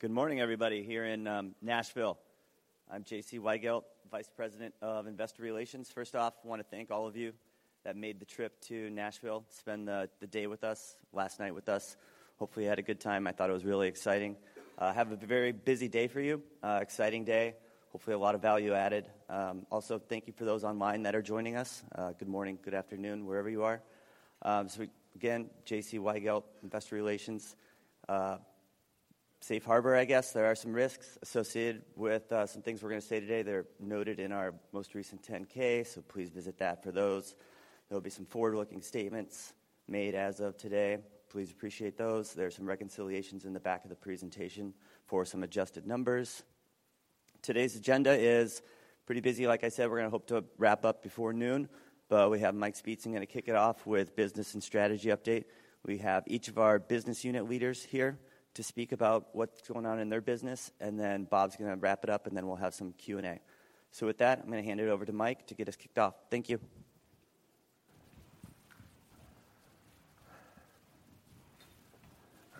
Good morning, everybody, here in Nashville. I'm J.C. Weigelt, Vice President of Investor Relations. First off, I want to thank all of you that made the trip to Nashville to spend the day with us, last night with us. Hopefully, you had a good time. I thought it was really exciting. Have a very busy day for you, exciting day. Hopefully, a lot of value added. Also, thank you for those online that are joining us. Good morning, good afternoon, wherever you are. Again, J.C. Weigelt, Investor Relations. Safe Harbor, I guess there are some risks associated with some things we're going to say today that are noted in our most recent 10-K, so please visit that for those. There'll be some forward-looking statements made as of today. Please appreciate those. There are some reconciliations in the back of the presentation for some adjusted numbers. Today's agenda is pretty busy. Like I said, we're going to hope to wrap up before noon, but we have Michael Speetzen going to kick it off with business and strategy update. We have each of our business unit leaders here to speak about what's going on in their business, and then Bob's going to wrap it up, and then we'll have some Q&A. With that, I'm going to hand it over to Mike to get us kicked off. Thank you.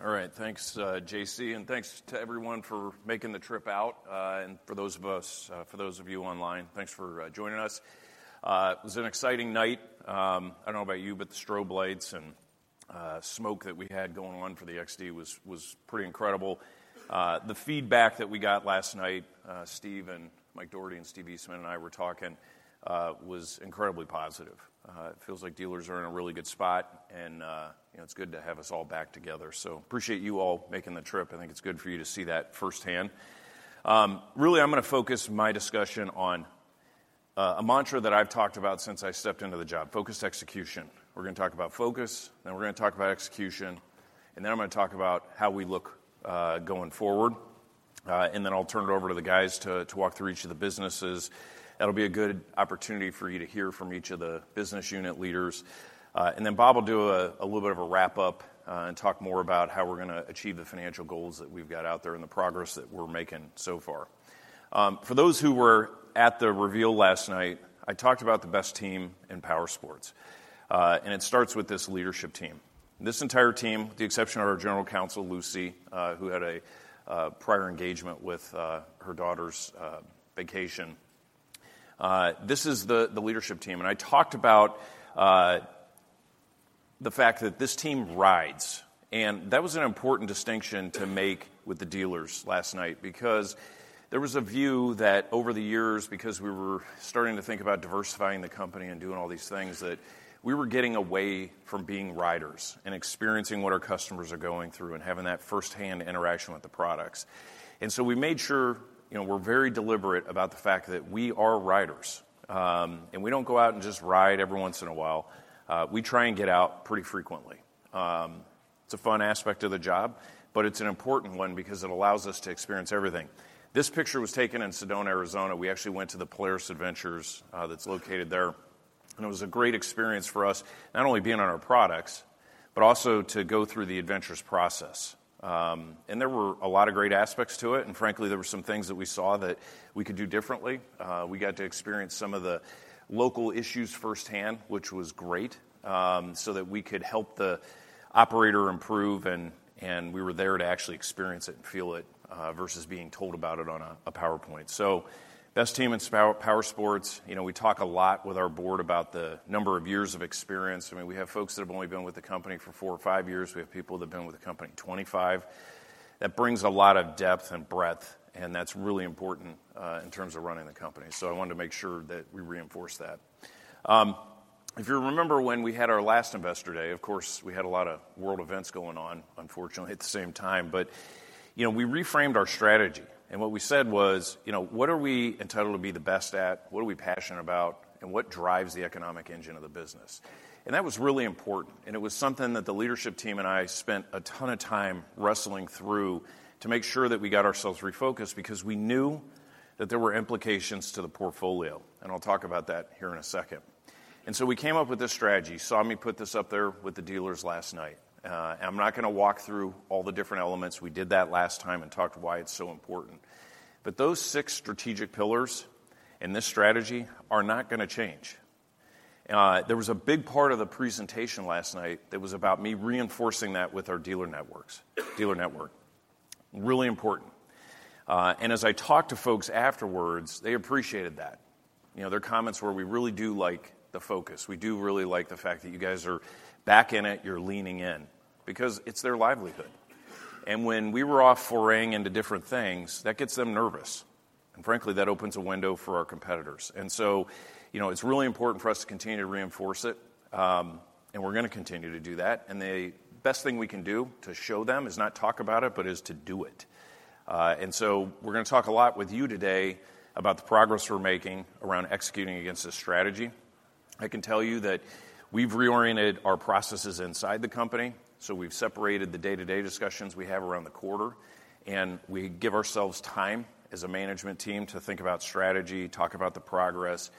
All right, thanks, J.C., and thanks to everyone for making the trip out, for those of you online, thanks for joining us. It was an exciting night. I don't know about you, but the strobe lights and smoke that we had going on for the XD was pretty incredible. The feedback that we got last night, Steve and Mike Doherty, and Steve Eastman and I were talking, was incredibly positive. It feels like dealers are in a really good spot, and, you know, it's good to have us all back together. Appreciate you all making the trip. I think it's good for you to see that firsthand. Really, I'm going to focus my discussion on a mantra that I've talked about since I stepped into the job, focused execution. We're going to talk about focus, then we're going to talk about execution, then I'm going to talk about how we look, going forward. Then I'll turn it over to the guys to walk through each of the businesses. That'll be a good opportunity for you to hear from each of the business unit leaders. Then Bob will do a little bit of a wrap-up and talk more about how we're going to achieve the financial goals that we've got out there and the progress that we're making so far. For those who were at the reveal last night, I talked about the best team in Powersports, it starts with this leadership team. This entire team, with the exception of our General Counsel, Lucy, who had a prior engagement with her daughter's vacation. This is the, the leadership team, and I talked about the fact that this team rides, and that was an important distinction to make with the dealers last night because there was a view that over the years, because we were starting to think about diversifying the company and doing all these things, that we were getting away from being riders and experiencing what our customers are going through and having that first-hand interaction with the products. So we made sure, you know, we're very deliberate about the fact that we are riders. We don't go out and just ride every once in a while. We try and get out pretty frequently. It's a fun aspect of the job, but it's an important one because it allows us to experience everything. This picture was taken in Sedona, Arizona. We actually went to the Polaris Adventures, that's located there, and it was a great experience for us, not only being on our products, but also to go through the adventures process. There were a lot of great aspects to it, and frankly, there were some things that we saw that we could do differently. We got to experience some of the local issues firsthand, which was great, so that we could help the operator improve, and we were there to actually experience it and feel it versus being told about it on a PowerPoint. Best team in Powersports, you know, we talk a lot with our board about the number of years of experience. I mean, we have folks that have only been with the company for four or five years. We have people that have been with the company 25. That brings a lot of depth and breadth, and that's really important in terms of running the company. I wanted to make sure that we reinforce that. If you remember, when we had our last Investor Day, of course, we had a lot of world events going on, unfortunately, at the same time. You know, we reframed our strategy, and what we said was, you know, "What are we entitled to be the best at? What are we passionate about, and what drives the economic engine of the business? That was really important, and it was something that the leadership team and I spent a ton of time wrestling through to make sure that we got ourselves refocused because we knew that there were implications to the portfolio, and I'll talk about that here in a second. So we came up with this strategy. You saw me put this up there with the dealers last night. I'm not going to walk through all the different elements. We did that last time and talked why it's so important. Those six strategic pillars in this strategy are not going to change. There was a big part of the presentation last night that was about me reinforcing that with our dealer network. Really important. As I talked to folks afterwards, they appreciated that. You know, their comments were, "We really do like the focus. We do really like the fact that you guys are back in it, you're leaning in," because it's their livelihood. When we were off foraying into different things, that gets them nervous, and frankly, that opens a window for our competitors. You know, it's really important for us to continue to reinforce it, we're going to continue to do that. The best thing we can do to show them is not talk about it, but is to do it. We're going to talk a lot with you today about the progress we're making around executing against this strategy. I can tell you that we've reoriented our processes inside the company, so we've separated the day-to-day discussions we have around the quarter, and we give ourselves time as a management team to think about strategy, talk about the progress,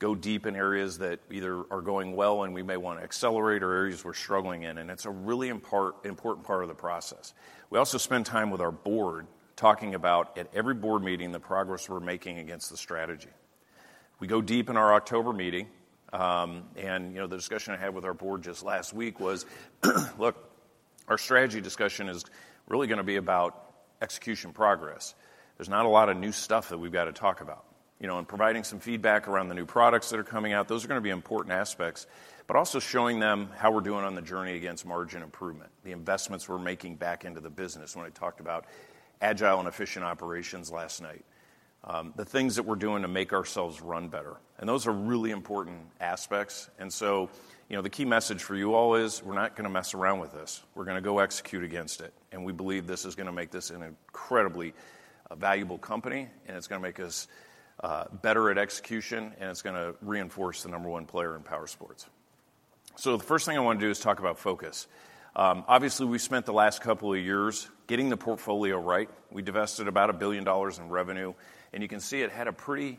go deep in areas that either are going well and we may want to accelerate or areas we're struggling in, and it's a really important part of the process. We also spend time with our board talking about, at every board meeting, the progress we're making against the strategy. We go deep in our October meeting, you know, the discussion I had with our board just last week was, look, our strategy discussion is really gonna be about execution progress. There's not a lot of new stuff that we've got to talk about. You know, and providing some feedback around the new products that are coming out, those are gonna be important aspects, but also showing them how we're doing on the journey against margin improvement, the investments we're making back into the business when I talked about agile and efficient operations last night, the things that we're doing to make ourselves run better, and those are really important aspects. You know, the key message for you all is, we're not gonna mess around with this. We're gonna go execute against it, and we believe this is gonna make this an incredibly valuable company, and it's gonna make us better at execution, and it's gonna reinforce the number one player in powersports. The first thing I wanna do is talk about focus. Obviously, we've spent the last couple of years getting the portfolio right. We divested about $1 billion in revenue, you can see it had a pretty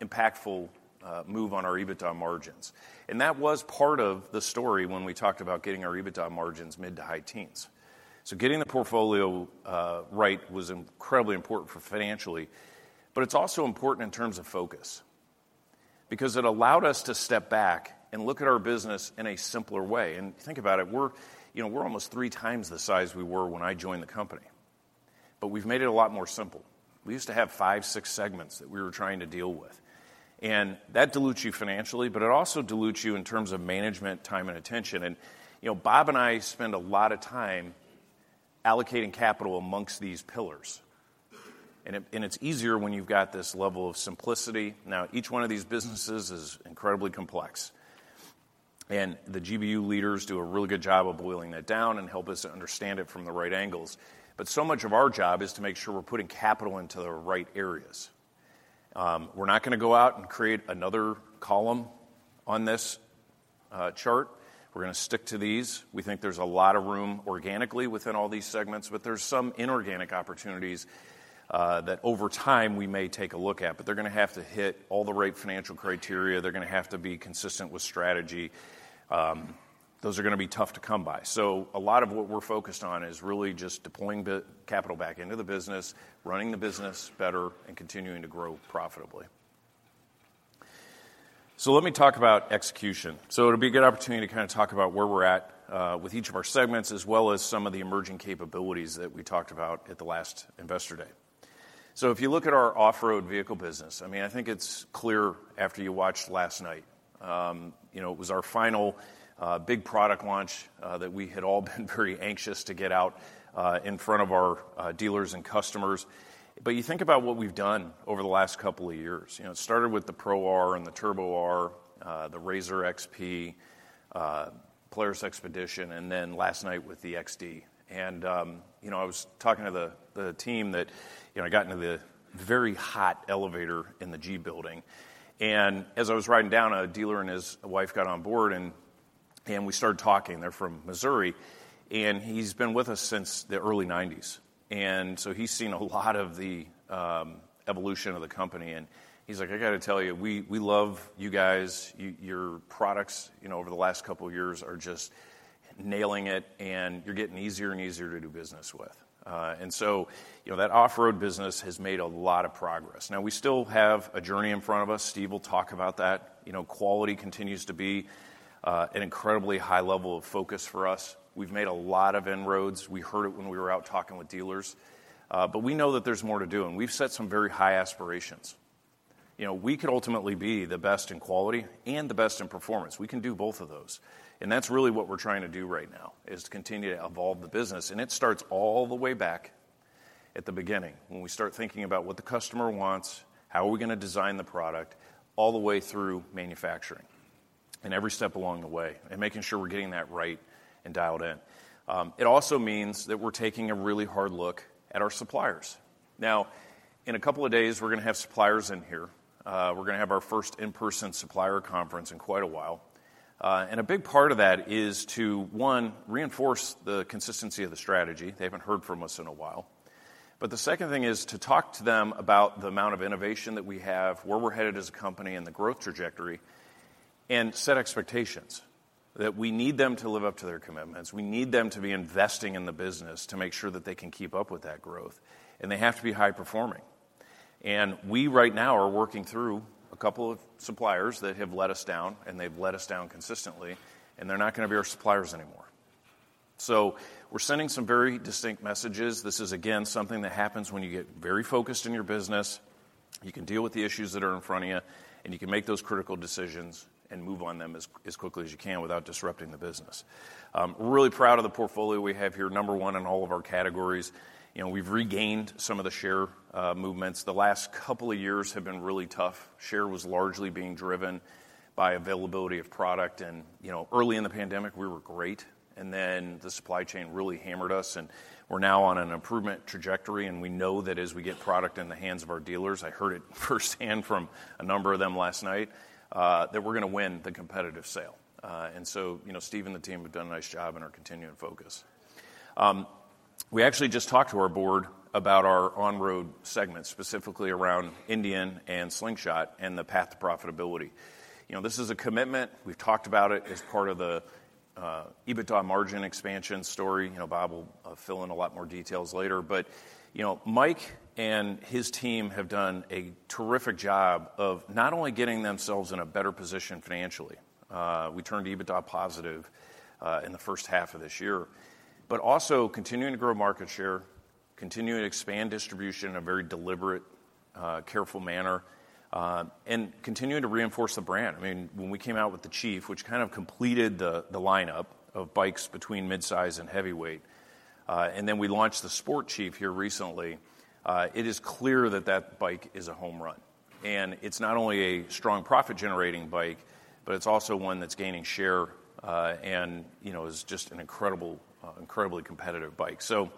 impactful move on our EBITDA margins. That was part of the story when we talked about getting our EBITDA margins mid-to-high teens. Getting the portfolio right was incredibly important for financially, but it's also important in terms of focus because it allowed us to step back and look at our business in a simpler way. Think about it, we're, you know, we're almost 3 times the size we were when I joined the company, but we've made it a lot more simple. We used to have 5, 6 segments that we were trying to deal with, and that dilutes you financially, but it also dilutes you in terms of management, time, and attention. You know, Bob and I spend a lot of time allocating capital amongst these pillars, and it, and it's easier when you've got this level of simplicity. Now, each one of these businesses is incredibly complex, and the GBU leaders do a really good job of boiling that down and help us to understand it from the right angles. So much of our job is to make sure we're putting capital into the right areas. We're not gonna go out and create another column on this chart. We're gonna stick to these. We think there's a lot of room organically within all these segments, but there's some inorganic opportunities that over time, we may take a look at, but they're gonna have to hit all the right financial criteria. They're gonna have to be consistent with strategy. Those are gonna be tough to come by. A lot of what we're focused on is really just deploying the capital back into the business, running the business better, and continuing to grow profitably. Let me talk about execution. It'll be a good opportunity to kinda talk about where we're at with each of our segments, as well as some of the emerging capabilities that we talked about at the last Investor Day. If you look at our off-road vehicle business, I mean, I think it's clear after you watched last night. You know, it was our final big product launch that we had all been very anxious to get out in front of our dealers and customers. You think about what we've done over the last couple of years. You know, it started with the Pro R and the Turbo R, the RZR XP, Polaris XPEDITION, then last night with the XD. You know, I was talking to the team that. You know, I got into the very hot elevator in the G building, and as I was riding down, a dealer and his wife got on board, and we started talking. They're from Missouri, and he's been with us since the early 90s, and so he's seen a lot of the evolution of the company, and he's like: "I gotta tell you, we, we love you guys. Your products, you know, over the last couple of years are just nailing it, and you're getting easier and easier to do business with." You know, that off-road business has made a lot of progress. We still have a journey in front of us. Steve will talk about that. You know, quality continues to be an incredibly high level of focus for us. We've made a lot of inroads. We heard it when we were out talking with dealers, but we know that there's more to do, and we've set some very high aspirations. You know, we could ultimately be the best in quality and the best in performance. We can do both of those, and that's really what we're trying to do right now, is to continue to evolve the business, and it starts all the way back at the beginning when we start thinking about what the customer wants, how are we gonna design the product, all the way through manufacturing, and every step along the way, and making sure we're getting that right and dialed in. It also means that we're taking a really hard look at our suppliers. In a couple of days, we're gonna have suppliers in here. We're gonna have our first in-person supplier conference in quite a while, and a big part of that is to, one, reinforce the consistency of the strategy. They haven't heard from us in a while. The second thing is to talk to them about the amount of innovation that we have, where we're headed as a company, and the growth trajectory, and set expectations that we need them to live up to their commitments. We need them to be investing in the business to make sure that they can keep up with that growth, and they have to be high-performing. We, right now, are working through a couple of suppliers that have let us down, and they've let us down consistently, and they're not gonna be our suppliers anymore. We're sending some very distinct messages. This is, again, something that happens when you get very focused in your business. You can deal with the issues that are in front of you, and you can make those critical decisions and move on them as quickly as you can without disrupting the business. We're really proud of the portfolio we have here, number one in all of our categories. You know, we've regained some of the share movements. The last couple of years have been really tough. Share was largely being driven by availability of product, and, you know, early in the pandemic, we were great, and then the supply chain really hammered us, and we're now on an improvement trajectory, and we know that as we get product in the hands of our dealers, I heard it firsthand from a number of them last night, that we're gonna win the competitive sale. You know, Steve and the team have done a nice job and are continuing to focus. We actually just talked to our board about our on-road segment, specifically around Indian and Slingshot and the path to profitability. You know, this is a commitment. We've talked about it as part of the EBITDA margin expansion story. You know, Bob will fill in a lot more details later. You know, Mike and his team have done a terrific job of not only getting themselves in a better position financially, we turned EBITDA positive in the first half of this year, but also continuing to grow market share, continuing to expand distribution in a very deliberate, careful manner, and continuing to reinforce the brand. I mean, when we came out with the Indian Chief, which kind of completed the lineup of bikes between mid-size and heavyweight, and then we launched the Indian Sport Chief here recently, it is clear that that bike is a home run. It's not only a strong profit-generating bike, but it's also one that's gaining share, and, you know, is just an incredible, incredibly competitive bike. A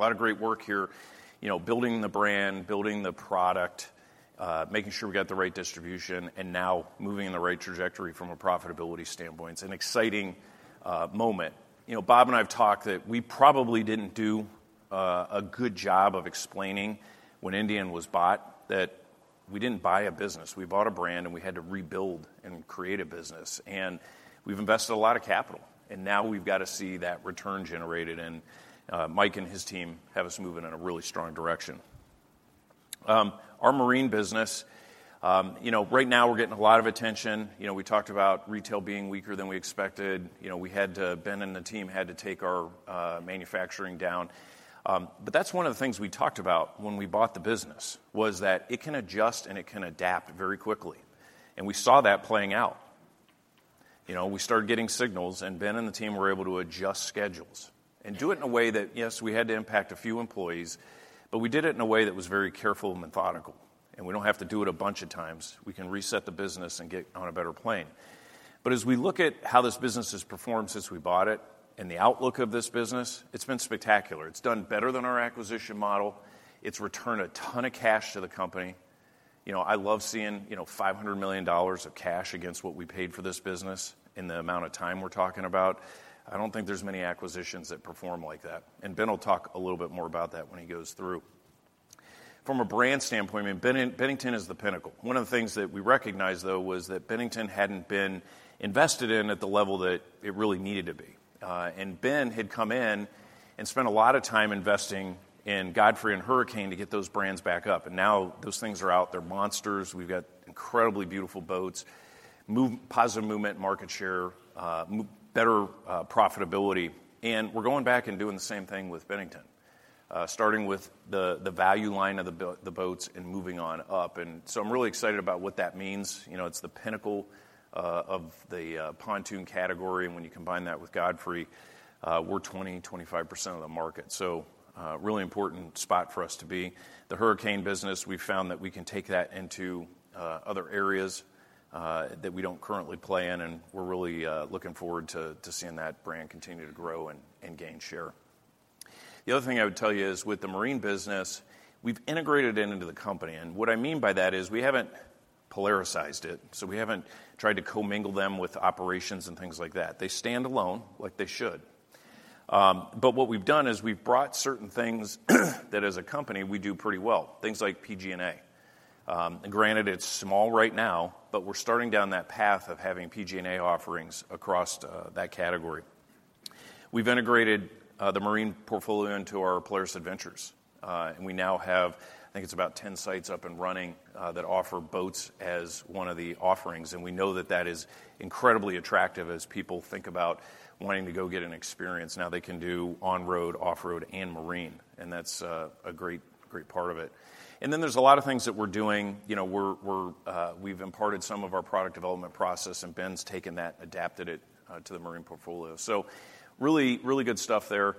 lot of great work here, you know, building the brand, building the product, making sure we got the right distribution, and now moving in the right trajectory from a profitability standpoint. It's an exciting moment. You know, Bob and I have talked that we probably didn't do a good job of explaining when Indian Motorcycle was bought, that we didn't buy a business. We bought a brand, and we had to rebuild and create a business, and we've invested a lot of capital, and now we've got to see that return generated, and Mike and his team have us moving in a really strong direction. Our marine business, you know, right now we're getting a lot of attention. You know, we talked about retail being weaker than we expected. You know, we had to... Ben and the team had to take our manufacturing down. That's one of the things we talked about when we bought the business, was that it can adjust, and it can adapt very quickly, and we saw that playing out. You know, we started getting signals, Ben and the team were able to adjust schedules and do it in a way that, yes, we had to impact a few employees, but we did it in a way that was very careful and methodical, and we don't have to do it a bunch of times. We can reset the business and get on a better plane. As we look at how this business has performed since we bought it and the outlook of this business, it's been spectacular. It's done better than our acquisition model. It's returned a ton of cash to the company. You know, I love seeing, you know, $500 million of cash against what we paid for this business in the amount of time we're talking about. I don't think there's many acquisitions that perform like that, and Ben will talk a little bit more about that when he goes through. From a brand standpoint, I mean, Bennington is the pinnacle. One of the things that we recognized, though, was that Bennington hadn't been invested in at the level that it really needed to be. And Ben had come in and spent a lot of time investing in Godfrey and Hurricane to get those brands back up, and now those things are out. They're monsters. We've got incredibly beautiful boats, positive movement, market share, better profitability. We're going back and doing the same thing with Bennington, starting with the value line of the boats and moving on up. I'm really excited about what that means. You know, it's the pinnacle of the pontoon category, and when you combine that with Godfrey, we're 20%-25% of the market, a really important spot for us to be. The Hurricane business, we've found that we can take that into other areas that we don't currently play in. We're really looking forward to seeing that brand continue to grow and gain share. The other thing I would tell you is, with the marine business, we've integrated it into the company, and what I mean by that is, we haven't polarized it, so we haven't tried to commingle them with operations and things like that. They stand alone, like they should. What we've done is, we've brought certain things that, as a company, we do pretty well, things like PG&A. Granted, it's small right now, but we're starting down that path of having PG&A offerings across that category. We've integrated the marine portfolio into our Polaris Adventures, and we now have, I think it's about 10 sites up and running that offer boats as one of the offerings, and we know that that is incredibly attractive as people think about wanting to go get an experience. Now, they can do on-road, off-road, and marine, and that's a great, great part of it. Then there's a lot of things that we're doing. You know, we're, we're, we've imparted some of our product development process, and Ben's taken that, adapted it, to the marine portfolio. Really, really good stuff there.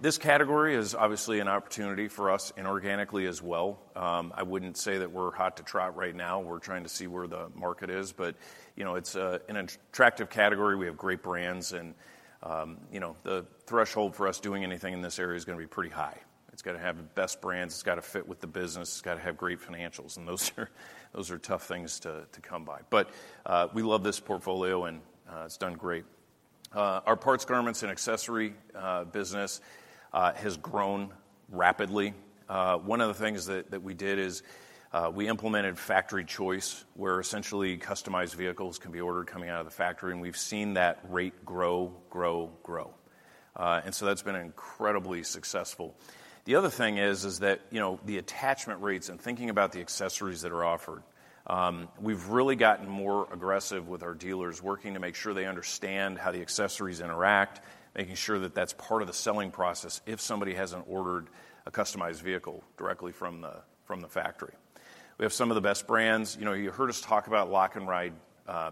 This category is obviously an opportunity for us inorganically as well. I wouldn't say that we're hot to trot right now. We're trying to see where the market is, but, you know, it's an attractive category. We have great brands and, you know, the threshold for us doing anything in this area is gonna be pretty high. It's gotta have the best brands. It's gotta fit with the business. It's gotta have great financials, and those are, those are tough things to, to come by. We love this portfolio, and it's done great. Our Parts, Garments, and Accessory business has grown rapidly. One of the things that we did is we implemented Factory Choice, where essentially customized vehicles can be ordered coming out of the factory, and we've seen that rate grow, grow, grow. So that's been incredibly successful. The other thing is, is that, you know, the attachment rates and thinking about the accessories that are offered, we've really gotten more aggressive with our dealers, working to make sure they understand how the accessories interact, making sure that that's part of the selling process if somebody hasn't ordered a customized vehicle directly from the, from the factory. We have some of the best brands. You know, you heard us talk about Lock & Ride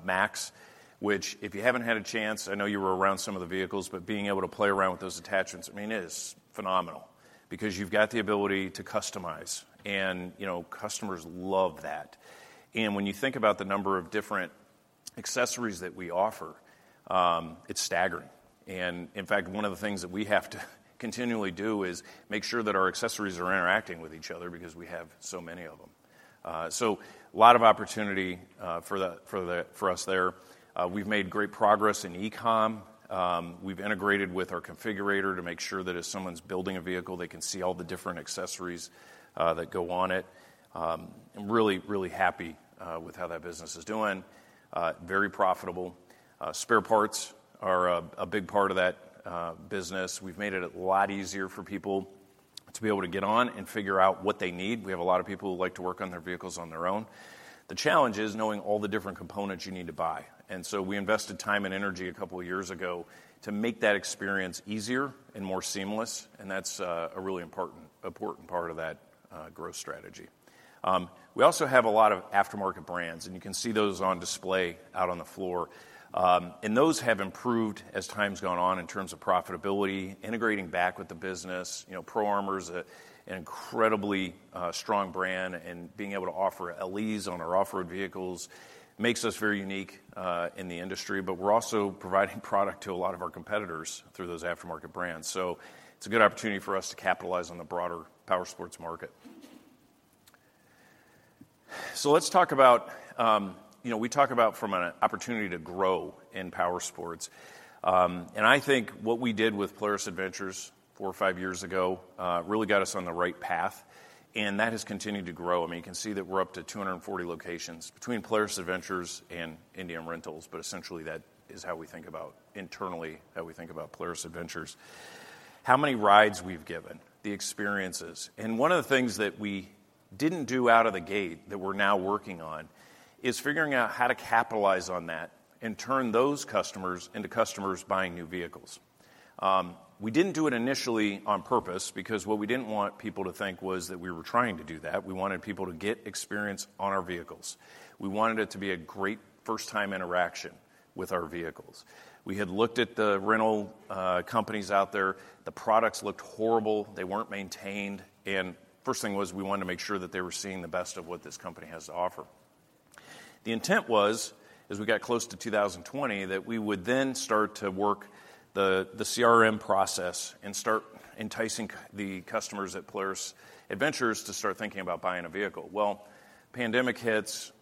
MAX, which if you haven't had a chance, I know you were around some of the vehicles, but being able to play around with those attachments, I mean, it is phenomenal because you've got the ability to customize, and, you know, customers love that. When you think about the number of different accessories that we offer, it's staggering. In fact, one of the things that we have to continually do is make sure that our accessories are interacting with each other because we have so many of them. A lot of opportunity for the, for the, for us there. We've made great progress in e-com. We've integrated with our configurator to make sure that if someone's building a vehicle, they can see all the different accessories that go on it. I'm really, really happy with how that business is doing. Very profitable. Spare parts are a big part of that business. We've made it a lot easier for people to be able to get on and figure out what they need. We have a lot of people who like to work on their vehicles on their own. The challenge is knowing all the different components you need to buy. We invested time and energy a couple of years ago to make that experience easier and more seamless, and that's a really important, important part of that growth strategy. We also have a lot of aftermarket brands, and you can see those on display out on the floor. Those have improved as time's gone on in terms of profitability, integrating back with the business. You know, Pro Armor is an incredibly strong brand, and being able to offer LEs on our off-road vehicles makes us very unique in the industry. We're also providing product to a lot of our competitors through those aftermarket brands. It's a good opportunity for us to capitalize on the broader powersports market. Let's talk about... You know, we talk about from an opportunity to grow in powersports. I think what we did with Polaris Adventures 4 or 5 years ago, really got us on the right path, and that has continued to grow. I mean, you can see that we're up to 240 locations between Polaris Adventures and Indian Rentals, essentially that is how we think about internally, how we think about Polaris Adventures. How many rides we've given, the experiences, one of the things that we didn't do out of the gate that we're now working on is figuring out how to capitalize on that and turn those customers into customers buying new vehicles. We didn't do it initially on purpose because what we didn't want people to think was that we were trying to do that. We wanted people to get experience on our vehicles. We wanted it to be a great first-time interaction with our vehicles. We had looked at the rental companies out there. The products looked horrible. They weren't maintained, and first thing was, we wanted to make sure that they were seeing the best of what this company has to offer. The intent was, as we got close to 2020, that we would then start to work the, the CRM process and start enticing the customers at Polaris Adventures to start thinking about buying a vehicle. Pandemic hits,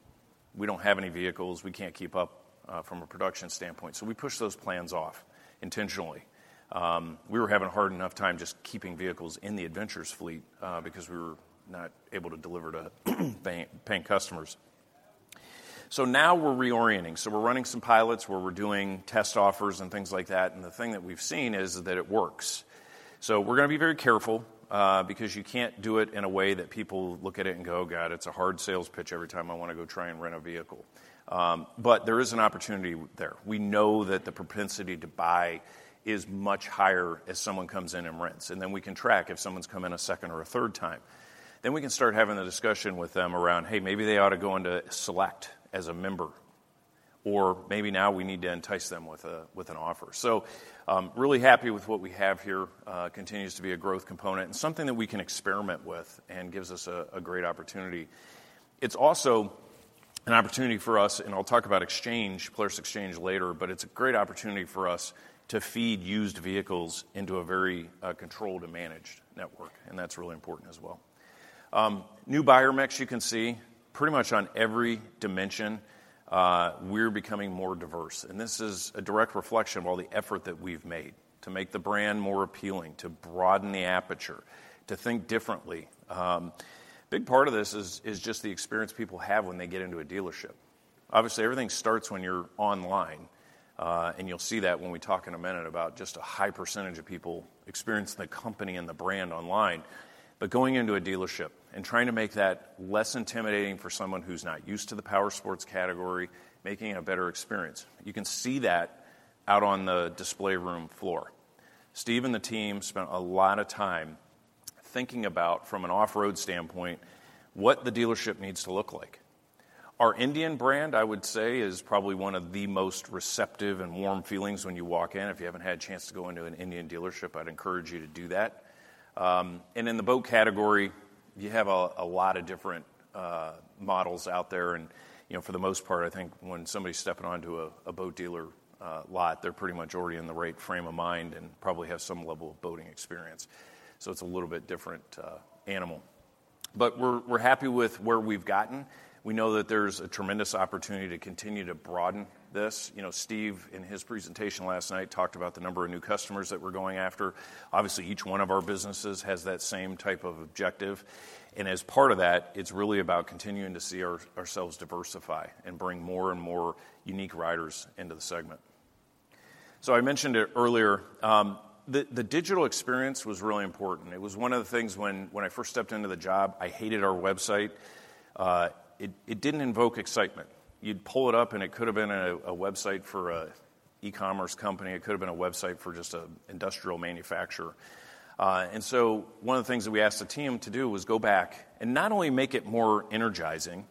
we don't have any vehicles. We can't keep up from a production standpoint, so we pushed those plans off intentionally. We were having a hard enough time just keeping vehicles in the Adventures fleet because we were not able to deliver to paying customers. Now we're reorienting. We're running some pilots where we're doing test offers and things like that, and the thing that we've seen is that it works. We're gonna be very careful because you can't do it in a way that people look at it and go, "God, it's a hard sales pitch every time I want to go try and rent a vehicle." There is an opportunity there. We know that the propensity to buy is much higher if someone comes in and rents, and then we can track if someone's come in a second or a third time. We can start having a discussion with them around, hey, maybe they ought to go into Select as a member, or maybe now we need to entice them with a, with an offer. Really happy with what we have here. Continues to be a growth component and something that we can experiment with and gives us a, a great opportunity. It's also an opportunity for us, and I'll talk about Polaris Xchange later, but it's a great opportunity for us to feed used vehicles into a very controlled and managed network, and that's really important as well. New buyer mix you can see. Pretty much on every dimension, we're becoming more diverse, and this is a direct reflection of all the effort that we've made to make the brand more appealing, to broaden the aperture, to think differently. Big part of this is, is just the experience people have when they get into a dealership. Obviously, everything starts when you're online, and you'll see that when we talk in a minute about just a high percentage of people experiencing the company and the brand online. Going into a dealership and trying to make that less intimidating for someone who's not used to the powersports category, making it a better experience, you can see that out on the display room floor. Steve and the team spent a lot of time thinking about, from an off-road standpoint, what the dealership needs to look like. Our Indian brand, I would say, is probably one of the most receptive and warm feelings when you walk in. If you haven't had a chance to go into an Indian dealership, I'd encourage you to do that. In the boat category, you have a lot of different models out there, and, you know, for the most part, I think when somebody's stepping onto a boat dealer lot, they're pretty much already in the right frame of mind and probably have some level of boating experience. It's a little bit different animal. We're, we're happy with where we've gotten. We know that there's a tremendous opportunity to continue to broaden this. You know, Steve, in his presentation last night, talked about the number of new customers that we're going after. Obviously, each one of our businesses has that same type of objective, and as part of that, it's really about continuing to see ourselves diversify and bring more and more unique riders into the segment. I mentioned it earlier, the, the digital experience was really important. It was one of the things when, when I first stepped into the job, I hated our website. It, it didn't invoke excitement. You'd pull it up, and it could have been a website for a e-commerce company. It could have been a website for just an industrial manufacturer. One of the things that we asked the team to do was go back and not only make it more energizing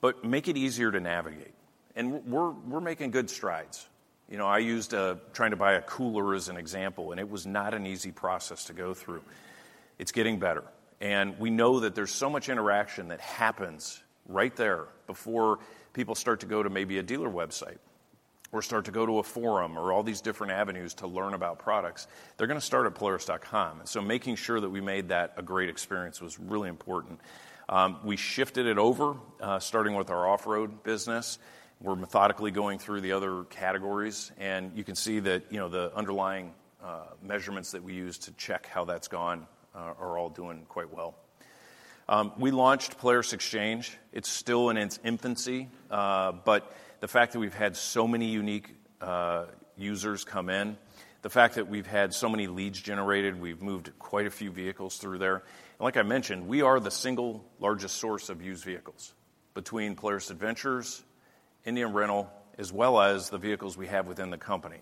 but make it easier to navigate, and we're, we're making good strides. You know, I used trying to buy a cooler as an example, and it was not an easy process to go through. It's getting better, and we know that there's so much interaction that happens right there before people start to go to maybe a dealer website or start to go to a forum or all these different avenues to learn about products. They're gonna start at polaris.com, so making sure that we made that a great experience was really important. We shifted it over, starting with our off-road business. We're methodically going through the other categories, and you can see that, you know, the underlying measurements that we use to check how that's gone are all doing quite well. We launched Polaris Xchange. It's still in its infancy, but the fact that we've had so many unique users come in, the fact that we've had so many leads generated, we've moved quite a few vehicles through there. Like I mentioned, we are the single largest source of used vehicles between Polaris Adventures, Indian Rental, as well as the vehicles we have within the company.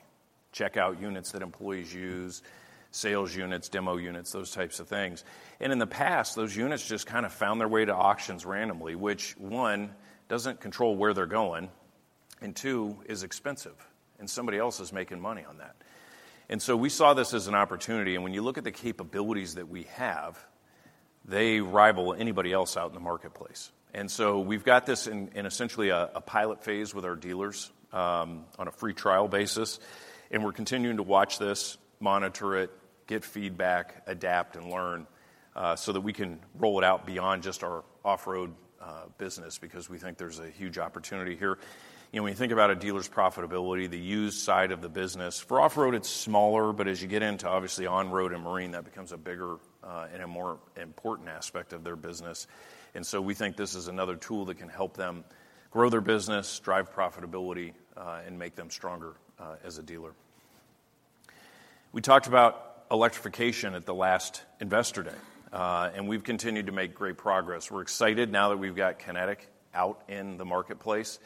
Checkout units that employees use, sales units, demo units, those types of things. In the past, those units just kind of found their way to auctions randomly, which, one, doesn't control where they're going, and two, is expensive, and somebody else is making money on that. We saw this as an opportunity, and when you look at the capabilities that we have, they rival anybody else out in the marketplace. We've got this in, in essentially a, a pilot phase with our dealers, on a free trial basis, and we're continuing to watch this, monitor it, get feedback, adapt, and learn, so that we can roll it out beyond just our off-road business, because we think there's a huge opportunity here. You know, when you think about a dealer's profitability, the used side of the business, for off-road, it's smaller, but as you get into, obviously, on-road and marine, that becomes a bigger and a more important aspect of their business. We think this is another tool that can help them grow their business, drive profitability, and make them stronger as a dealer. We talked about electrification at the last Investor Day, we've continued to make great progress. We're excited now that we've got Kinetic out in the marketplace.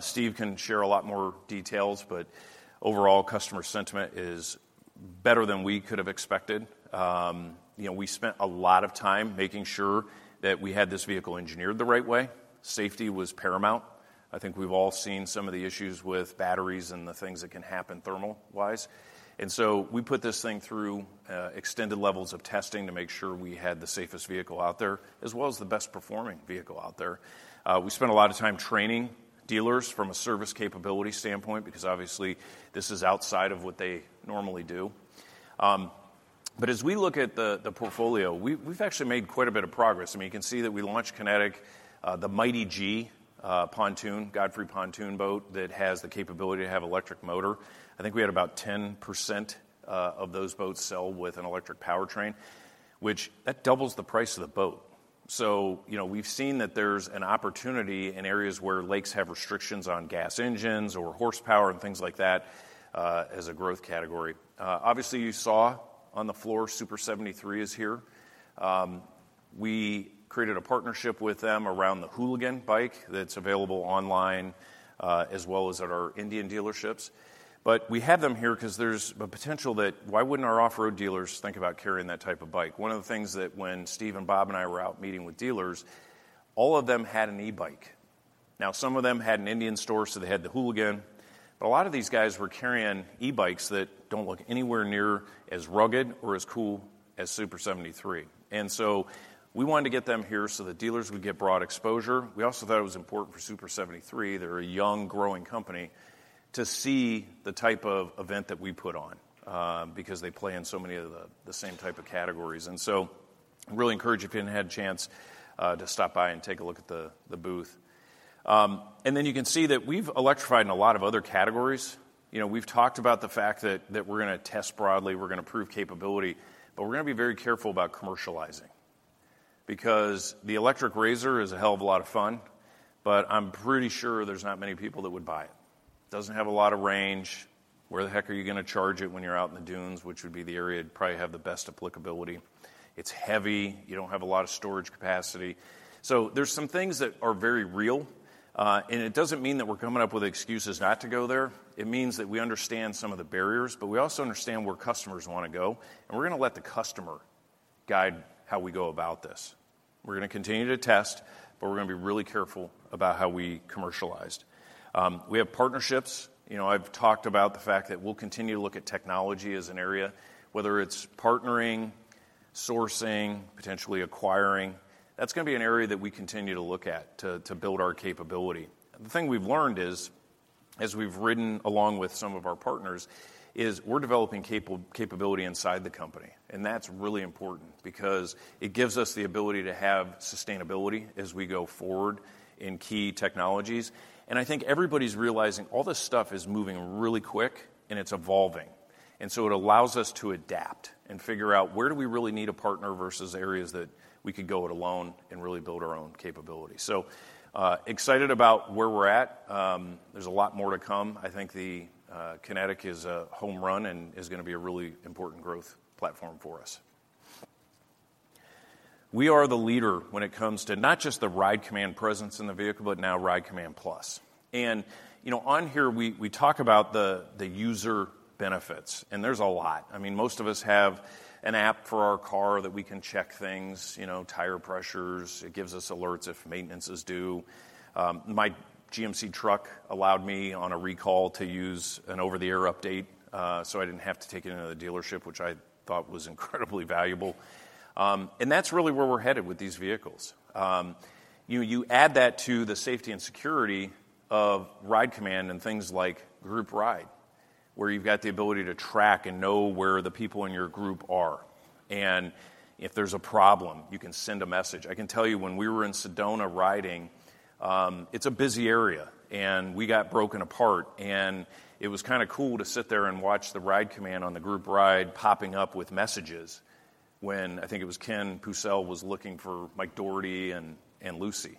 Steve can share a lot more details, overall, customer sentiment is better than we could have expected. You know, we spent a lot of time making sure that we had this vehicle engineered the right way. Safety was paramount. I think we've all seen some of the issues with batteries and the things that can happen thermal-wise. So we put this thing through extended levels of testing to make sure we had the safest vehicle out there, as well as the best performing vehicle out there. We spent a lot of time training dealers from a service capability standpoint, because obviously, this is outside of what they normally do. As we look at the, the portfolio, we- we've actually made quite a bit of progress. I mean, you can see that we launched Kinetic, the Mighty G pontoon, Godfrey Pontoon Boat, that has the capability to have electric motor. I think we had about 10% of those boats sell with an electric powertrain, which that doubles the price of the boat. You know, we've seen that there's an opportunity in areas where lakes have restrictions on gas engines or horsepower and things like that, as a growth category. Obviously, you saw on the floor, SUPER73 is here. We created a partnership with them around the Hooligan bike that's available online, as well as at our Indian dealerships. We had them here 'cause there's a potential that why wouldn't our off-road dealers think about carrying that type of bike? One of the things that when Steve and Bob and I were out meeting with dealers, all of them had an e-bike. Now, some of them had an Indian store, so they had the Hooligan, but a lot of these guys were carrying e-bikes that don't look anywhere near as rugged or as cool as SUPER73. So we wanted to get them here so the dealers would get broad exposure. We also thought it was important for SUPER73, they're a young, growing company, to see the type of event that we put on, because they play in so many of the, the same type of categories. I really encourage you, if you hadn't had a chance to stop by and take a look at the booth. You can see that we've electrified in a lot of other categories. You know, we've talked about the fact that, that we're gonna test broadly, we're gonna prove capability, but we're gonna be very careful about commercializing because the electric RZR is a hell of a lot of fun, but I'm pretty sure there's not many people that would buy it. Doesn't have a lot of range. Where the heck are you gonna charge it when you're out in the dunes, which would be the area it'd probably have the best applicability? It's heavy. You don't have a lot of storage capacity. There's some things that are very real. It doesn't mean that we're coming up with excuses not to go there. It means that we understand some of the barriers. We also understand where customers wanna go. We're gonna let the customer guide how we go about this. We're gonna continue to test. We're gonna be really careful about how we commercialize. We have partnerships. You know, I've talked about the fact that we'll continue to look at technology as an area, whether it's partnering, sourcing, potentially acquiring. That's gonna be an area that we continue to look at to, to build our capability. The thing we've learned is, as we've ridden along with some of our partners, is we're developing capability inside the company, and that's really important because it gives us the ability to have sustainability as we go forward in key technologies. I think everybody's realizing all this stuff is moving really quick, and it's evolving. It allows us to adapt and figure out where do we really need a partner versus areas that we could go it alone and really build our own capability. Excited about where we're at. There's a lot more to come. I think the Kinetic is a home run and is gonna be a really important growth platform for us. We are the leader when it comes to not just the RIDE COMMAND presence in the vehicle, but now RIDE COMMAND+. You know, on here, we, we talk about the, the user benefits, and there's a lot. I mean, most of us have an app for our car that we can check things, you know, tire pressures. It gives us alerts if maintenance is due. My GMC truck allowed me, on a recall, to use an over-the-air update, so I didn't have to take it into the dealership, which I thought was incredibly valuable. That's really where we're headed with these vehicles. You, you add that to the safety and security of RIDE COMMAND and things like Group Ride, where you've got the ability to track and know where the people in your group are, and if there's a problem, you can send a message. I can tell you, when we were in Sedona riding, it's a busy area, and we got broken apart, and it was kinda cool to sit there and watch the RIDE COMMAND on the Group Ride popping up with messages when, I think it was Ken Pucel was looking Mike Doherty and Lucy.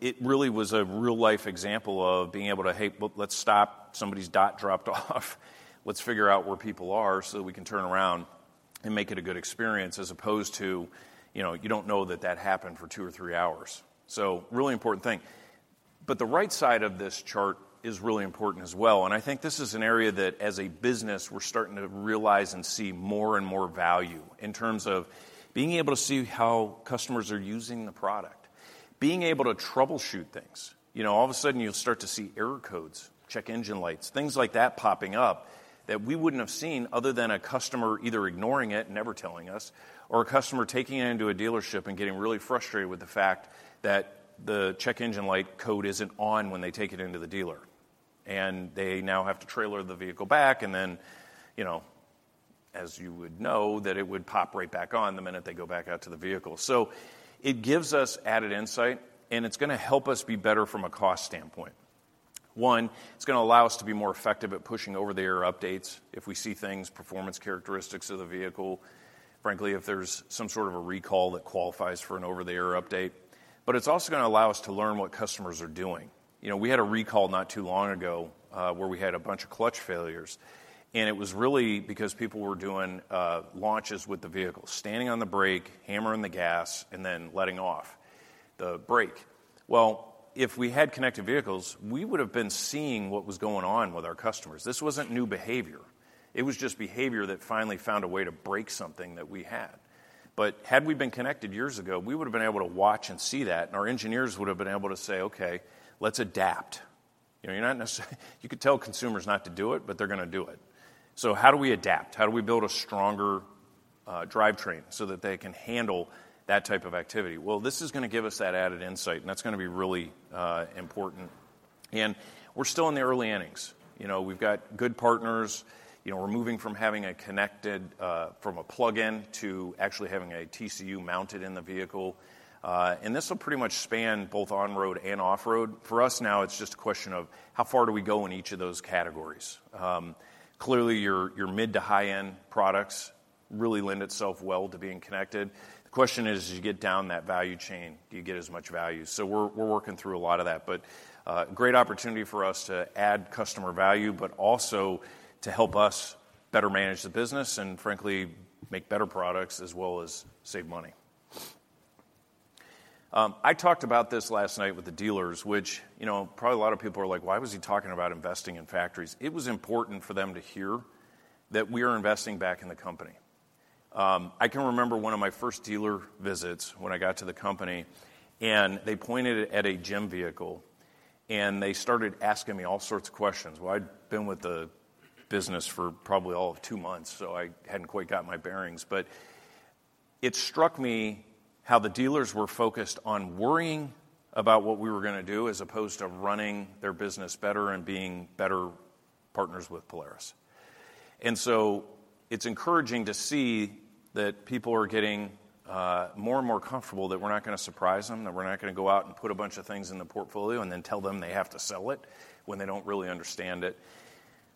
It really was a real-life example of being able to, "Hey, well, let's stop. Somebody's dot dropped off. Let's figure out where people are, so that we can turn around and make it a good experience," as opposed to, you know, you don't know that that happened for 2 or 3 hours. Really important thing. The right side of this chart is really important as well. I think this is an area that, as a business, we're starting to realize and see more and more value in terms of being able to see how customers are using the product, being able to troubleshoot things. You know, all of a sudden, you'll start to see error codes, check engine lights, things like that popping up that we wouldn't have seen other than a customer either ignoring it and never telling us or a customer taking it into a dealership and getting really frustrated with the fact that the check engine light code isn't on when they take it into the dealer. They now have to trailer the vehicle back, and then, you know, as you would know, that it would pop right back on the minute they go back out to the vehicle. It gives us added insight, and it's gonna help us be better from a cost standpoint. One, it's gonna allow us to be more effective at pushing over-the-air updates if we see things, performance characteristics of the vehicle, frankly, if there's some sort of a recall that qualifies for an over-the-air update. It's also gonna allow us to learn what customers are doing. You know, we had a recall not too long ago, where we had a bunch of clutch failures, and it was really because people were doing launches with the vehicle, standing on the brake, hammering the gas, and then letting off the brake. If we had connected vehicles, we would have been seeing what was going on with our customers. This wasn't new behavior. It was just behavior that finally found a way to break something that we had. Had we been connected years ago, we would have been able to watch and see that, and our engineers would have been able to say, "Okay, let's adapt." You know, you're not you could tell consumers not to do it, but they're gonna do it. How do we adapt? How do we build a stronger drivetrain so that they can handle that type of activity? This is gonna give us that added insight, and that's gonna be really important. We're still in the early innings. You know, we've got good partners. You know, we're moving from having a connected from a plug-in to actually having a TCU mounted in the vehicle. This will pretty much span both on-road and off-road. For us now, it's just a question of how far do we go in each of those categories? Clearly, your, your mid to high-end products really lend itself well to being connected. The question is, as you get down that value chain, do you get as much value? We're, we're working through a lot of that, but great opportunity for us to add customer value, but also to help us better manage the business and frankly, make better products as well as save money. I talked about this last night with the dealers, which, you know, probably a lot of people are like: "Why was he talking about investing in factories?" It was important for them to hear that we are investing back in the company. I can remember one of my first dealer visits when I got to the company, and they pointed at a GEM vehicle, and they started asking me all sorts of questions. Well, I'd been with the business for probably all of two months, so I hadn't quite got my bearings. It struck me how the dealers were focused on worrying about what we were gonna do, as opposed to running their business better and being better partners with Polaris. It's encouraging to see that people are getting more and more comfortable, that we're not gonna surprise them, that we're not gonna go out and put a bunch of things in the portfolio and then tell them they have to sell it when they don't really understand it.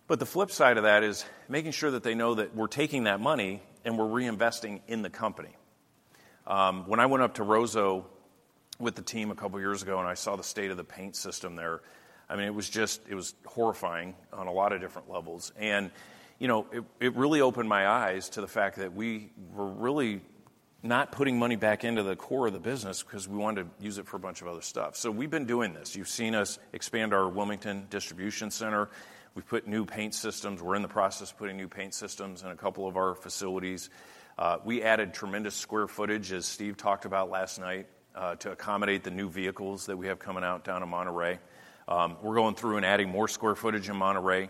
The flip side of that is making sure that they know that we're taking that money, and we're reinvesting in the company. When I went up to Roseau with the team 2 years ago, I saw the state of the paint system there, it was just, it was horrifying on a lot of different levels. It really opened my eyes to the fact that we were really not putting money back into the core of the business 'cause we wanted to use it for a bunch of other stuff. We've been doing this. You've seen us expand our Wilmington Distribution Center. We've put new paint systems. We're in the process of putting new paint systems in 2 of our facilities. We added tremendous square footage, as Steve talked about last night, to accommodate the new vehicles that we have coming out down in Monterrey. We're going through and adding more square footage in Monterrey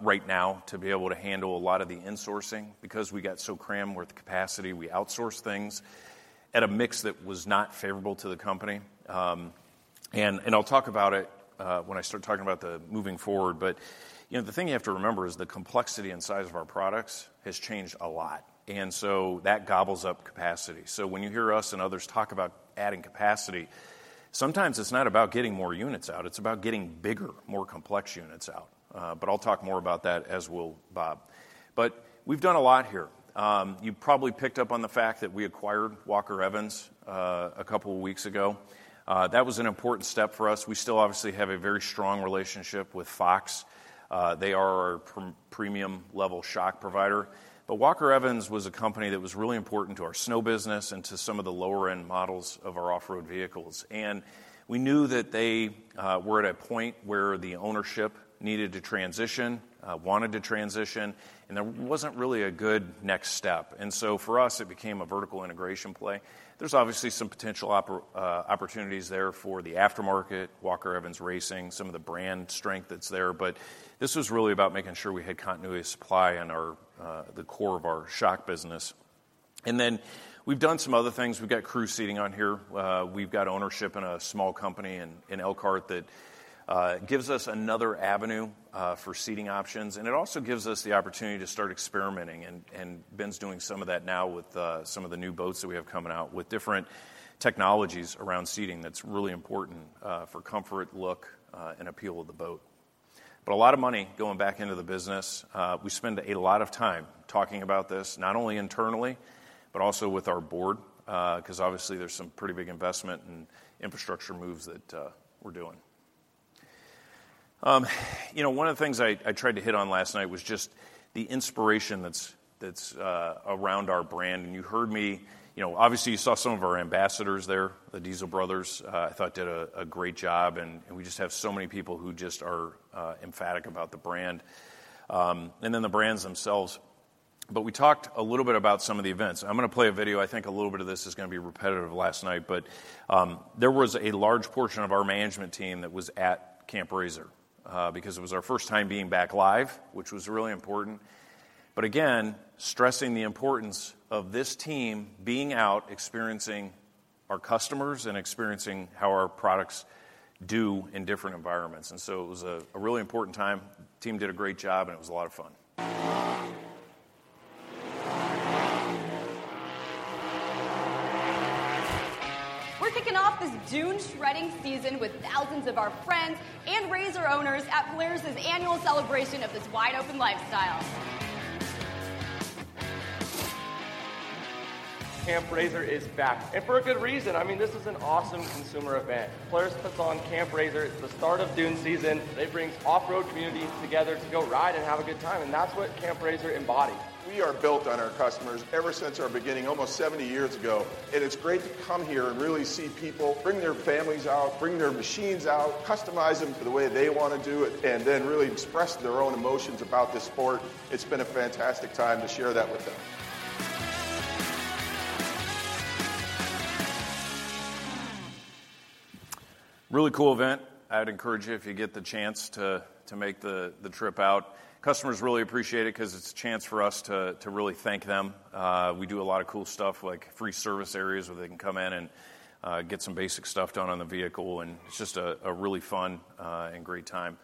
right now to be able to handle a lot of the insourcing. We got so crammed with capacity, we outsourced things at a mix that was not favorable to the company. I'll talk about it when I start talking about the moving forward. You know, the thing you have to remember is the complexity and size of our products has changed a lot, and so that gobbles up capacity. When you hear us and others talk about adding capacity, sometimes it's not about getting more units out, it's about getting bigger, more complex units out. I'll talk more about that, as will Bob. We've done a lot here. You probably picked up on the fact that we acquired Walker Evans Racing a couple of weeks ago. That was an important step for us. We still obviously have a very strong relationship with FOX. They are our premium-level shock provider. Walker Evans was a company that was really important to our snow business and to some of the lower-end models of our off-road vehicles. We knew that they were at a point where the ownership needed to transition, wanted to transition, and there wasn't really a good next step. So for us, it became a vertical integration play. There's obviously some potential opportunities there for the aftermarket, Walker Evans Racing, some of the brand strength that's there. This was really about making sure we had continuity of supply in our, the core of our shock business. Then we've done some other things. We've got Crew Seating on here. We've got ownership in a small company in Elkhart that gives us another avenue for seating options, and it also gives us the opportunity to start experimenting. Ben's doing some of that now with some of the new boats that we have coming out with different technologies around seating that's really important for comfort, look, and appeal of the boat. A lot of money going back into the business. We spend a lot of time talking about this, not only internally, but also with our board, because obviously there's some pretty big investment and infrastructure moves that we're doing. You know, one of the things I, I tried to hit on last night was just the inspiration that's, that's around our brand. You heard me, you know, obviously, you saw some of our ambassadors there, the Diesel Brothers, I thought did a great job, and we just have so many people who just are emphatic about the brand, and then the brands themselves. We talked a little bit about some of the events. I'm gonna play a video. I think a little bit of this is gonna be repetitive last night, but there was a large portion of our management team that was at Camp RZR, because it was our first time being back live, which was really important. Again, stressing the importance of this team being out, experiencing our customers and experiencing how our products do in different environments. It was a really important time. Team did a great job, and it was a lot of fun. We're kicking off this dune-shredding season with thousands of our friends and RZR owners at Polaris' annual celebration of this wide-open lifestyle. Camp RZR is back, and for a good reason. I mean, this is an awesome consumer event. Polaris puts on Camp RZR at the start of dune season. It brings off-road communities together to go ride and have a good time, and that's what Camp RZR embodies. We are built on our customers ever since our beginning, almost 70 years ago, and it's great to come here and really see people bring their families out, bring their machines out, customize them to the way they want to do it, and then really express their own emotions about this sport. It's been a fantastic time to share that with them. Really cool event. I would encourage you, if you get the chance to, to make the, the trip out. Customers really appreciate it 'cause it's a chance for us to, to really thank them. We do a lot of cool stuff, like free service areas, where they can come in and get some basic stuff done on the vehicle, and it's just a really fun and great time.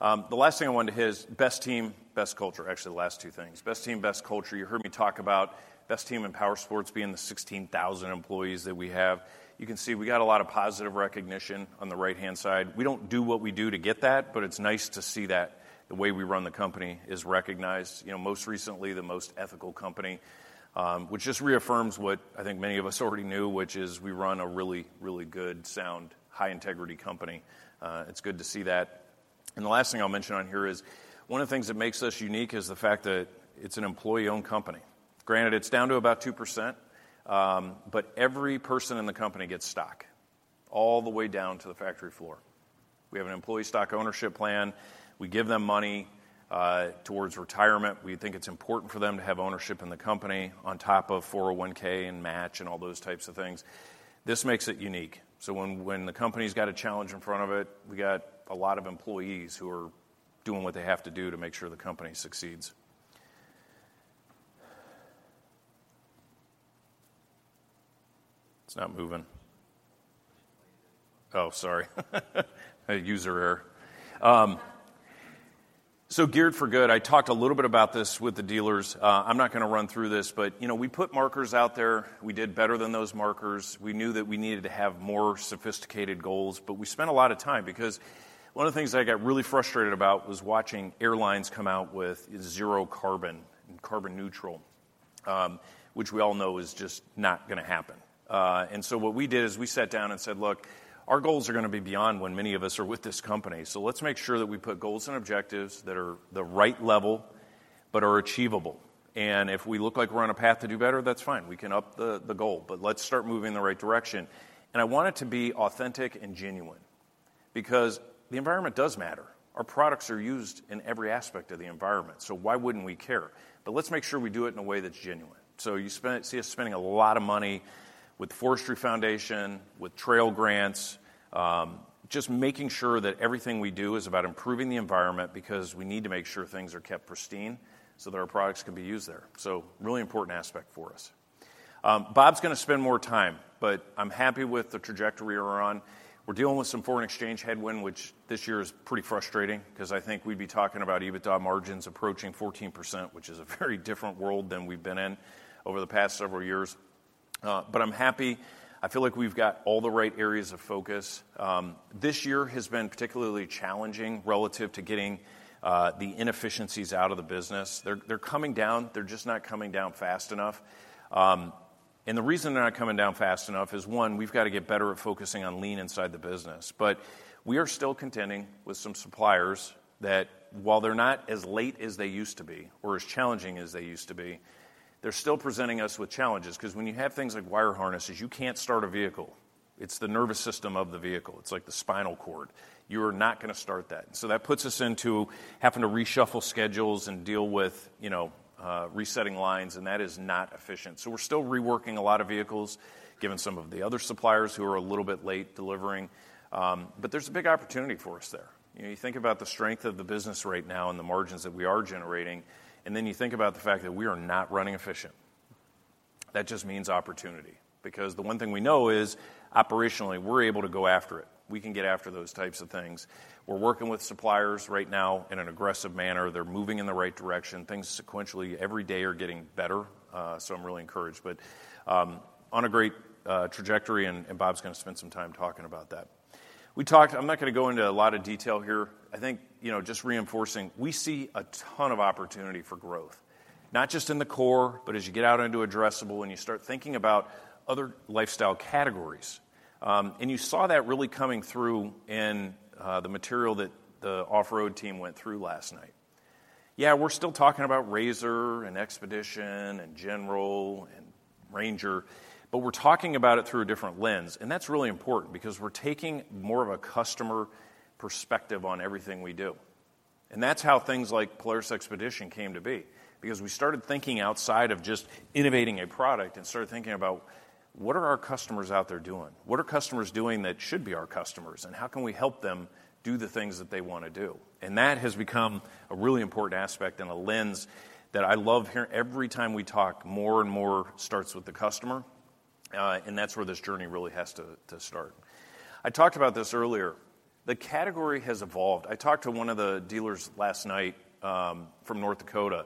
The last thing I wanted to hit is best team, best culture. Actually, the last two things. Best team, best culture. You heard me talk about best team in powersports being the 16,000 employees that we have. You can see we got a lot of positive recognition on the right-hand side. We don't do what we do to get that, but it's nice to see that the way we run the company is recognized. You know, most recently, the most ethical company, which just reaffirms what I think many of us already knew, which is we run a really, really good, sound, high-integrity company. It's good to see that. The last thing I'll mention on here is, one of the things that makes us unique is the fact that it's an employee-owned company. Granted, it's down to about 2%, every person in the company gets stock, all the way down to the factory floor. We have an Employee Stock Ownership Plan. We give them money, towards retirement. We think it's important for them to have ownership in the company on top of 401(k) and match and all those types of things. This makes it unique. When, when the company's got a challenge in front of it, we got a lot of employees who are doing what they have to do to make sure the company succeeds. It's not moving. Oh, sorry. A user error. Geared for Good, I talked a little bit about this with the dealers. I'm not gonna run through this, but, you know, we put markers out there. We did better than those markers. We knew that we needed to have more sophisticated goals, but we spent a lot of time because one of the things I got really frustrated about was watching airlines come out with zero carbon and carbon neutral, which we all know is just not gonna happen. So what we did is we sat down and said, "Look, our goals are gonna be beyond when many of us are with this company. Let's make sure that we put goals and objectives that are the right level but are achievable. If we look like we're on a path to do better, that's fine. We can up the goal, let's start moving in the right direction." I want it to be authentic and genuine because the environment does matter. Our products are used in every aspect of the environment, so why wouldn't we care? Let's make sure we do it in a way that's genuine. You spend-- see us spending a lot of money with the Forestry Foundation, with trail grants, just making sure that everything we do is about improving the environment because we need to make sure things are kept pristine, so that our products can be used there. Really important aspect for us. Bob's gonna spend more time, but I'm happy with the trajectory we're on. We're dealing with some foreign exchange headwind, which this year is pretty frustrating because I think we'd be talking about EBITDA margins approaching 14%, which is a very different world than we've been in over the past several years. I'm happy. I feel like we've got all the right areas of focus. This year has been particularly challenging relative to getting the inefficiencies out of the business. They're, they're coming down, they're just not coming down fast enough. The reason they're not coming down fast enough is, 1, we've got to get better at focusing on lean inside the business. We are still contending with some suppliers that, while they're not as late as they used to be or as challenging as they used to be, they're still presenting us with challenges. Because when you have things like wire harnesses, you can't start a vehicle. It's the nervous system of the vehicle. It's like the spinal cord. You're not gonna start that. That puts us into having to reshuffle schedules and deal with, you know, resetting lines, and that is not efficient. We're still reworking a lot of vehicles, given some of the other suppliers who are a little bit late delivering, but there's a big opportunity for us there. You know, you think about the strength of the business right now and the margins that we are generating, and then you think about the fact that we are not running efficient. That just means opportunity, because the one thing we know is, operationally, we're able to go after it. We can get after those types of things. We're working with suppliers right now in an aggressive manner. They're moving in the right direction. Things sequentially, every day, are getting better, so I'm really encouraged. On a great trajectory, and Bob's gonna spend some time talking about that. We talked, I'm not gonna go into a lot of detail here. I think, you know, just reinforcing, we see a ton of opportunity for growth, not just in the core, but as you get out into addressable, when you start thinking about other lifestyle categories. You saw that really coming through in the material that the off-road team went through last night. Yeah, we're still talking about RZR and XPEDITION and General and Ranger, but we're talking about it through a different lens, and that's really important because we're taking more of a customer perspective on everything we do. That's how things like Polaris XPEDITION came to be, because we started thinking outside of just innovating a product and started thinking about: what are our customers out there doing? What are customers doing that should be our customers, and how can we help them do the things that they wanna do? That has become a really important aspect and a lens that I love every time we talk, more and more starts with the customer, and that's where this journey really has to, to start. I talked about this earlier. The category has evolved. I talked to one of the dealers last night from North Dakota,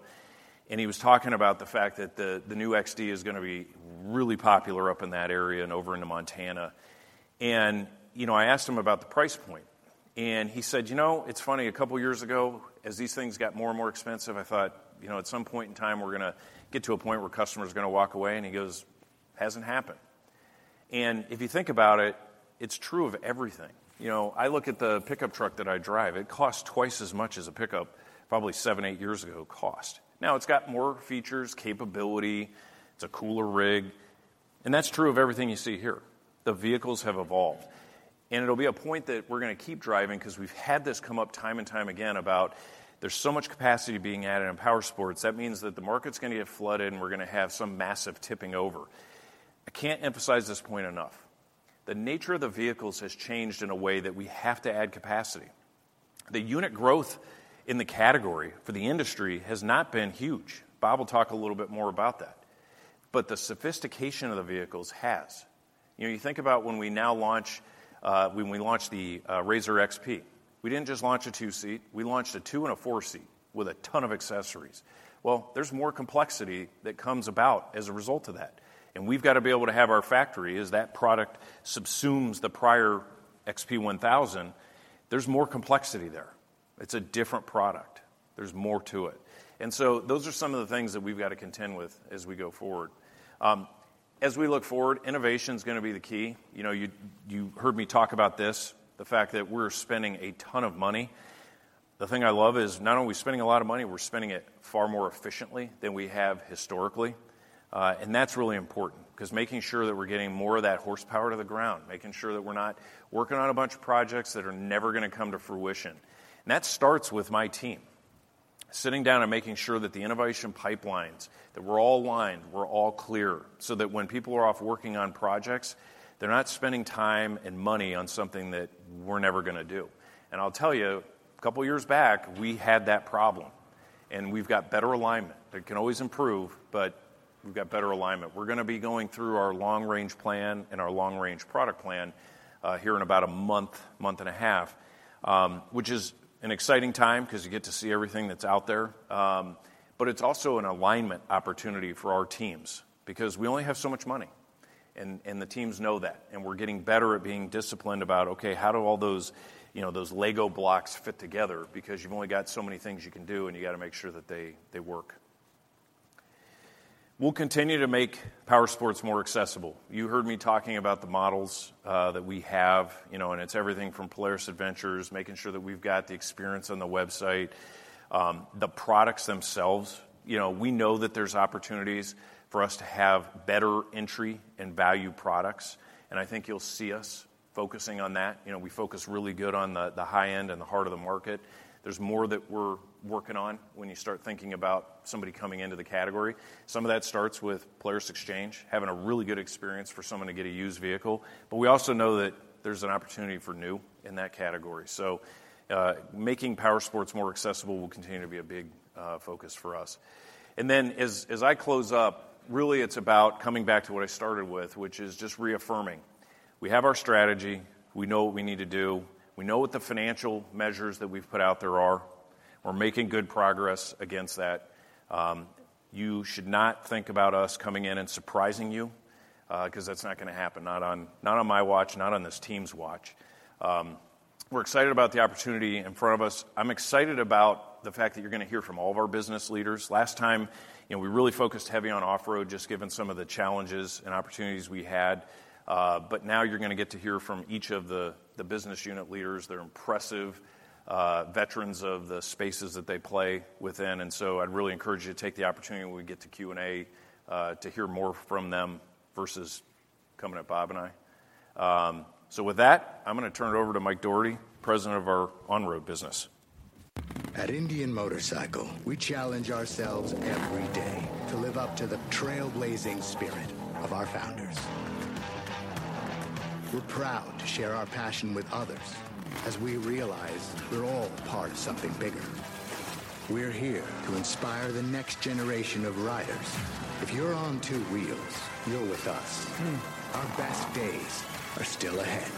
he was talking about the fact that the new XD is gonna be really popular up in that area and over into Montana. You know, I asked him about the price point, and he said, "You know, it's funny, a couple years ago, as these things got more and more expensive, I thought, you know, at some point in time, we're gonna get to a point where customers are gonna walk away." He goes, "Hasn't happened." If you think about it, it's true of everything. You know, I look at the pickup truck that I drive. It costs twice as much as a pickup, probably seven, eight years ago cost. Now, it's got more features, capability, it's a cooler rig, and that's true of everything you see here. The vehicles have evolved, and it'll be a point that we're gonna keep driving 'cause we've had this come up time and time again about there's so much capacity being added in powersports. That means that the market's gonna get flooded, and we're gonna have some massive tipping over. I can't emphasize this point enough. The nature of the vehicles has changed in a way that we have to add capacity. The unit growth in the category for the industry has not been huge. Bob will talk a little bit more about that, but the sophistication of the vehicles has. You know, you think about when we now launch, when we launched the RZR XP. We didn't just launch a 2-seat, we launched a 2 and a 4-seat with a ton of accessories. There's more complexity that comes about as a result of that, and we've got to be able to have our factory, as that product subsumes the prior XP 1000, there's more complexity there. It's a different product. There's more to it. Those are some of the things that we've got to contend with as we go forward. As we look forward, innovation's gonna be the key. You know, you, you heard me talk about this, the fact that we're spending a ton of money. The thing I love is not only are we spending a lot of money, we're spending it far more efficiently than we have historically. That's really important, 'cause making sure that we're getting more of that horsepower to the ground, making sure that we're not working on a bunch of projects that are never gonna come to fruition. That starts with my team, sitting down and making sure that the innovation pipelines, that we're all aligned, we're all clear, so that when people are off working on projects, they're not spending time and money on something that we're never gonna do. I'll tell you, a couple of years back, we had that problem, and we've got better alignment. It can always improve, but we've got better alignment. We're gonna be going through our long range plan and our long range product plan, here in about a month, month and a half, which is an exciting time 'cause you get to see everything that's out there. It's also an alignment opportunity for our teams because we only have so much money, and the teams know that, and we're getting better at being disciplined about, okay, how do all those, you know, those Lego blocks fit together? Because you've only got so many things you can do, and you got to make sure that they work. We'll continue to make powersports more accessible. You heard me talking about the models that we have, you know, and it's everything from Polaris Adventures, making sure that we've got the experience on the website, the products themselves. We know that there's opportunities for us to have better entry and value products, I think you'll see us focusing on that. We focus really good on the high end and the heart of the market. There's more that we're working on when you start thinking about somebody coming into the category. Some of that starts with Polaris Xchange, having a really good experience for someone to get a used vehicle. We also know that there's an opportunity for new in that category. Making powersports more accessible will continue to be a big focus for us. As, as I close up, really, it's about coming back to what I started with, which is just reaffirming. We have our strategy, we know what we need to do, we know what the financial measures that we've put out there are. We're making good progress against that. You should not think about us coming in and surprising you, 'cause that's not gonna happen, not on, not on my watch, not on this team's watch. We're excited about the opportunity in front of us. I'm excited about the fact that you're gonna hear from all of our business leaders. Last time, you know, we really focused heavy on off-road, just given some of the challenges and opportunities we had. But now you're gonna get to hear from each of the, the business unit leaders. They're impressive, veterans of the spaces that they play within, and so I'd really encourage you to take the opportunity when we get to Q&A, to hear more from them versus coming at Bob and I. So with that, I'm gonna turn it over to Mike Doherty, President of our on-road business. At Indian Motorcycle, we challenge ourselves every day to live up to the trailblazing spirit of our founders. We're proud to share our passion with others as we realize we're all part of something bigger. We're here to inspire the next generation of riders. If you're on two wheels, you're with us. Our best days are still ahead.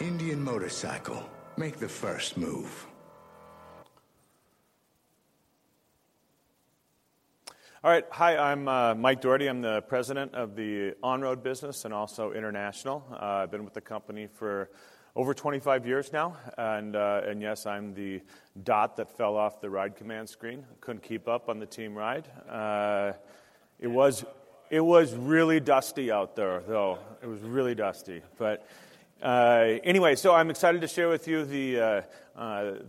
Indian Motorcycle: make the first move.... All right. Hi, I'm Mike Doherty. I'm the president of the on-road business and also international. I've been with the company for over 25 years now, yes, I'm the dot that fell off the RIDE COMMAND screen. I couldn't keep up on the team ride. It was, it was really dusty out there, though. It was really dusty. Anyway, I'm excited to share with you the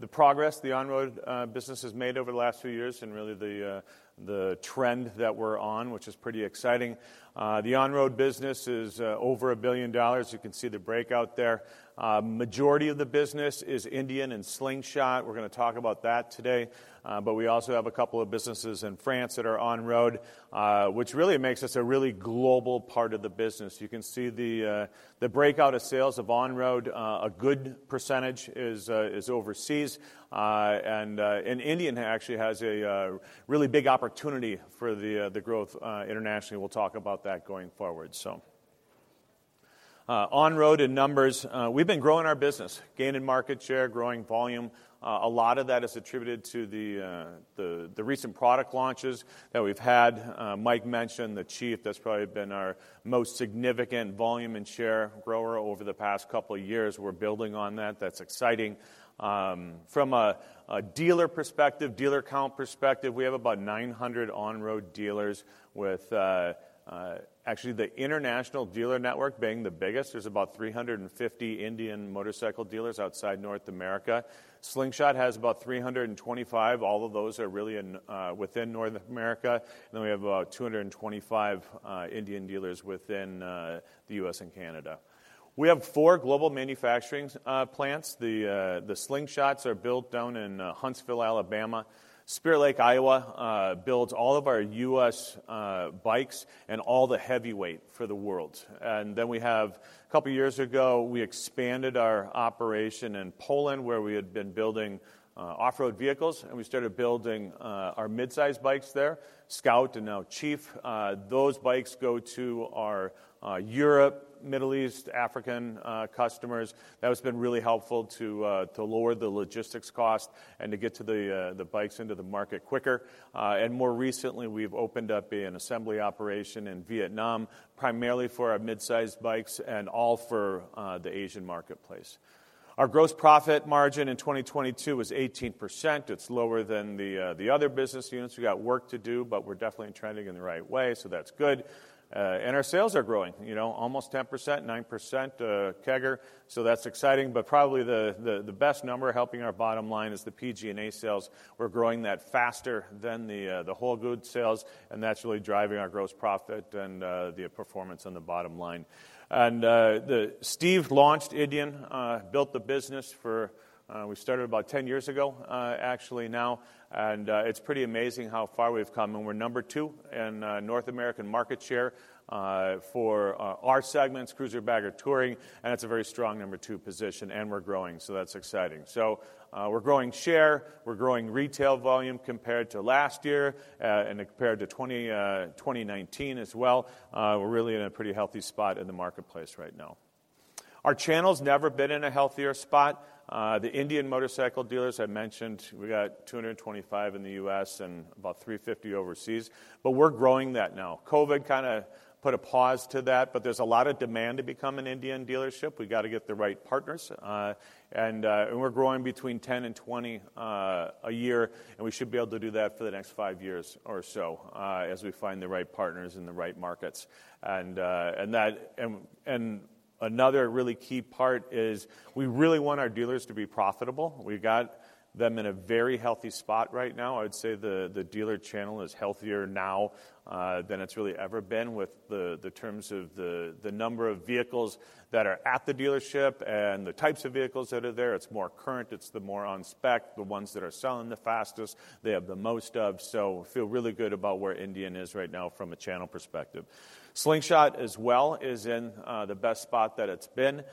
progress the on-road business has made over the last few years and really the trend that we're on, which is pretty exciting. The on-road business is over $1 billion. You can see the breakout there. Majority of the business is Indian and Slingshot. We're gonna talk about that today. We also have a couple of businesses in France that are on-road, which really makes us a really global part of the business. You can see the breakout of sales of on-road. A good % is overseas. Indian actually has a really big opportunity for the growth internationally. We'll talk about that going forward. On-road in numbers, we've been growing our business, gaining market share, growing volume. A lot of that is attributed to the recent product launches that we've had. Mike mentioned the Chief. That's probably been our most significant volume and share grower over the past couple of years. We're building on that. That's exciting. From a dealer perspective, dealer count perspective, we have about 900 on-road dealers with, actually the international dealer network being the biggest. There's about 350 Indian Motorcycle dealers outside North America. Slingshot has about 325. All of those are really within North America. Then we have about 225 Indian dealers within the U.S. and Canada. We have four global manufacturing plants. The Slingshots are built down in Huntsville, Alabama. Spirit Lake, Iowa, builds all of our U.S. bikes and all the heavyweight for the world. Then we have a couple of years ago, we expanded our operation in Poland, where we had been building off-road vehicles, and we started building our mid-size bikes there, Scout and now Chief. Those bikes go to our Europe, Middle East, African customers. That has been really helpful to to lower the logistics cost and to get to the bikes into the market quicker. More recently, we've opened up an assembly operation in Vietnam, primarily for our mid-size bikes and all for the Asian marketplace. Our gross profit margin in 2022 was 18%. It's lower than the other business units. We got work to do, but we're definitely trending in the right way, so that's good. Our sales are growing, you know, almost 10%, 9% CAGR, so that's exciting. Probably the, the, the best number helping our bottom line is the PG&A sales. We're growing that faster than the whole goods sales, and that's really driving our gross profit and the performance on the bottom line. Steve launched Indian, built the business for, we started about 10 years ago, actually now, and it's pretty amazing how far we've come. We're number two in North American market share for our segments, cruiser, bagger, touring, and it's a very strong number two position, and we're growing, that's exciting. We're growing share, we're growing retail volume compared to last year, and compared to 2019 as well. We're really in a pretty healthy spot in the marketplace right now. Our channel's never been in a healthier spot. The Indian Motorcycle dealers I mentioned, we got 225 in the US and about 350 overseas, but we're growing that now. COVID kinda put a pause to that, but there's a lot of demand to become an Indian dealership. We're growing between 10 and 20 a year, and we should be able to do that for the next 5 years or so, as we find the right partners in the right markets. Another really key part is we really want our dealers to be profitable. We've got them in a very healthy spot right now. I'd say the, the dealer channel is healthier now than it's really ever been with the, the terms of the, the number of vehicles that are at the dealership and the types of vehicles that are there. It's more current. It's the more on spec, the ones that are selling the fastest, they have the most of. We feel really good about where Indian is right now from a channel perspective. Slingshot as well is in the best spot that it's been.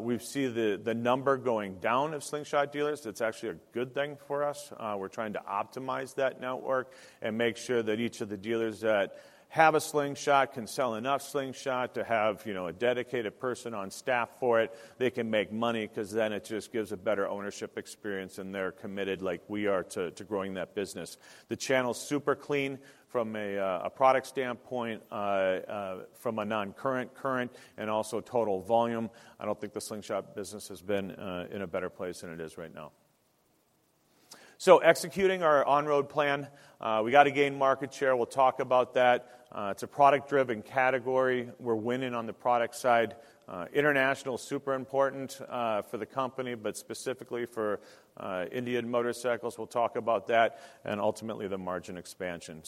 We've seen the, the number going down of Slingshot dealers. That's actually a good thing for us. We're trying to optimize that network and make sure that each of the dealers that have a Slingshot can sell enough Slingshot to have, you know, a dedicated person on staff for it. They can make money because then it just gives a better ownership experience, and they're committed like we are to, to growing that business. The channel's super clean from a product standpoint, from a non-current, current, and also total volume. I don't think the Slingshot business has been in a better place than it is right now. Executing our on-road plan, we got to gain market share. We'll talk about that. It's a product-driven category. We're winning on the product side. International, super important for the company, but specifically for Indian Motorcycles. We'll talk about that and ultimately the margin expansion.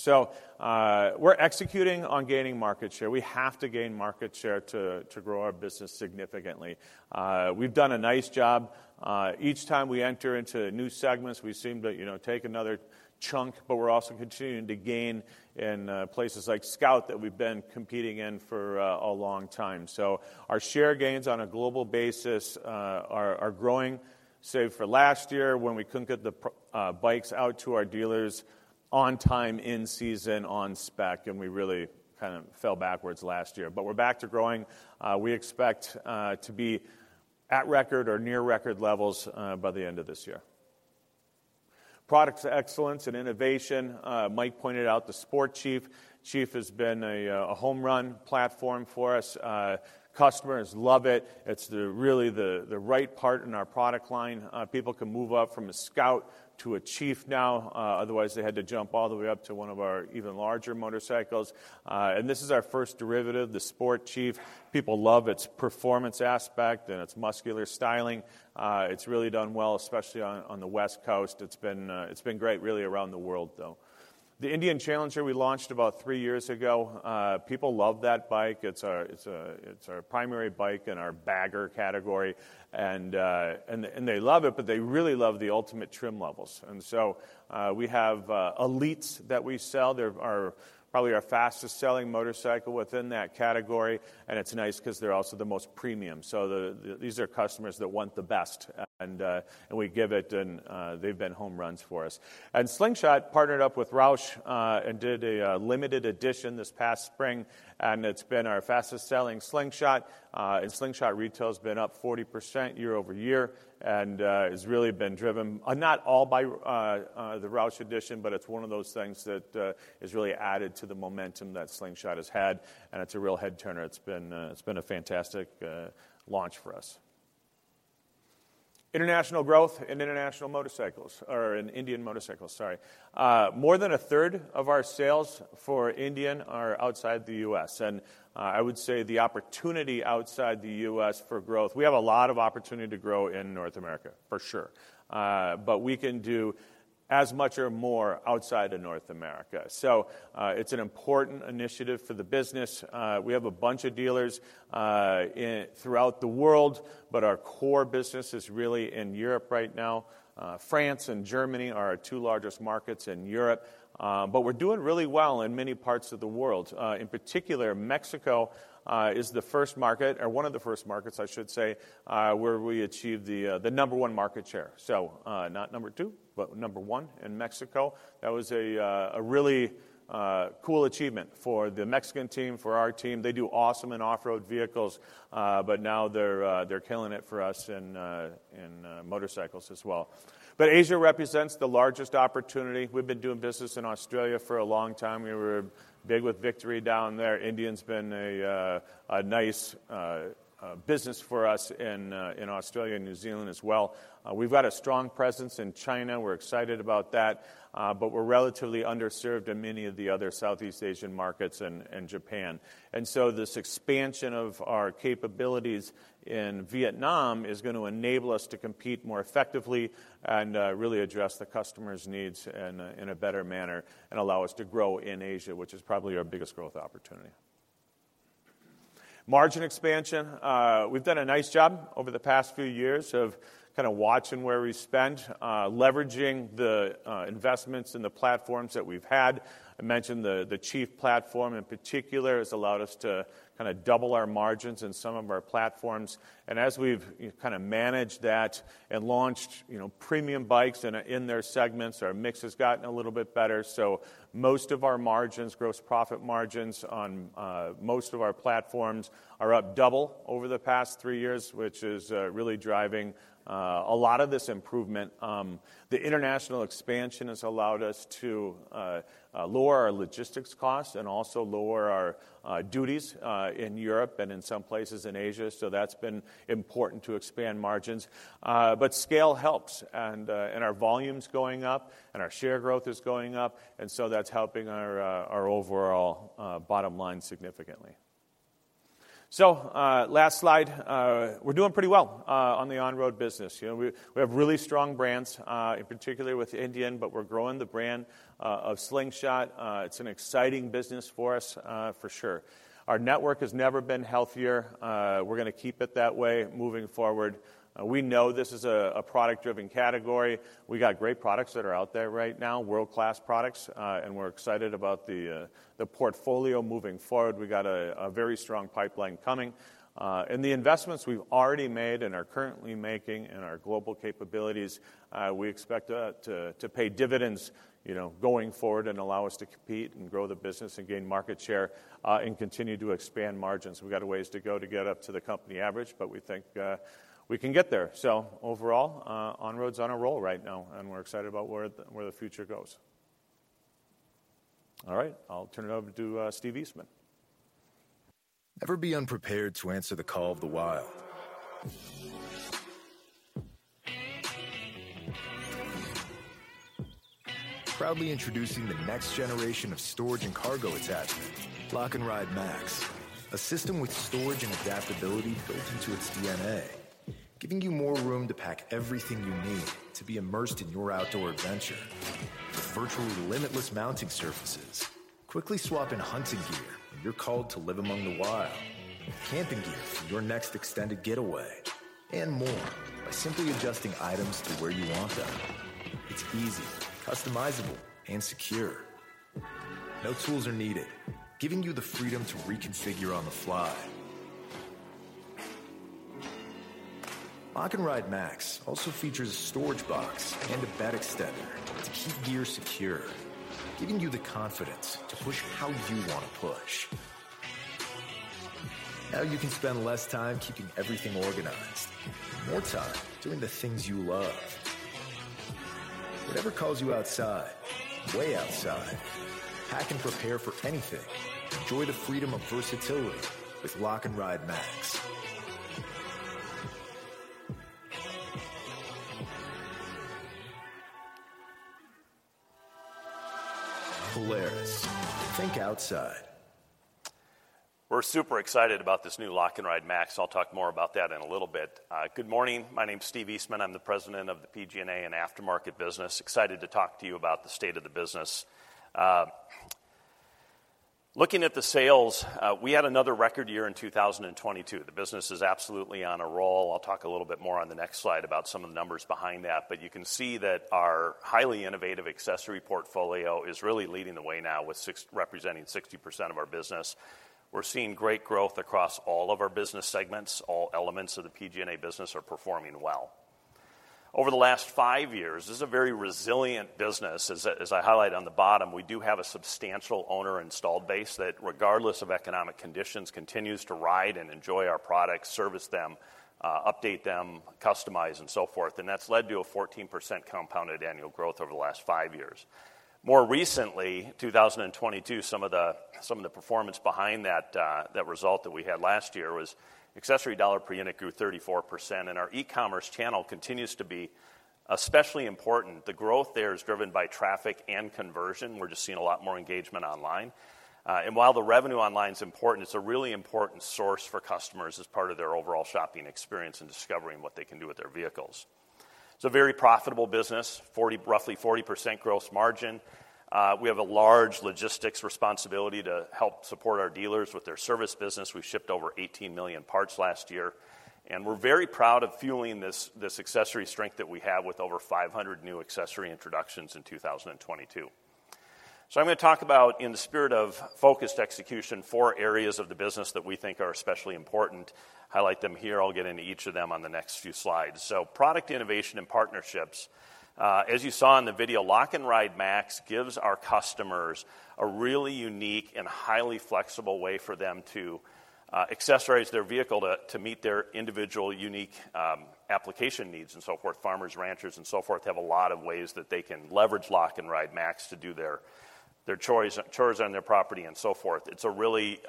We're executing on gaining market share. We have to gain market share to, to grow our business significantly. We've done a nice job. Each time we enter into new segments, we seem to, you know, take another chunk, but we're also continuing to gain in places like Scout that we've been competing in for a long time. Our share gains on a global basis are growing, save for last year when we couldn't get the bikes out to our dealers on time, in season, on spec, and we really kind of fell backwards last year. We're back to growing. We expect to be at record or near record levels by the end of this year. Products excellence and innovation, Mike pointed out the Sport Chief. Chief has been a home run platform for us. Customers love it. It's the really the right part in our product line. People can move up from a Scout to a Chief now. Otherwise, they had to jump all the way up to one of our even larger motorcycles. This is our first derivative, the Sport Chief. People love its performance aspect and its muscular styling. It's really done well, especially on, on the West Coast. It's been, it's been great, really, around the world, though. The Indian Challenger we launched about 3 years ago. People love that bike. It's our, it's a, it's our primary bike in our bagger category, and, and they, and they love it, but they really love the ultimate trim levels. We have Elites that we sell. They're our- probably our fastest-selling motorcycle within that category, and it's nice 'cause they're also the most premium. These are customers that want the best, and we give it, and they've been home runs for us. Slingshot partnered up with Roush and did a limited edition this past spring, and it's been our fastest-selling Slingshot. Slingshot retail's been up 40% year-over-year, and it's really been driven not all by the Roush edition, but it's one of those things that has really added to the momentum that Slingshot has had, and it's a real head-turner. It's been a fantastic launch for us. International growth in international motorcycles or in Indian Motorcycle, sorry. More than a third of our sales for Indian are outside the U.S. I would say the opportunity outside the U.S. for growth. We have a lot of opportunity to grow in North America, for sure, but we can do as much or more outside of North America. It's an important initiative for the business. We have a bunch of dealers throughout the world, but our core business is really in Europe right now. France and Germany are our two largest markets in Europe, but we're doing really well in many parts of the world. In particular, Mexico, is the first market, or one of the first markets, I should say, where we achieved the number one market share. Not number two, but number one in Mexico. That was a, a really cool achievement for the Mexican team, for our team. They do awesome in off-road vehicles, but now they're, they're killing it for us in, in motorcycles as well. Asia represents the largest opportunity. We've been doing business in Australia for a long time. We were big with Victory down there. Indian's been a nice business for us in Australia and New Zealand as well. We've got a strong presence in China. We're excited about that, but we're relatively underserved in many of the other Southeast Asian markets and, and Japan. This expansion of our capabilities in Vietnam is going to enable us to compete more effectively and really address the customers' needs in a better manner, and allow us to grow in Asia, which is probably our biggest growth opportunity. Margin expansion. We've done a nice job over the past few years of kinda watching where we spend, leveraging the investments in the platforms that we've had. I mentioned the Chief platform, in particular, has allowed us to kinda double our margins in some of our platforms. As we've kinda managed that and launched, you know, premium bikes in their segments, our mix has gotten a little bit better. Most of our margins, gross profit margins on most of our platforms are up double over the past three years, which is really driving a lot of this improvement. The international expansion has allowed us to lower our logistics costs and also lower our duties in Europe and in some places in Asia, so that's been important to expand margins. Scale helps, and our volume's going up, and our share growth is going up, and so that's helping our overall bottom line significantly. Last slide, we're doing pretty well on the on-road business. You know, we have really strong brands, in particular with Indian, but we're growing the brand of Slingshot. It's an exciting business for us for sure. Our network has never been healthier. We're gonna keep it that way moving forward. We know this is a product-driven category. We got great products that are out there right now, world-class products, and we're excited about the portfolio moving forward. We got a very strong pipeline coming. The investments we've already made and are currently making in our global capabilities, we expect to pay dividends, you know, going forward and allow us to compete and grow the business and gain market share, and continue to expand margins. We've got a ways to go to get up to the company average, but we think we can get there. Overall, on-road's on a roll right now, and we're excited about where the future goes. All right, I'll turn it over to Steve Eastman. Never be unprepared to answer the call of the wild. Proudly introducing the next generation of storage and cargo attachments, Lock & Ride MAX, a system with storage and adaptability built into its DNA, giving you more room to pack everything you need to be immersed in your outdoor adventure. With virtually limitless mounting surfaces, quickly swap in hunting gear when you're called to live among the wild, camping gear for your next extended getaway, and more, by simply adjusting items to where you want them. It's easy, customizable, and secure. No tools are needed, giving you the freedom to reconfigure on the fly. Lock & Ride MAX also features a storage box and a bed extender to keep gear secure. Giving you the confidence to push how you want to push. You can spend less time keeping everything organized, and more time doing the things you love. Whatever calls you outside, way outside, pack and prepare for anything. Enjoy the freedom of versatility with Lock & Ride MAX. Polaris. Think outside. We're super excited about this new Lock & Ride MAX. I'll talk more about that in a little bit. Good morning. My name is Steve Eastman. I'm the president of the PG&A and Aftermarket business. Excited to talk to you about the state of the business. Looking at the sales, we had another record year in 2022. The business is absolutely on a roll. I'll talk a little bit more on the next slide about some of the numbers behind that. You can see that our highly innovative accessory portfolio is really leading the way now representing 60% of our business. We're seeing great growth across all of our business segments. All elements of the PG&A business are performing well. Over the last five years, this is a very resilient business. As I, as I highlighted on the bottom, we do have a substantial owner installed base that, regardless of economic conditions, continues to ride and enjoy our products, service them, update them, customize and so forth, and that's led to a 14% compounded annual growth over the last five years. More recently, 2022, some of the, some of the performance behind that, that result that we had last year was accessory dollar per unit grew 34%, and our e-commerce channel continues to be especially important. The growth there is driven by traffic and conversion. We're just seeing a lot more engagement online. While the revenue online is important, it's a really important source for customers as part of their overall shopping experience and discovering what they can do with their vehicles. It's a very profitable business, roughly 40% gross margin. We have a large logistics responsibility to help support our dealers with their service business. We've shipped over 18 million parts last year, and we're very proud of fueling this, this accessory strength that we have with over 500 new accessory introductions in 2022. I'm going to talk about, in the spirit of focused execution, four areas of the business that we think are especially important. Highlight them here. I'll get into each of them on the next few slides. Product innovation and partnerships. As you saw in the video, Lock & Ride MAX gives our customers a really unique and highly flexible way for them to accessorize their vehicle to meet their individual, unique application needs and so forth. Farmers, ranchers and so forth have a lot of ways that they can leverage Lock & Ride MAX to do their, their chores on their property and so forth. It's a really,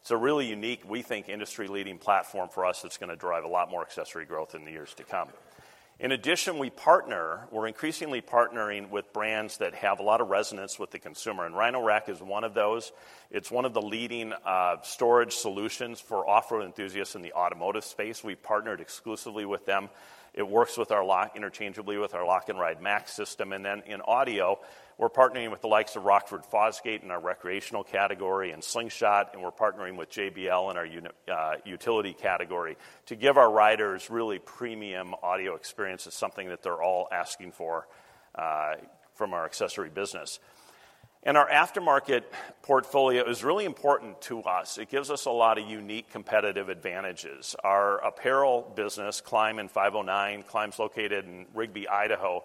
it's a really unique, we think, industry-leading platform for us that's going to drive a lot more accessory growth in the years to come. We're increasingly partnering with brands that have a lot of resonance with the consumer, and Rhino-Rack is one of those. It's one of the leading, storage solutions for off-road enthusiasts in the automotive space. We've partnered exclusively with them. It works with our interchangeably with our Lock & Ride MAX system. Then in audio, we're partnering with the likes of Rockford Fosgate in our recreational category and Slingshot, and we're partnering with JBL in our utility category to give our riders really premium audio experience. It's something that they're all asking for from our accessory business. Our aftermarket portfolio is really important to us. It gives us a lot of unique competitive advantages. Our apparel business, Klim and 509, Klim's located in Rigby, Idaho,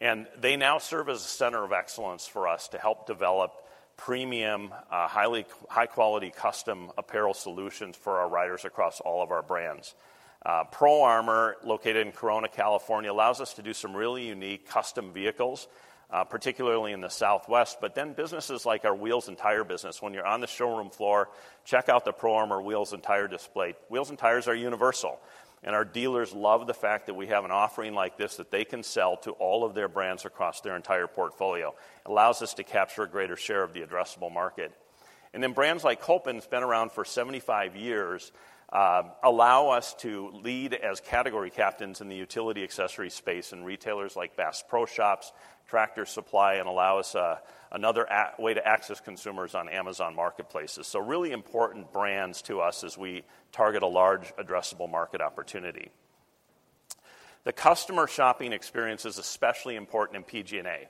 and they now serve as a center of excellence for us to help develop premium, high quality custom apparel solutions for our riders across all of our brands. Pro Armor, located in Corona, California, allows us to do some really unique custom vehicles, particularly in the Southwest. Then businesses like our wheels and tire business, when you're on the showroom floor, check out the Pro Armor wheels and tire display. Wheels and tires are universal, and our dealers love the fact that we have an offering like this that they can sell to all of their brands across their entire portfolio. It allows us to capture a greater share of the addressable market. Then brands like Kolpin, it's been around for 75 years, allow us to lead as category captains in the utility accessory space and retailers like Bass Pro Shops, Tractor Supply, and allow us another way to access consumers on Amazon marketplaces. Really important brands to us as we target a large addressable market opportunity. The customer shopping experience is especially important in PG&A.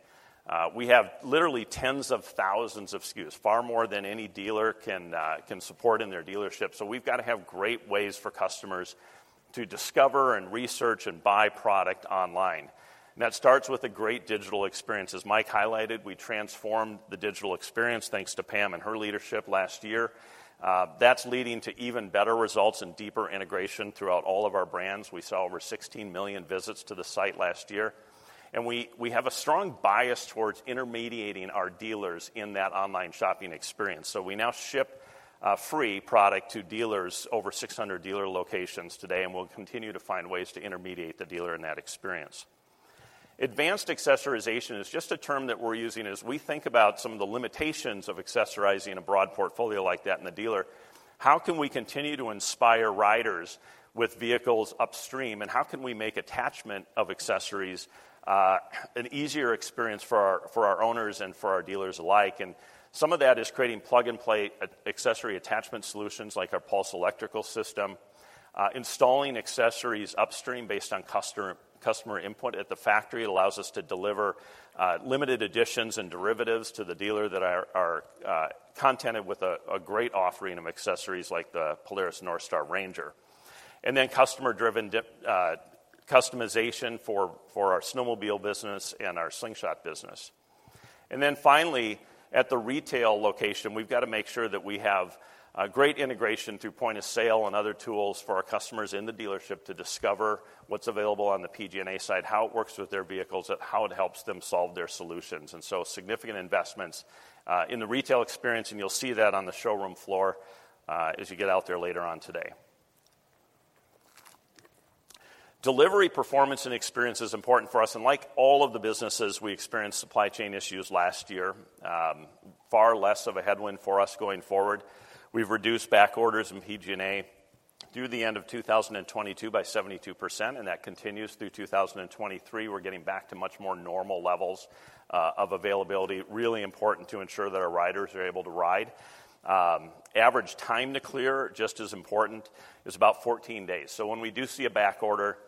We have literally tens of thousands of SKUs, far more than any dealer can support in their dealership. We've got to have great ways for customers to discover and research and buy product online, and that starts with a great digital experience. As Mike highlighted, we transformed the digital experience, thanks to Pam and her leadership last year. That's leading to even better results and deeper integration throughout all of our brands. We saw over 16 million visits to the site last year, and we have a strong bias towards intermediating our dealers in that online shopping experience. We now ship free product to dealers, over 600 dealer locations today, and we'll continue to find ways to intermediate the dealer in that experience. Advanced accessorization is just a term that we're using as we think about some of the limitations of accessorizing a broad portfolio like that in the dealer. How can we continue to inspire riders with vehicles upstream, and how can we make attachment of accessories, an easier experience for our, for our owners and for our dealers alike? Some of that is creating plug-and-play accessory attachment solutions like our Pulse Electrical System. Installing accessories upstream based on customer, customer input at the factory allows us to deliver, limited editions and derivatives to the dealer that are contented with a, a great offering of accessories like the Polaris NorthStar RANGER. Then customer-driven customization for, for our snowmobile business and our Slingshot business. Then finally, at the retail location, we've got to make sure that we have a great integration through point of sale and other tools for our customers in the dealership to discover what's available on the PG&A side, how it works with their vehicles, and how it helps them solve their solutions. So significant investments in the retail experience, and you'll see that on the showroom floor as you get out there later on today. Delivery, performance, and experience is important for us, and like all of the businesses, we experienced supply chain issues last year, far less of a headwind for us going forward. We've reduced back orders in PG&A through the end of 2022 by 72%, and that continues through 2023. We're getting back to much more normal levels of availability. Really important to ensure that our riders are able to ride. average time to clear, just as important, is about 14 days. When we do see a back order,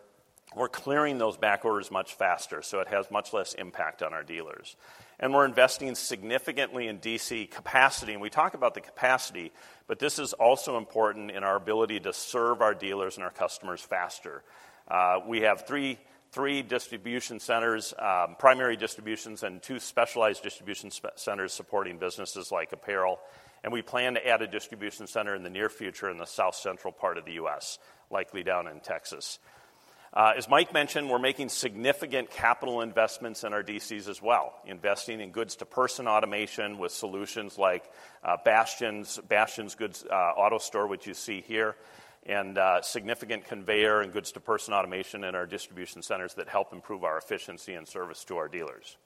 we're clearing those back orders much faster, so it has much less impact on our dealers. We're investing significantly in DC capacity, and we talk about the capacity, but this is also important in our ability to serve our dealers and our customers faster. We have three, three distribution centers, primary distributions, and two specialized distribution centers supporting businesses like apparel, and we plan to add a distribution center in the near future in the South Central part of the US, likely down in Texas. As Mike mentioned, we're making significant capital investments in our DCs as well, investing in goods-to-person automation with solutions like Bastian's, Bastian Solutions, AutoStore, which you see here, and significant conveyor and goods-to-person automation in our distribution centers that help improve our efficiency and service to our dealers.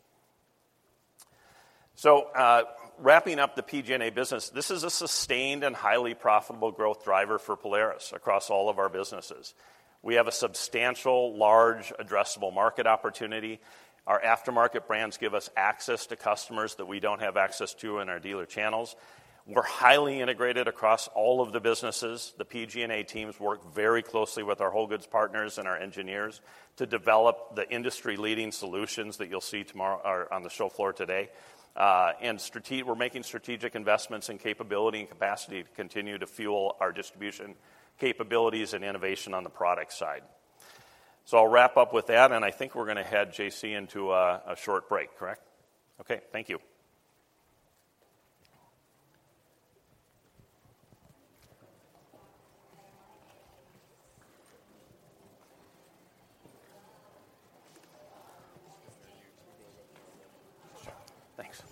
Wrapping up the PG&A business, this is a sustained and highly profitable growth driver for Polaris across all of our businesses. We have a substantial, large, addressable market opportunity. Our aftermarket brands give us access to customers that we don't have access to in our dealer channels. We're highly integrated across all of the businesses. The PG&A teams work very closely with our whole goods partners and our engineers to develop the industry-leading solutions that you'll see tomorrow or on the show floor today. We're making strategic investments in capability and capacity to continue to fuel our distribution capabilities and innovation on the product side. I'll wrap up with that, and I think we're gonna head, J.C., into a short break, correct? Okay, thank you. Thanks.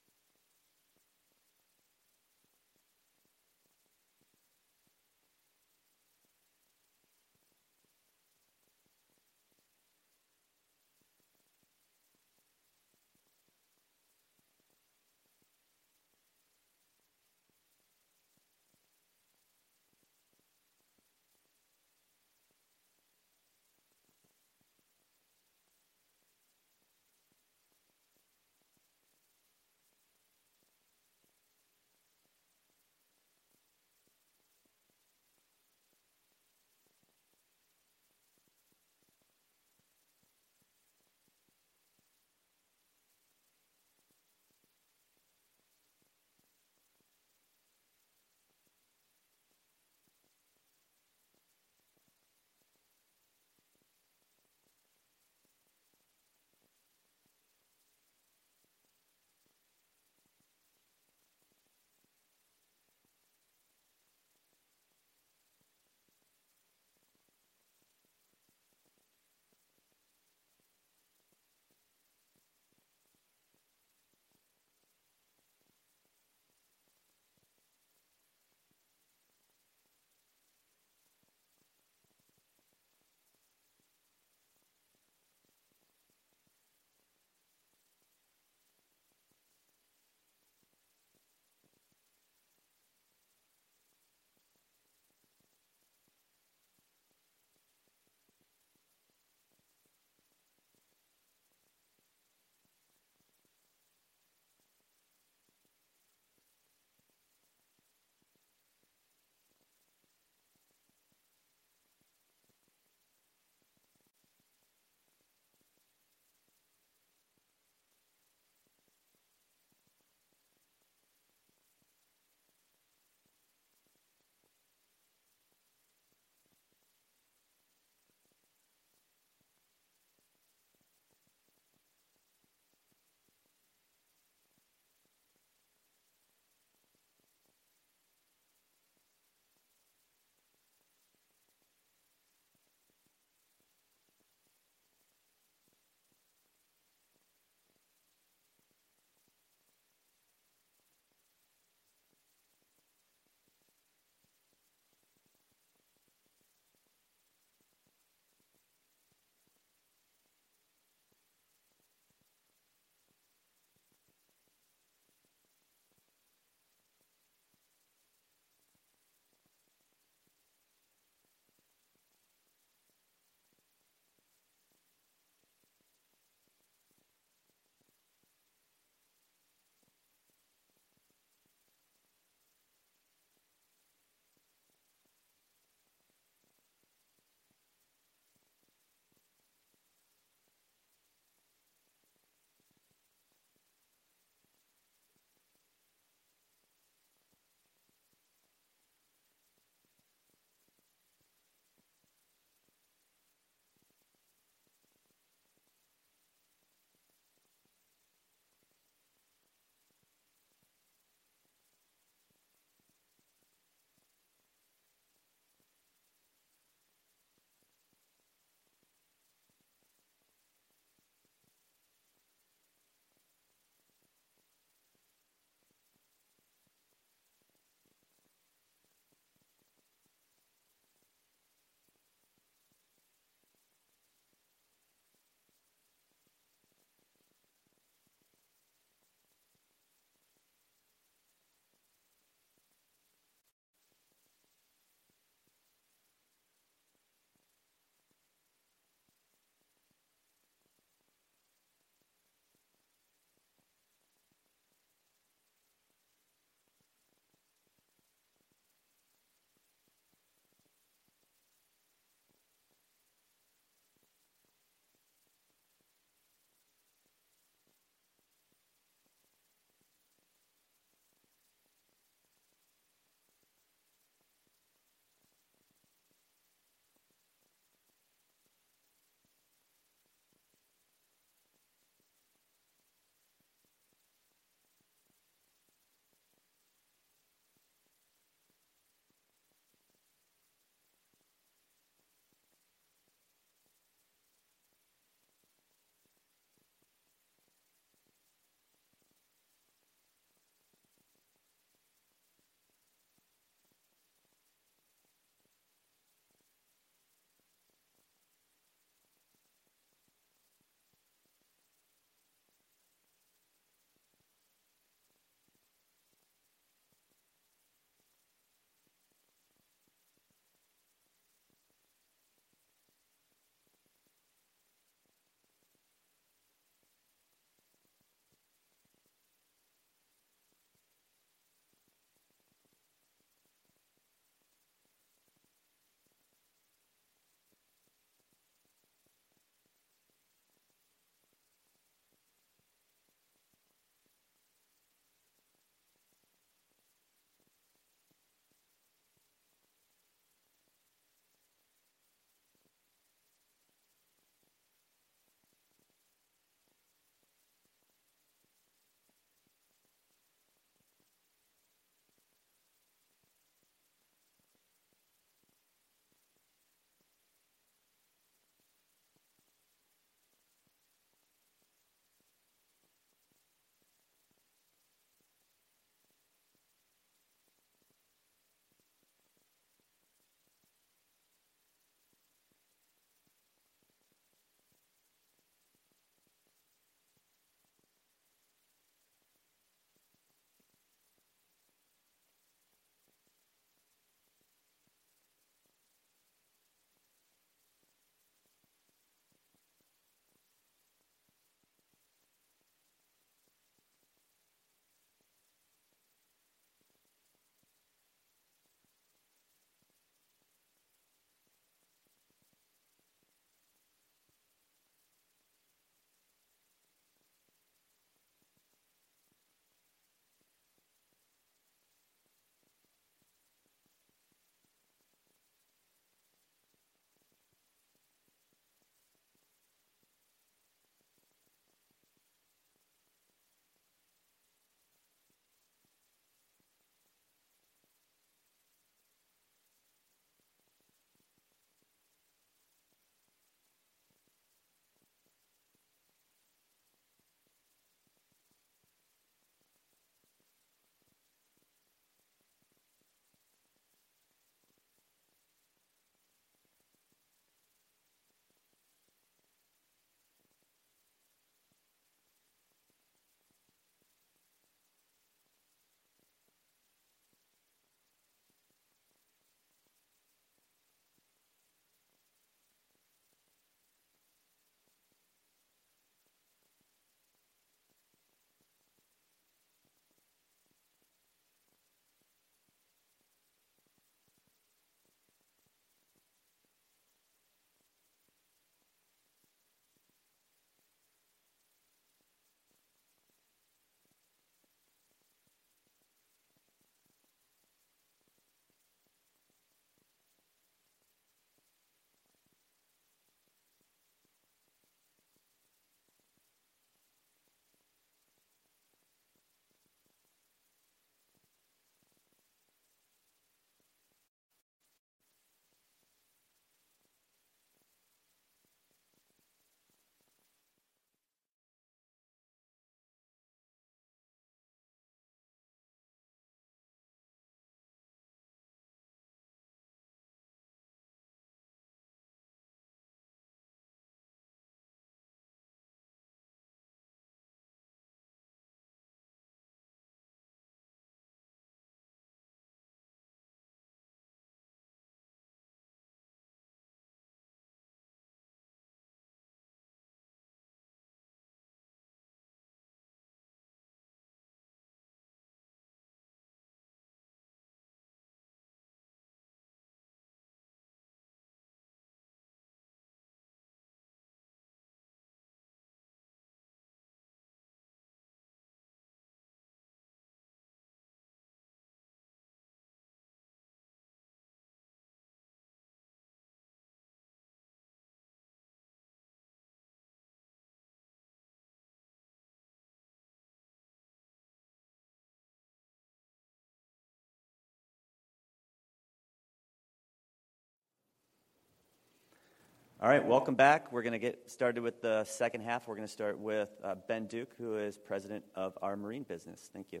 All right, welcome back. We're gonna get started with the second half. We're gonna start with Ben Duke, who is President of our marine business. Thank you.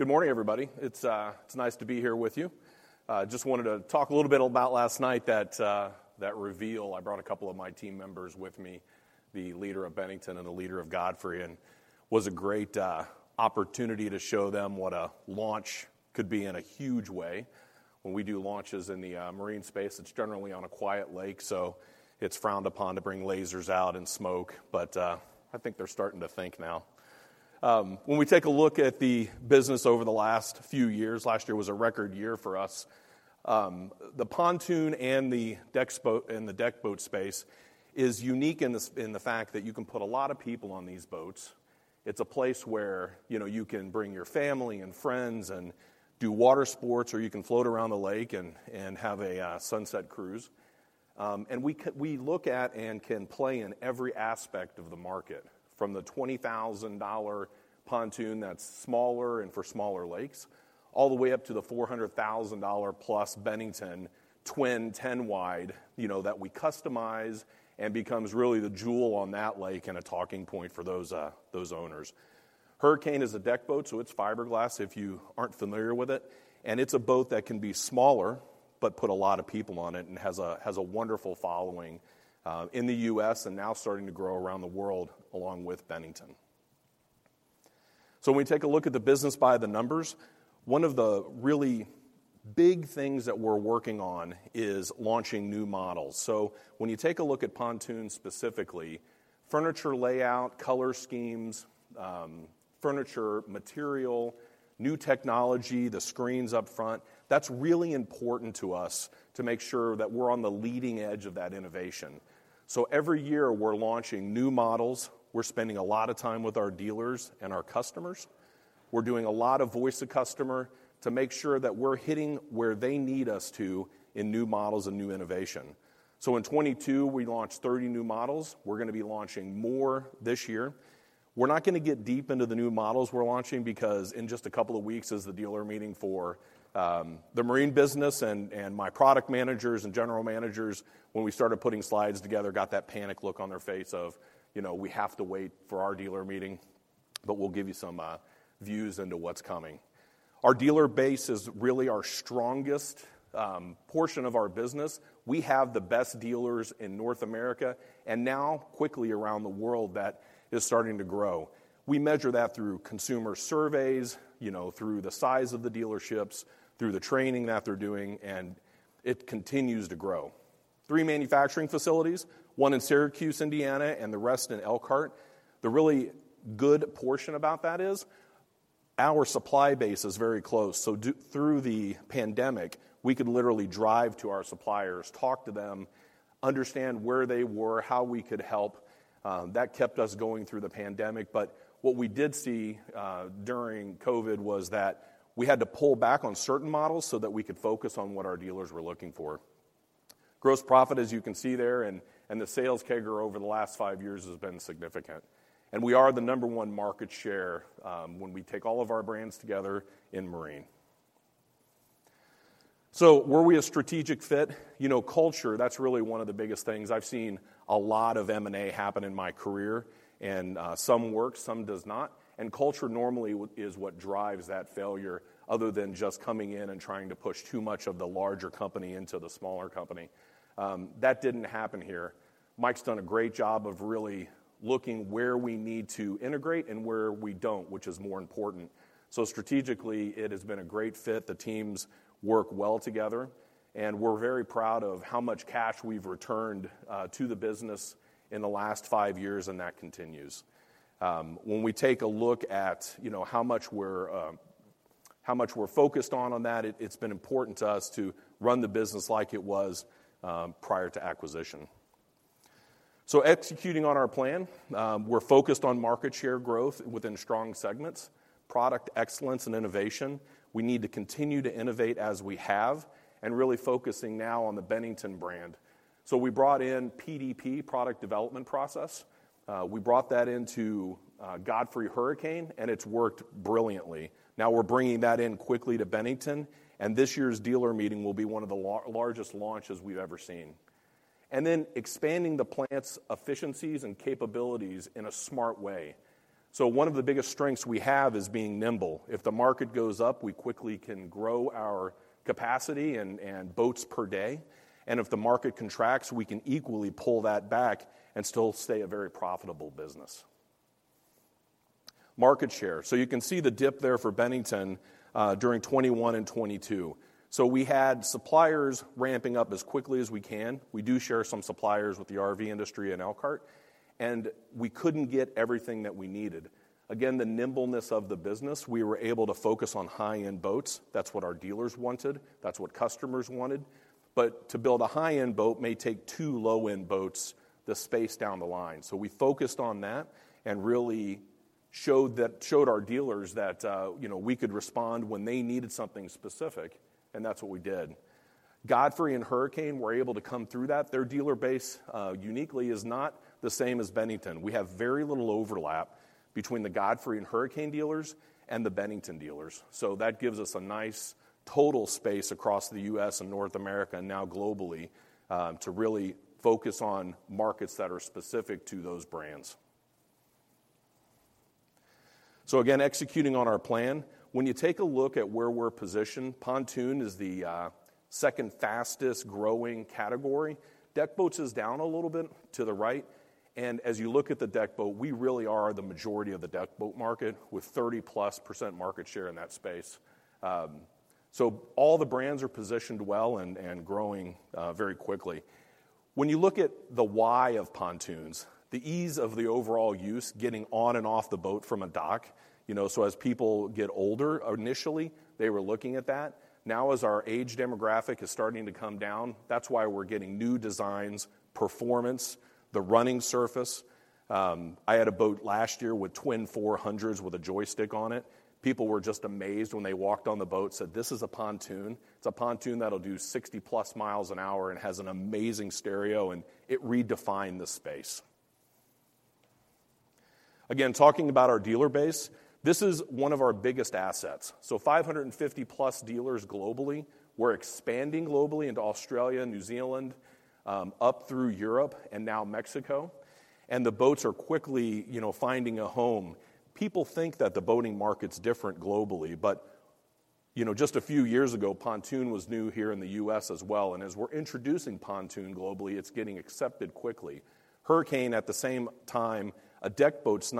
Good morning, everybody. It's, it's nice to be here with you. Just wanted to talk a little bit about last night, that, that reveal. I brought a couple of my team members with me, the leader of Bennington and the leader of Godfrey, and was a great opportunity to show them what a launch could be in a huge way. When we do launches in the marine space, it's generally on a quiet lake, so it's frowned upon to bring lasers out and smoke, but, I think they're starting to think now. When we take a look at the business over the last few years, last year was a record year for us. The pontoon and the deck boat, and the deck boat space is unique in the fact that you can put a lot of people on these boats. It's a place where, you know, you can bring your family and friends and do water sports, or you can float around the lake and have a sunset cruise. And we look at and can play in every aspect of the market, from the $20,000 pontoon that's smaller and for smaller lakes, all the way up to the $400,000-plus Bennington twin 10 wide, you know, that we customize and becomes really the jewel on that lake and a talking point for those owners. Hurricane is a deck boat, so it's fiberglass, if you aren't familiar with it, and it's a boat that can be smaller, but put a lot of people on it and has a, has a wonderful following, in the US and now starting to grow around the world, along with Bennington. When we take a look at the business by the numbers, one of the really big things that we're working on is launching new models. When you take a look at pontoons, specifically, furniture layout, color schemes, furniture material, new technology, the screens up front, that's really important to us to make sure that we're on the leading edge of that innovation. Every year, we're launching new models. We're spending a lot of time with our dealers and our customers. We're doing a lot of voice of customer to make sure that we're hitting where they need us to in new models and new innovation. In 22, we launched 30 new models. We're gonna be launching more this year. We're not gonna get deep into the new models we're launching, because in just a couple of weeks is the dealer meeting for the marine business and my product managers and general managers, when we started putting slides together, got that panic look on their face of, you know, "We have to wait for our dealer meeting," but we'll give you some views into what's coming. Our dealer base is really our strongest portion of our business. We have the best dealers in North America, and now quickly around the world that is starting to grow. We measure that through consumer surveys, you know, through the size of the dealerships, through the training that they're doing, it continues to grow. 3 manufacturing facilities, one in Syracuse, Indiana, the rest in Elkhart. The really good portion about that is, our supply base is very close. Through the pandemic, we could literally drive to our suppliers, talk to them, understand where they were, how we could help. That kept us going through the pandemic, what we did see during COVID was that we had to pull back on certain models so that we could focus on what our dealers were looking for. Gross profit, as you can see there, the sales CAGR over the last 5 years has been significant, we are the number one market share when we take all of our brands together in marine. Were we a strategic fit? You know, culture, that's really one of the biggest things. I've seen a lot of M&A happen in my career, and some work, some does not, and culture normally is what drives that failure, other than just coming in and trying to push too much of the larger company into the smaller company. That didn't happen here. Mike's done a great job of really looking where we need to integrate and where we don't, which is more important. Strategically, it has been a great fit. The teams work well together, and we're very proud of how much cash we've returned to the business in the last five years, and that continues. When we take a look at, you know, how much we're how much we're focused on on that. It, it's been important to us to run the business like it was prior to acquisition. Executing on our plan, we're focused on market share growth within strong segments, product excellence and innovation. We need to continue to innovate as we have, and really focusing now on the Bennington brand. We brought in PDP, product development process. We brought that into Godfrey and Hurricane, and it's worked brilliantly. Now, we're bringing that in quickly to Bennington, and this year's dealer meeting will be one of the largest launches we've ever seen. Then expanding the plant's efficiencies and capabilities in a smart way. One of the biggest strengths we have is being nimble. If the market goes up, we quickly can grow our capacity and boats per day. If the market contracts, we can equally pull that back and still stay a very profitable business. Market share. You can see the dip there for Bennington during 2021 and 2022. We had suppliers ramping up as quickly as we can. We do share some suppliers with the RV industry in Elkhart. We couldn't get everything that we needed. Again, the nimbleness of the business, we were able to focus on high-end boats. That's what our dealers wanted, that's what customers wanted. To build a high-end boat may take two low-end boats, the space down the line. We focused on that and really showed our dealers that, you know, we could respond when they needed something specific, and that's what we did. Godfrey and Hurricane were able to come through that. Their dealer base, uniquely is not the same as Bennington. We have very little overlap between the Godfrey and Hurricane dealers and the Bennington dealers. That gives us a nice total space across the U.S. and North America, now globally, to really focus on markets that are specific to those brands. Again, executing on our plan. When you take a look at where we're positioned, pontoon is the second fastest growing category. Deck boats is down a little bit to the right, as you look at the deck boat, we really are the majority of the deck boat market, with 30+% market share in that space. All the brands are positioned well and growing, very quickly. When you look at the why of pontoons, the ease of the overall use, getting on and off the boat from a dock, you know, so as people get older, initially, they were looking at that. Now, as our age demographic is starting to come down, that's why we're getting new designs, performance, the running surface. I had a boat last year with twin 400s with a joystick on it. People were just amazed when they walked on the boat, said, "This is a pontoon?" It's a pontoon that'll do 60 plus miles an hour and has an amazing stereo, and it redefined the space. Again, talking about our dealer base, this is one of our biggest assets. 550 plus dealers globally. We're expanding globally into Australia and New Zealand, up through Europe and now Mexico. The boats are quickly, you know, finding a home. People think that the boating market's different globally. You know, just a few years ago, pontoon was new here in the U.S. as well. As we're introducing pontoon globally, it's getting accepted quickly. Hurricane, at the same time, a deck boat's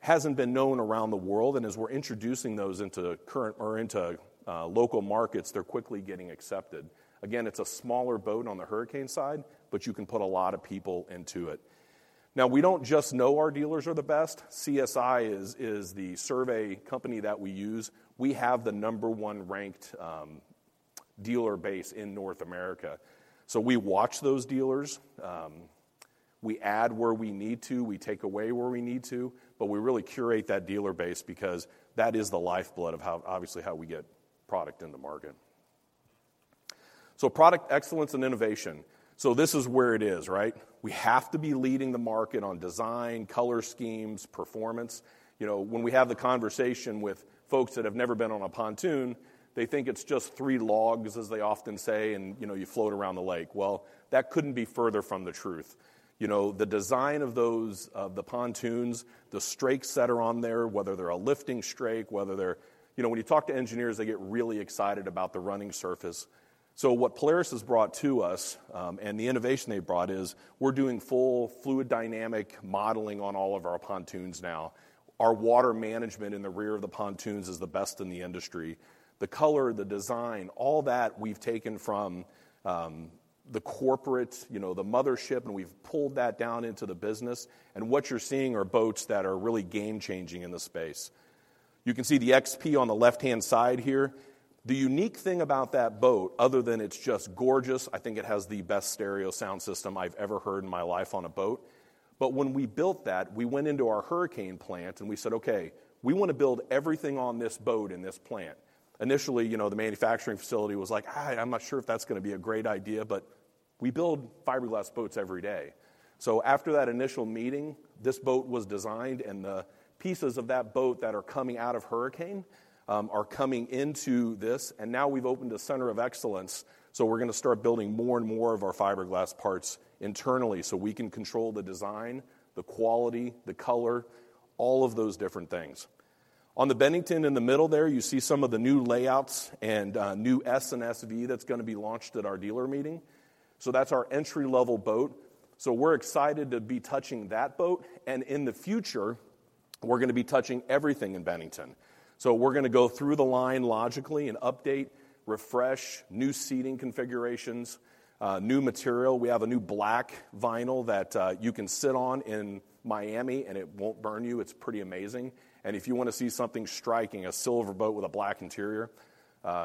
hasn't been known around the world. As we're introducing those into current or into local markets, they're quickly getting accepted. Again, it's a smaller boat on the Hurricane side, but you can put a lot of people into it. Now, we don't just know our dealers are the best. CSI is the survey company that we use. We have the number one ranked dealer base in North America. We watch those dealers, we add where we need to, we take away where we need to, but we really curate that dealer base because that is the lifeblood of how, obviously, how we get product in the market. Product excellence and innovation. This is where it is, right? We have to be leading the market on design, color schemes, performance. You know, when we have the conversation with folks that have never been on a pontoon, they think it's just three logs, as they often say, and, you know, you float around the lake. Well, that couldn't be further from the truth. You know, the design of those, of the pontoons, the strakes that are on there, whether they're a lifting strake, whether they're... You know, when you talk to engineers, they get really excited about the running surface. What Polaris has brought to us, and the innovation they brought is, we're doing full fluid dynamic modeling on all of our pontoons now. Our water management in the rear of the pontoons is the best in the industry. The color, the design, all that we've taken from, the corporate, you know, the mothership, and we've pulled that down into the business, and what you're seeing are boats that are really game-changing in the space. You can see the XP on the left-hand side here. The unique thing about that boat, other than it's just gorgeous, I think it has the best stereo sound system I've ever heard in my life on a boat. When we built that, we went into our Hurricane plant, and we said, "Okay, we want to build everything on this boat in this plant." Initially, you know, the manufacturing facility was like: "I'm not sure if that's gonna be a great idea, but we build fiberglass boats every day." After that initial meeting, this boat was designed, and the pieces of that boat that are coming out of Hurricane are coming into this, and now we've opened a center of excellence, so we're gonna start building more and more of our fiberglass parts internally, so we can control the design, the quality, the color, all of those different things. On the Bennington in the middle there, you see some of the new layouts and new S and SV that's gonna be launched at our dealer meeting. That's our entry-level boat. We're excited to be touching that boat, and in the future, we're going to be touching everything in Bennington. We're going to go through the line logically and update, refresh, new seating configurations, new material. We have a new black vinyl that you can sit on in Miami, and it won't burn you. It's pretty amazing. If you wanna see something striking, a silver boat with a black interior,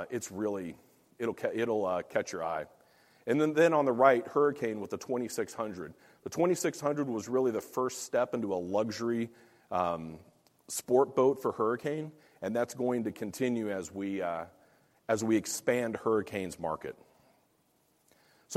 it's really-- it'll catch your eye. Then on the right, Hurricane with the 2600. The 2600 was really the first step into a luxury sport boat for Hurricane, and that's going to continue as we expand Hurricane's market.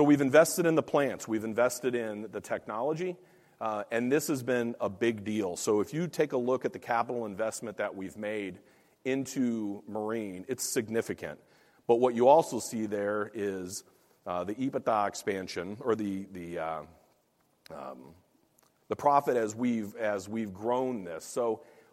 We've invested in the plants. We've invested in the technology, and this has been a big deal. If you take a look at the capital investment that we've made into marine, it's significant. What you also see there is the EBITDA expansion or the, the profit as we've, as we've grown this.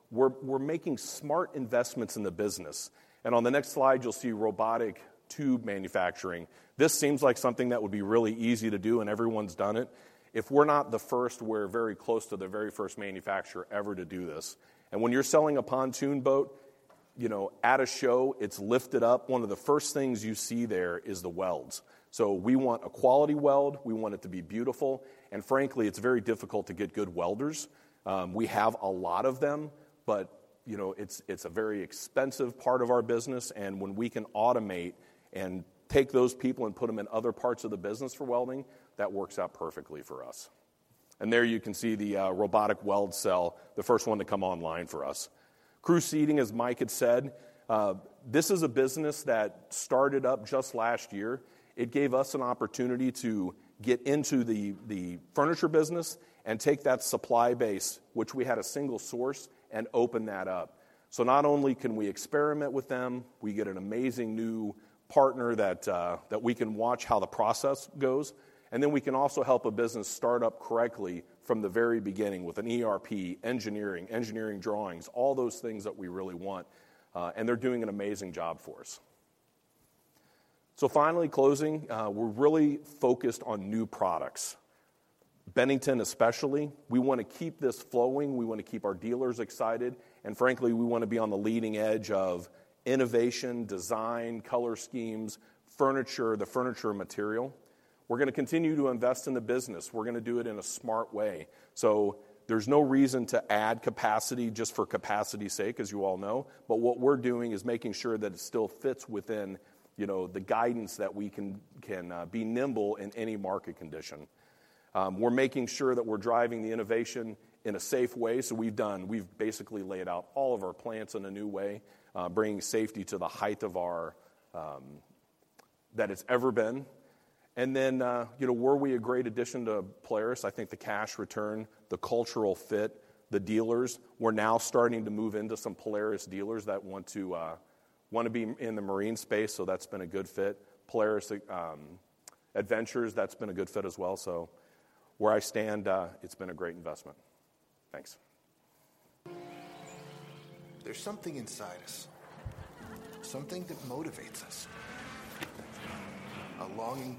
We're, we're making smart investments in the business, and on the next slide, you'll see robotic tube manufacturing. This seems like something that would be really easy to do, and everyone's done it. If we're not the first, we're very close to the very first manufacturer ever to do this. When you're selling a pontoon boat, you know, at a show, it's lifted up. One of the first things you see there is the welds. We want a quality weld. We want it to be beautiful, and frankly, it's very difficult to get good welders. We have a lot of them, but, you know, it's, it's a very expensive part of our business, and when we can automate and take those people and put them in other parts of the business for welding, that works out perfectly for us. There you can see the robotic weld cell, the first one to come online for us. Crew Seating, as Mike had said, this is a business that started up just last year. It gave us an opportunity to get into the furniture business and take that supply base, which we had a single source, and open that up. Not only can we experiment with them, we get an amazing new partner that we can watch how the process goes, and then we can also help a business start up correctly from the very beginning with an ERP, engineering, engineering drawings, all those things that we really want, and they're doing an amazing job for us. Finally, closing, we're really focused on new products, Bennington especially. We wanna keep this flowing. We wanna keep our dealers excited, and frankly, we wanna be on the leading edge of innovation, design, color schemes, furniture, the furniture material. We're gonna continue to invest in the business. We're gonna do it in a smart way. There's no reason to add capacity just for capacity's sake, as you all know. What we're doing is making sure that it still fits within, you know, the guidance that we can, can be nimble in any market condition. We're making sure that we're driving the innovation in a safe way, so we've basically laid out all of our plants in a new way, bringing safety to the height of our, that it's ever been. you know, were we a great addition to Polaris? I think the cash return, the cultural fit, the dealers. We're now starting to move into some Polaris dealers that want to, wanna be in the marine space, so that's been a good fit. Polaris Adventures, that's been a good fit as well, where I stand, it's been a great investment. Thanks. Good morning.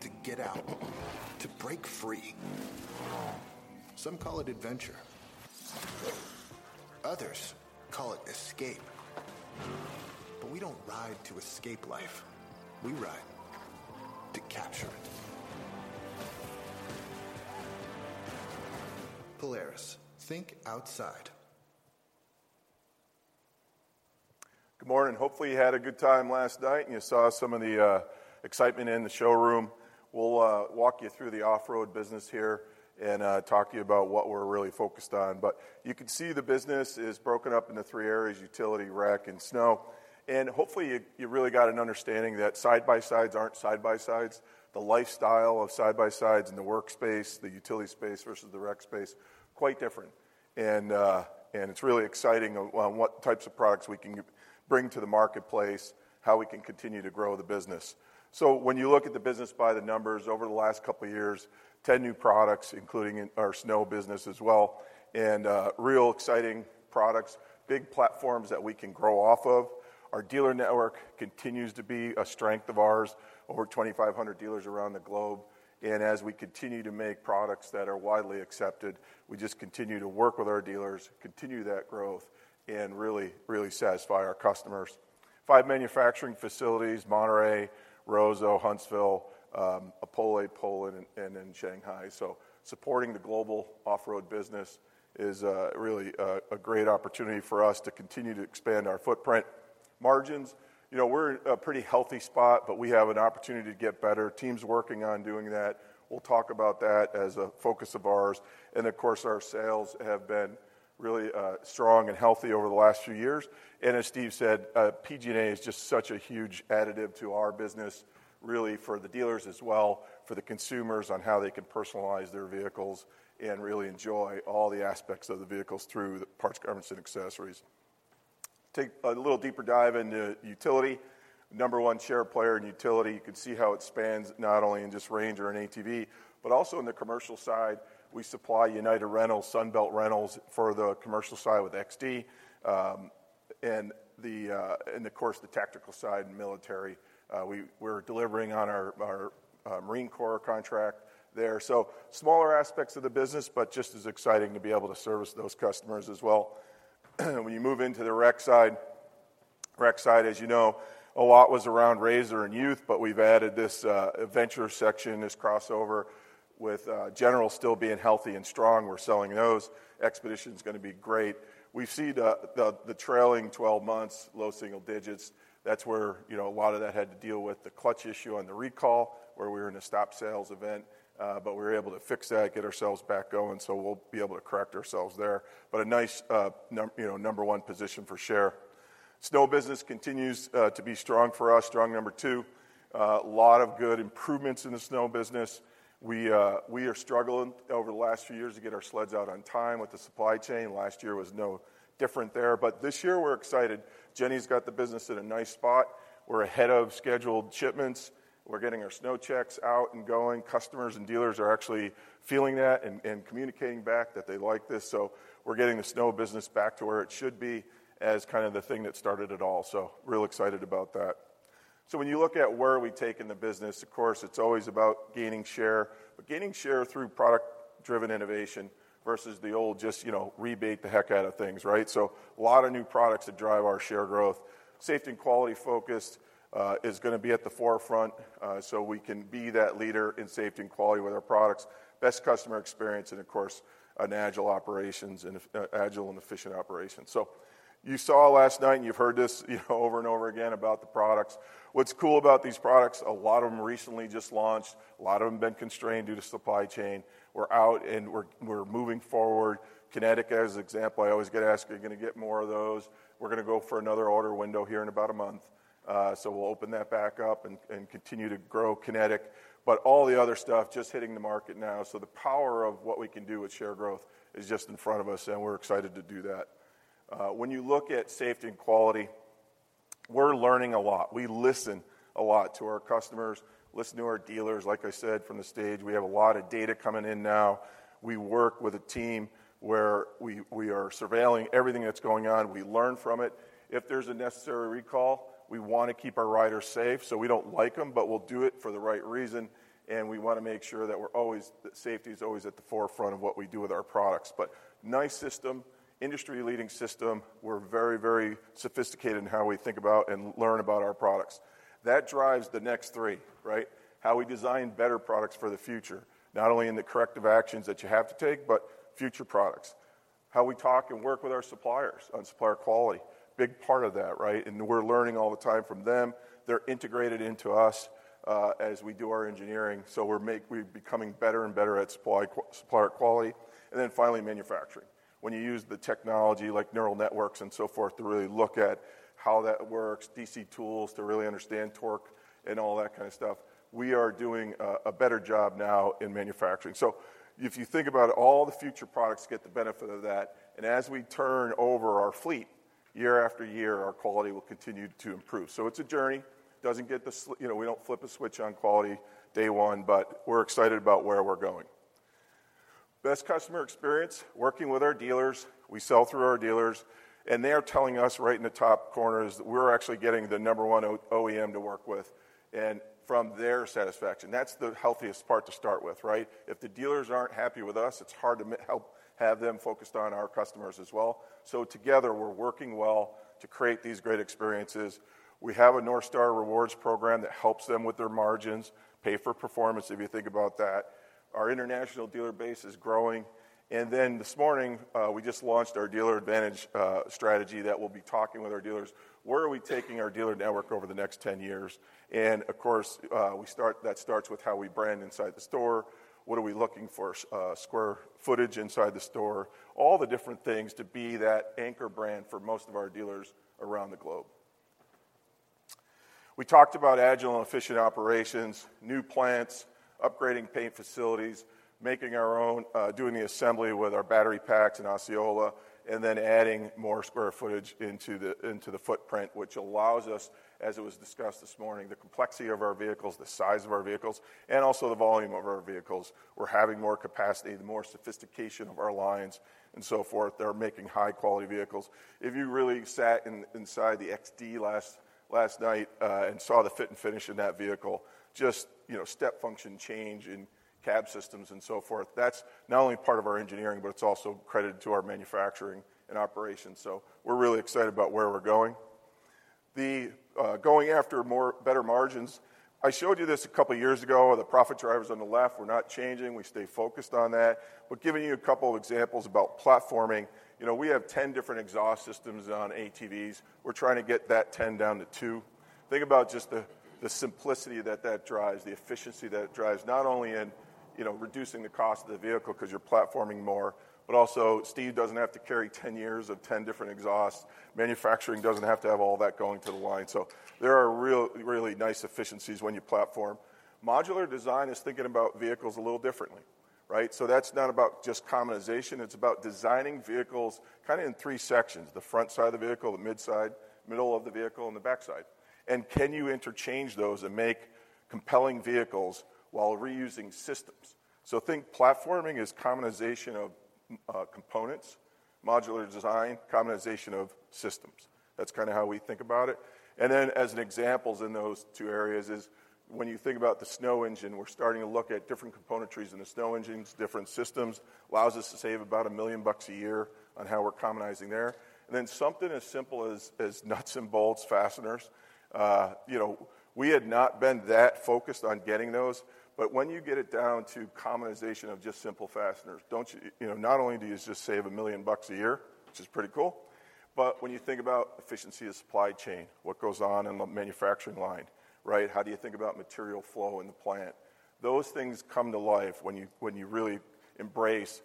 Hopefully, you had a good time last night, you saw some of the excitement in the showroom. We'll walk you through the off-road business here, talk to you about what we're really focused on. You can see the business is broken up into 3 areas: utility, rec, and snow. Hopefully, you, you really got an understanding that side-by-sides aren't side-by-sides. The lifestyle of side-by-sides and the workspace, the utility space versus the rec space, quite different. It's really exciting on what types of products we can bring to the marketplace, how we can continue to grow the business. When you look at the business by the numbers over the last couple of years, 10 new products, including in our snow business as well, real exciting products, big platforms that we can grow off of. Our dealer network continues to be a strength of ours, over 2,500 dealers around the globe. As we continue to make products that are widely accepted, we just continue to work with our dealers, continue that growth, and really, really satisfy our customers. 5 manufacturing facilities, Monterrey, Roseau, Huntsville, Opole, Poland, and in Shanghai. Supporting the global off-road business is really a great opportunity for us to continue to expand our footprint. Margins, you know, we're in a pretty healthy spot, but we have an opportunity to get better. Team's working on doing that. We'll talk about that as a focus of ours, and of course, our sales have been really strong and healthy over the last few years. As Steve said, PG&A is just such a huge additive to our business, really for the dealers as well, for the consumers on how they can personalize their vehicles and really enjoy all the aspects of the vehicles through the parts, garments, and accessories. Take a little deeper dive into utility. Number 1 share player in utility. You can see how it spans not only in just Ranger and ATV, but also in the commercial side. We supply United Rentals, Sunbelt Rentals for the commercial side with XD, and of course, the tactical side and military. We're delivering on our Marine Corps contract there. Smaller aspects of the business, but just as exciting to be able to service those customers as well. When you move into the rec side, as you know, a lot was around RZR and youth, we've added this adventure section, this crossover, with General still being healthy and strong. We're selling those. XPEDITION's gonna be great. We see the trailing 12 months, low single digits. That's where, you know, a lot of that had to deal with the clutch issue and the recall, where we were in a stop sales event. We were able to fix that, get ourselves back going, so we'll be able to correct ourselves there. A nice, you know, number one position for share. Snow business continues to be strong for us, strong number two. A lot of good improvements in the snow business. We, we are struggling over the last few years to get our sleds out on time with the supply chain. Last year was no different there. This year we're excited. Jenny's got the business in a nice spot. We're ahead of scheduled shipments. We're getting our SnowChecks out and going. Customers and dealers are actually feeling that and communicating back that they like this. We're getting the snow business back to where it should be as kind of the thing that started it all. Real excited about that. When you look at where are we taking the business, of course, it's always about gaining share, but gaining share through product-driven innovation versus the old just, you know, rebate the heck out of things, right? A lot of new products that drive our share growth. Safety and quality focused is gonna be at the forefront, so we can be that leader in safety and quality with our products. Best customer experience and of course, an agile operations and agile and efficient operations. You saw last night, and you've heard this, you know, over and over again about the products. What's cool about these products, a lot of them recently just launched, a lot of them been constrained due to supply chain. We're out and we're, we're moving forward. Kinetic, as an example, I always get asked, "Are you gonna get more of those?" We're gonna go for another order window here in about a month. We'll open that back up and continue to grow Kinetic. All the other stuff just hitting the market now. The power of what we can do with share growth is just in front of us, and we're excited to do that. When you look at safety and quality, we're learning a lot. We listen a lot to our customers, listen to our dealers. Like I said, from the stage, we have a lot of data coming in now. We work with a team where we are surveilling everything that's going on. We learn from it. If there's a necessary recall, we wanna keep our riders safe. We don't like them, but we'll do it for the right reason, and we wanna make sure that safety is always at the forefront of what we do with our products. Nice system, industry-leading system. We're very, very sophisticated in how we think about and learn about our products. That drives the next three, right? How we design better products for the future, not only in the corrective actions that you have to take, but future products. How we talk and work with our suppliers on supplier quality. Big part of that, right? We're learning all the time from them. They're integrated into us, as we do our engineering. We're becoming better and better at supplier quality. Then finally, manufacturing. When you use the technology like neural networks and so forth to really look at how that works, DC tools to really understand torque and all that kind of stuff, we are doing a better job now in manufacturing. If you think about it, all the future products get the benefit of that, and as we turn over our fleet, year after year, our quality will continue to improve. It's a journey. Doesn't get the, you know, we don't flip a switch on quality day one. We're excited about where we're going. Best customer experience, working with our dealers. We sell through our dealers. They are telling us right in the top corners that we're actually getting the number 1 OEM to work with and from their satisfaction. That's the healthiest part to start with, right? If the dealers aren't happy with us, it's hard to help have them focused on our customers as well. Together, we're working well to create these great experiences. We have a North Star Rewards Program that helps them with their margins, pay for performance, if you think about that. Our international dealer base is growing. This morning, we just launched our Dealer Advantage strategy that we'll be talking with our dealers. Where are we taking our dealer network over the next 10 years? Of course, that starts with how we brand inside the store. What are we looking for, square footage inside the store? All the different things to be that anchor brand for most of our dealers around the globe. We talked about agile and efficient operations, new plants, upgrading paint facilities, making our own, doing the assembly with our battery packs in Osceola, and then adding more square footage into the, into the footprint, which allows us, as it was discussed this morning, the complexity of our vehicles, the size of our vehicles, and also the volume of our vehicles. We're having more capacity, the more sophistication of our lines and so forth that are making high-quality vehicles. If you really sat in, inside the XD last, last night, and saw the fit and finish in that vehicle, just, you know, step function change in cab systems and so forth, that's not only part of our engineering, but it's also credit to our manufacturing and operations. We're really excited about where we're going. The going after more, better margins. I showed you this a couple of years ago, the profit drivers on the left were not changing. We stay focused on that, but giving you a couple of examples about platforming, you know, we have 10 different exhaust systems on ATVs. We're trying to get that 10 down to 2. Think about just the simplicity that that drives, the efficiency that it drives, not only in, you know, reducing the cost of the vehicle because you're platforming more, but also Steve doesn't have to carry 10 years of 10 different exhausts. Manufacturing doesn't have to have all that going to the line. There are really nice efficiencies when you platform. Modular design is thinking about vehicles a little differently, right? That's not about just commonization, it's about designing vehicles kinda in three sections: the front side of the vehicle, the mid-side, middle of the vehicle, and the backside. Can you interchange those and make compelling vehicles while reusing systems. Think platforming is commonization of components, modular design, commonization of systems. That's kinda how we think about it. Then as an example in those two areas is, when you think about the Snow engine, we're starting to look at different componentries in the Snow engines, different systems. Allows us to save about $1 million a year on how we're commonizing there. Then something as simple as, as nuts and bolts, fasteners. You know, we had not been that focused on getting those, but when you get it down to commonization of just simple fasteners, you know, not only do you just save $1 million a year, which is pretty cool, but when you think about efficiency of supply chain, what goes on in the manufacturing line, right? How do you think about material flow in the plant? Those things come to life when you, when you really embrace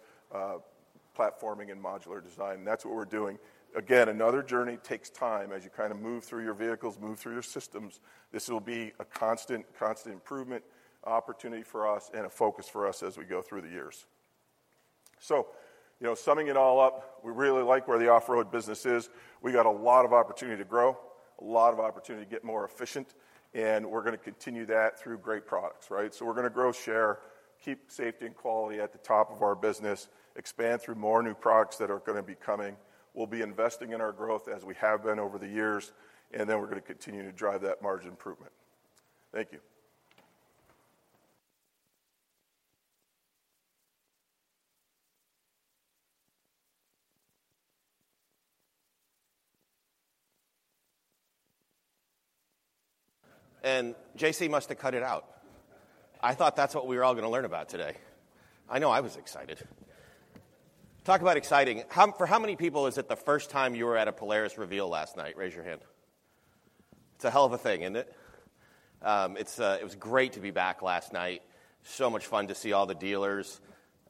platforming and modular design, and that's what we're doing. Again, another journey takes time as you kinda move through your vehicles, move through your systems. This will be a constant, constant improvement opportunity for us and a focus for us as we go through the years. You know, summing it all up, we really like where the off-road business is. We got a lot of opportunity to grow, a lot of opportunity to get more efficient, and we're gonna continue that through great products, right? We're gonna grow share, keep safety and quality at the top of our business, expand through more new products that are gonna be coming. We'll be investing in our growth as we have been over the years, and then we're gonna continue to drive that margin improvement. Thank you. J.C. must have cut it out. I thought that's what we were all gonna learn about today. I know I was excited. Talk about exciting, for how many people is it the first time you were at a Polaris reveal last night? Raise your hand. It's a hell of a thing, isn't it? It's, it was great to be back last night. So much fun to see all the dealers.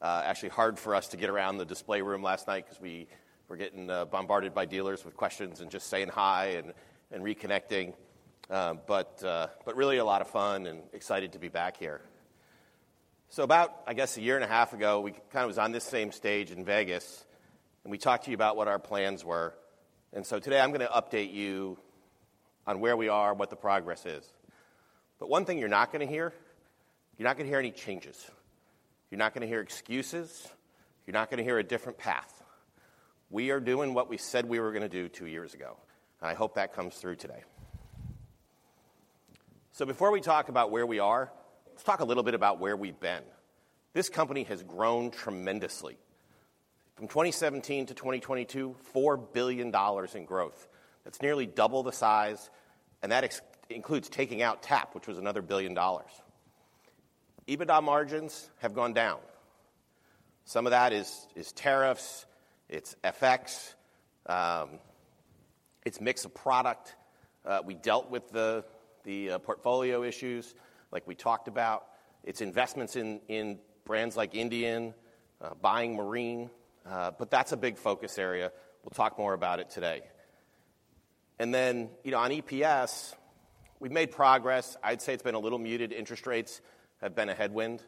Actually hard for us to get around the display room last night 'cause we were getting bombarded by dealers with questions and just saying hi and, and reconnecting. Really a lot of fun and excited to be back here. About, I guess, 1.5 years ago, we kind of was on this same stage in Vegas, and we talked to you about what our plans were. Today I'm gonna update you on where we are and what the progress is. One thing you're not gonna hear, you're not gonna hear any changes. You're not gonna hear excuses. You're not gonna hear a different path. We are doing what we said we were gonna do two years ago, and I hope that comes through today. Before we talk about where we are, let's talk a little bit about where we've been. This company has grown tremendously. From 2017 to 2022, $4 billion in growth. That's nearly double the size, and that includes taking out TAP, which was another $1 billion. EBITDA margins have gone down. Some of that is, is tariffs, it's FX, it's mix of product. We dealt with the portfolio issues, like we talked about. It's investments in, in brands like Indian, buying Marine, that's a big focus area. We'll talk more about it today. Then, you know, on EPS, we've made progress. I'd say it's been a little muted. Interest rates have been a headwind,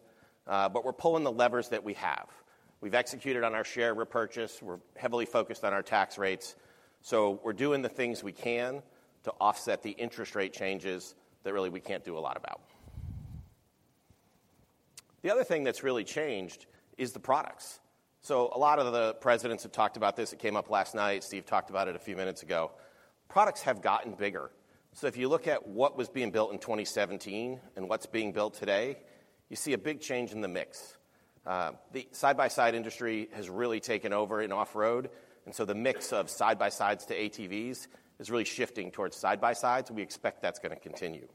we're pulling the levers that we have. We've executed on our share repurchase. We're heavily focused on our tax rates, we're doing the things we can to offset the interest rate changes that really we can't do a lot about. The other thing that's really changed is the products. A lot of the presidents have talked about this. It came up last night. Steve talked about it a few minutes ago. Products have gotten bigger. If you look at what was being built in 2017 and what's being built today, you see a big change in the mix. The side-by-side industry has really taken over in off-road, so the mix of side-by-sides to ATVs is really shifting towards side-by-sides. We expect that's gonna continue.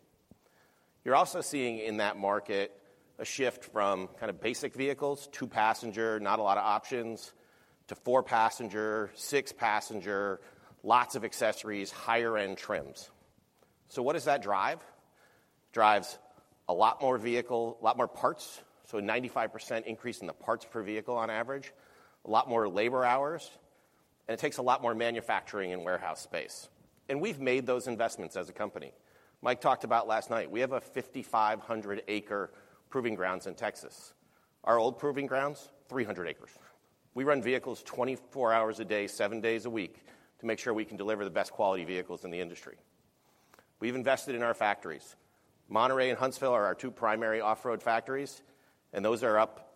You're also seeing in that market a shift from kind of basic vehicles, 2 passenger, not a lot of options, to 4 passenger, 6 passenger, lots of accessories, higher end trims. What does that drive? Drives a lot more vehicle, a lot more parts, so a 95% increase in the parts per vehicle on average, a lot more labor hours, and it takes a lot more manufacturing and warehouse space. We've made those investments as a company. Mike talked about last night, we have a 5,500 acre proving grounds in Texas. Our old proving grounds, 300 acres. We run vehicles 24 hours a day, 7 days a week, to make sure we can deliver the best quality vehicles in the industry. We've invested in our factories. Monterrey and Huntsville are our 2 primary off-road factories, and those are up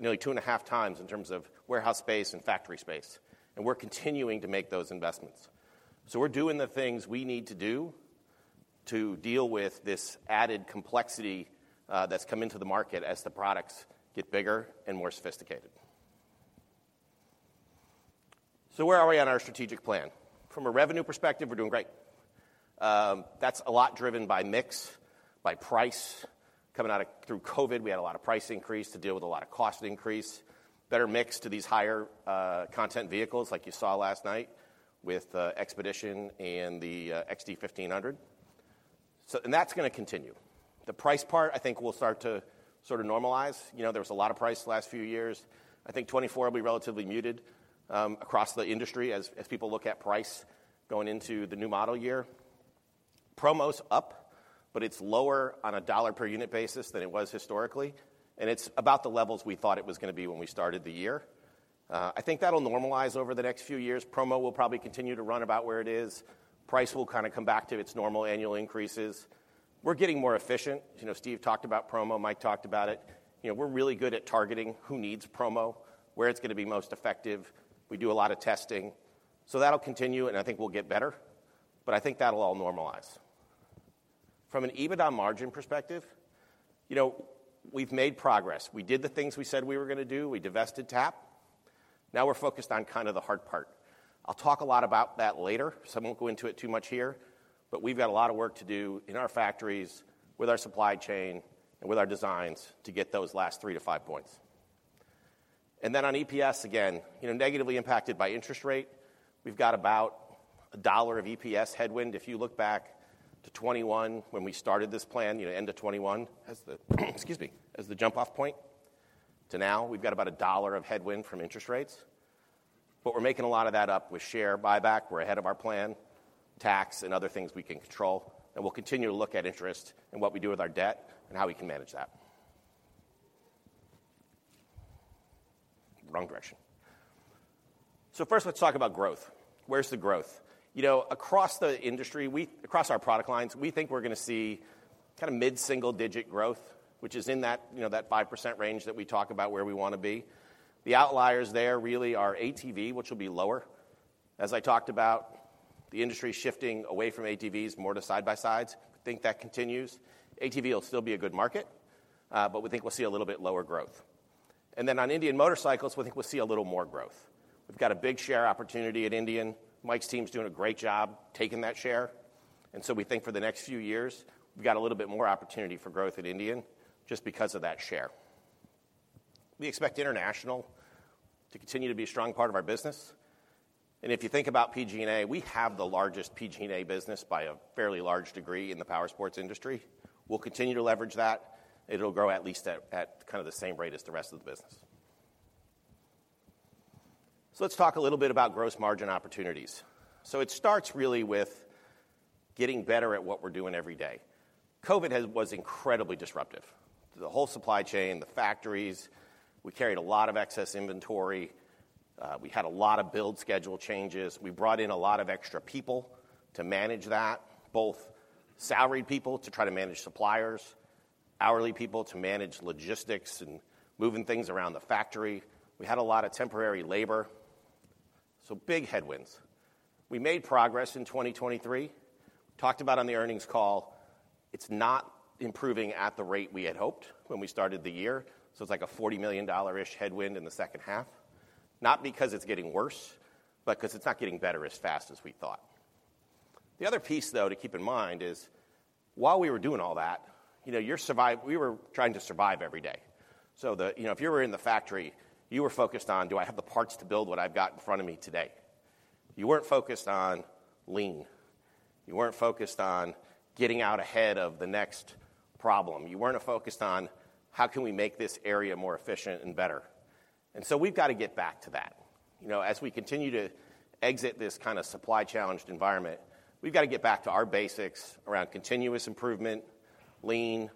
nearly 2.5 times in terms of warehouse space and factory space, and we're continuing to make those investments. We're doing the things we need to do to deal with this added complexity that's come into the market as the products get bigger and more sophisticated. Where are we on our strategic plan? From a revenue perspective, we're doing great. That's a lot driven by mix, by price. Through COVID, we had a lot of price increase to deal with a lot of cost increase. Better mix to these higher content vehicles like you saw last night with XPEDITION and the XD 1500. That's gonna continue. The price part, I think, will start to sort of normalize. You know, there was a lot of price the last few years. I think 2024 will be relatively muted across the industry as people look at price going into the new model year. Promo's up, but it's lower on a $ per unit basis than it was historically, and it's about the levels we thought it was gonna be when we started the year. I think that'll normalize over the next few years. Promo will probably continue to run about where it is. Price will kinda come back to its normal annual increases. We're getting more efficient. You know, Steve talked about promo, Mike talked about it. You know, we're really good at targeting who needs promo, where it's gonna be most effective. We do a lot of testing. That'll continue, and I think we'll get better, but I think that'll all normalize. From an EBITDA margin perspective, you know, we've made progress. We did the things we said we were gonna do. We divested TAP. Now we're focused on kinda the hard part. I'll talk a lot about that later, so I won't go into it too much here, but we've got a lot of work to do in our factories, with our supply chain, and with our designs to get those last 3-5 points. Then on EPS, again, you know, negatively impacted by interest rate. We've got about a $1 of EPS headwind. If you look back to 2021, when we started this plan, you know, end of 2021, excuse me, as the jump-off point to now, we've got about $1 of headwind from interest rates. We're making a lot of that up with share buyback. We're ahead of our plan, tax, and other things we can control, and we'll continue to look at interest and what we do with our debt and how we can manage that. Wrong direction. First, let's talk about growth. Where's the growth? You know, across the industry, across our product lines, we think we're gonna see kinda mid-single-digit growth, which is in that, you know, that 5% range that we talk about where we wanna be. The outliers there really are ATV, which will be lower. As I talked about, the industry is shifting away from ATVs more to side-by-sides. I think that continues. ATV will still be a good market, but we think we'll see a little bit lower growth. On Indian Motorcycles, we think we'll see a little more growth. We've got a big share opportunity at Indian. Mike's team's doing a great job taking that share. We think for the next few years, we've got a little bit more opportunity for growth at Indian just because of that share. We expect international to continue to be a strong part of our business. If you think about PG&A, we have the largest PG&A business by a fairly large degree in the powersports industry. We'll continue to leverage that. It'll grow at least at, at kinda the same rate as the rest of the business. Let's talk a little bit about gross margin opportunities. It starts really with getting better at what we're doing every day. COVID was incredibly disruptive to the whole supply chain, the factories. We carried a lot of excess inventory. We had a lot of build schedule changes. We brought in a lot of extra people to manage that, both salaried people to try to manage suppliers, hourly people to manage logistics and moving things around the factory. We had a lot of temporary labor, so big headwinds. We made progress in 2023. Talked about on the earnings call, it's not improving at the rate we had hoped when we started the year, so it's like a $40 million-ish headwind in the second half. Not because it's getting worse, but 'cause it's not getting better as fast as we thought. The other piece, though, to keep in mind is, while we were doing all that, you know, we were trying to survive every day. The, you know, if you were in the factory, you were focused on, "Do I have the parts to build what I've got in front of me today?" You weren't focused on lean. You weren't focused on getting out ahead of the next problem. You weren't focused on: How can we make this area more efficient and better? We've got to get back to that. You know, as we continue to exit this kind of supply-challenged environment, we've got to get back to our basics around continuous improvement, lean,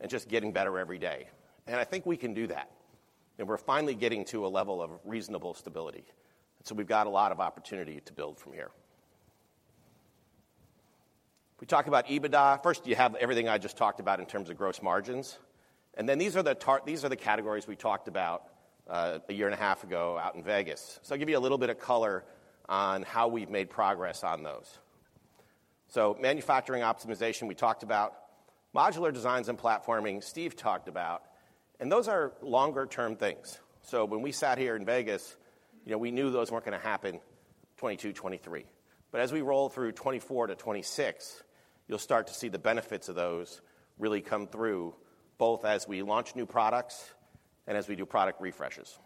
and just getting better every day. I think we can do that, and we're finally getting to a level of reasonable stability. We've got a lot of opportunity to build from here. We talked about EBITDA. First, you have everything I just talked about in terms of gross margins, these are the categories we talked about a year and a half ago out in Vegas. I'll give you a little bit of color on how we've made progress on those. Manufacturing optimization, we talked about. Modular designs and platforming, Steve talked about, and those are longer-term things. When we sat here in Vegas, you know, we knew those weren't gonna happen 2022, 2023. As we roll through 2024 to 2026, you'll start to see the benefits of those really come through, both as we launch new products and as we do product refreshes.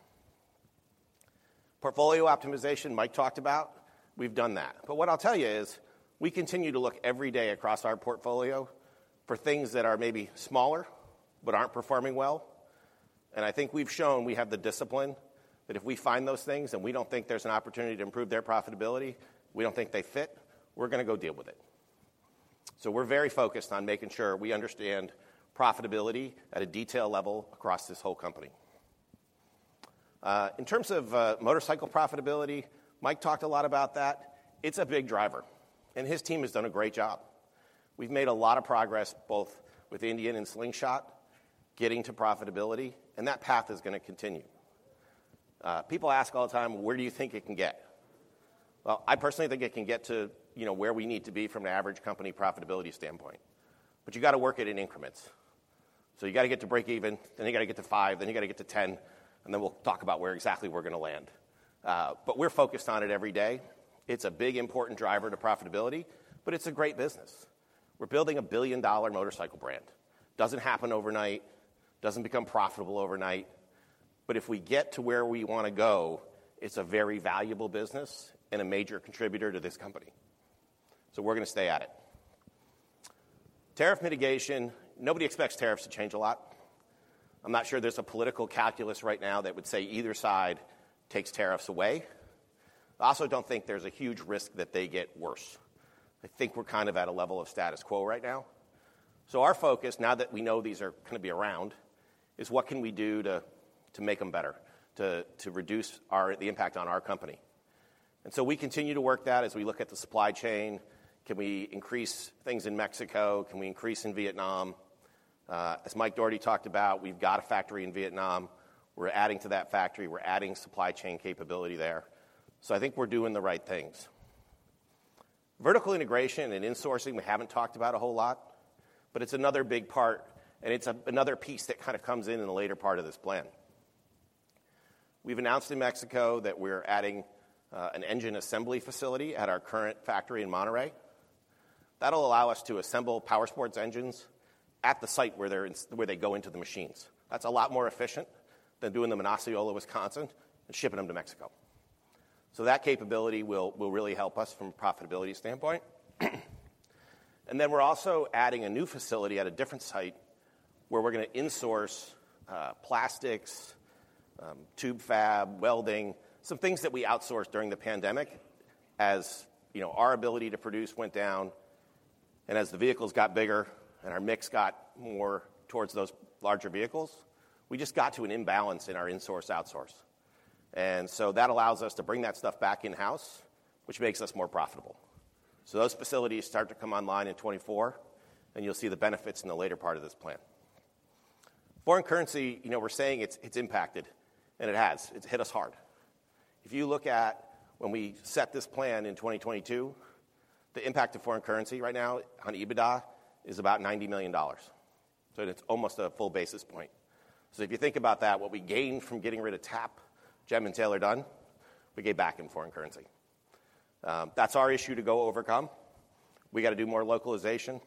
Portfolio optimization, Mike talked about. We've done that. What I'll tell you is, we continue to look every day across our portfolio for things that are maybe smaller but aren't performing well, and I think we've shown we have the discipline, that if we find those things and we don't think there's an opportunity to improve their profitability, we don't think they fit, we're gonna go deal with it. We're very focused on making sure we understand profitability at a detail level across this whole company. In terms of motorcycle profitability, Mike talked a lot about that. It's a big driver, and his team has done a great job. We've made a lot of progress, both with Indian and Slingshot, getting to profitability, and that path is gonna continue. People ask all the time, "Where do you think it can get?" Well, I personally think it can get to, you know, where we need to be from an average company profitability standpoint. You gotta work it in increments. You gotta get to break even, then you gotta get to 5, then you gotta get to 10. Then we'll talk about where exactly we're gonna land. We're focused on it every day. It's a big, important driver to profitability. It's a great business. We're building a billion-dollar motorcycle brand. Doesn't happen overnight, doesn't become profitable overnight. If we get to where we wanna go, it's a very valuable business and a major contributor to this company. We're gonna stay at it. Tariff mitigation, nobody expects tariffs to change a lot. I'm not sure there's a political calculus right now that would say either side takes tariffs away. I also don't think there's a huge risk that they get worse. I think we're kind of at a level of status quo right now. Our focus, now that we know these are gonna be around, is what can we do to make them better, to reduce the impact on our company? We continue to work that as we look at the supply chain. Can we increase things in Mexico? Can we increase in Vietnam? As Mike Doherty talked about, we've got a factory in Vietnam. We're adding to that factory. We're adding supply chain capability there. I think we're doing the right things. Vertical integration and insourcing, we haven't talked about a whole lot, but it's another big part, and it's a, another piece that kind of comes in in the later part of this plan. We've announced in Mexico that we're adding an engine assembly facility at our current factory in Monterrey. That'll allow us to assemble powersports engines at the site where they go into the machines. That's a lot more efficient than doing them in Osceola, Wisconsin, and shipping them to Mexico. That capability will, will really help us from a profitability standpoint. Then we're also adding a new facility at a different site, where we're gonna insource plastics, tube fab, welding, some things that we outsourced during the pandemic. As, you know, our ability to produce went down and as the vehicles got bigger and our mix got more towards those larger vehicles, we just got to an imbalance in our insource, outsource. That allows us to bring that stuff back in-house, which makes us more profitable. Those facilities start to come online in 2024, and you'll see the benefits in the later part of this plan. Foreign currency, you know, we're saying it's, it's impacted, and it has. It's hit us hard. If you look at when we set this plan in 2022, the impact of foreign currency right now on EBITDA is about $90 million, so it's almost a full basis point. If you think about that, what we gained from getting rid of TAP, GEM and Taylor-Dunn, we gave back in foreign currency. That's our issue to go overcome. We got to do more localization.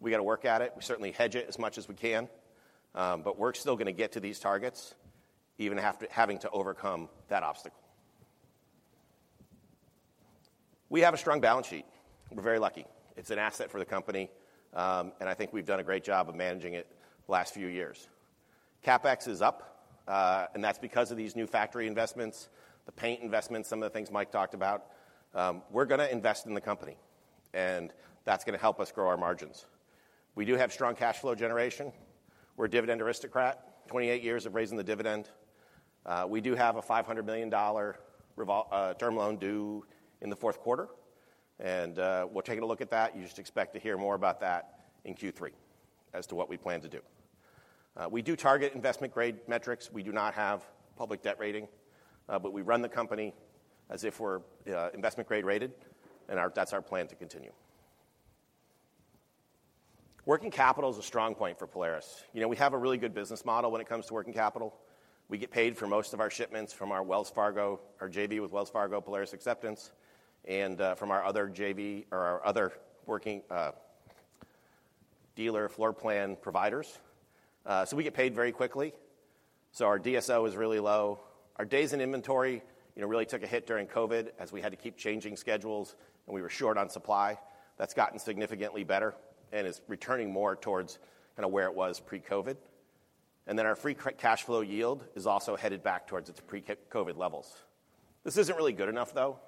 We got to work at it. We certainly hedge it as much as we can, we're still gonna get to these targets even having to overcome that obstacle. We have a strong balance sheet. We're very lucky. It's an asset for the company, I think we've done a great job of managing it the last few years. CapEx is up, that's because of these new factory investments, the paint investments, some of the things Mike talked about. We're gonna invest in the company, that's gonna help us grow our margins. We do have strong cash flow generation. We're a dividend aristocrat, 28 years of raising the dividend. n edited transcript of an earnings call. We do have a $500 million term loan due in the Q4, and we're taking a look at that. You just expect to hear more about that in Q3 as to what we plan to do. We do target investment grade metrics. We do not have public debt rating, but we run the company as if we're investment grade rated, and that's our plan to continue. Working capital is a strong point for Polaris. You know, we have a really good business model when it comes to working capital. We get paid for most of our shipments from our Wells Fargo, our JV with Wells Fargo, Polaris Acceptance, and from our other JV or our other working dealer floor plan providers. So we get paid very quickly, so our DSO is really low Our days in inventory, you know, really took a hit during COVID as we had to keep changing schedules, and we were short on supply. That's gotten significantly better and is returning more towards kinda where it was pre-COVID. Then our free cash flow yield is also headed back towards its pre-COVID levels. This isn't really good enough, though.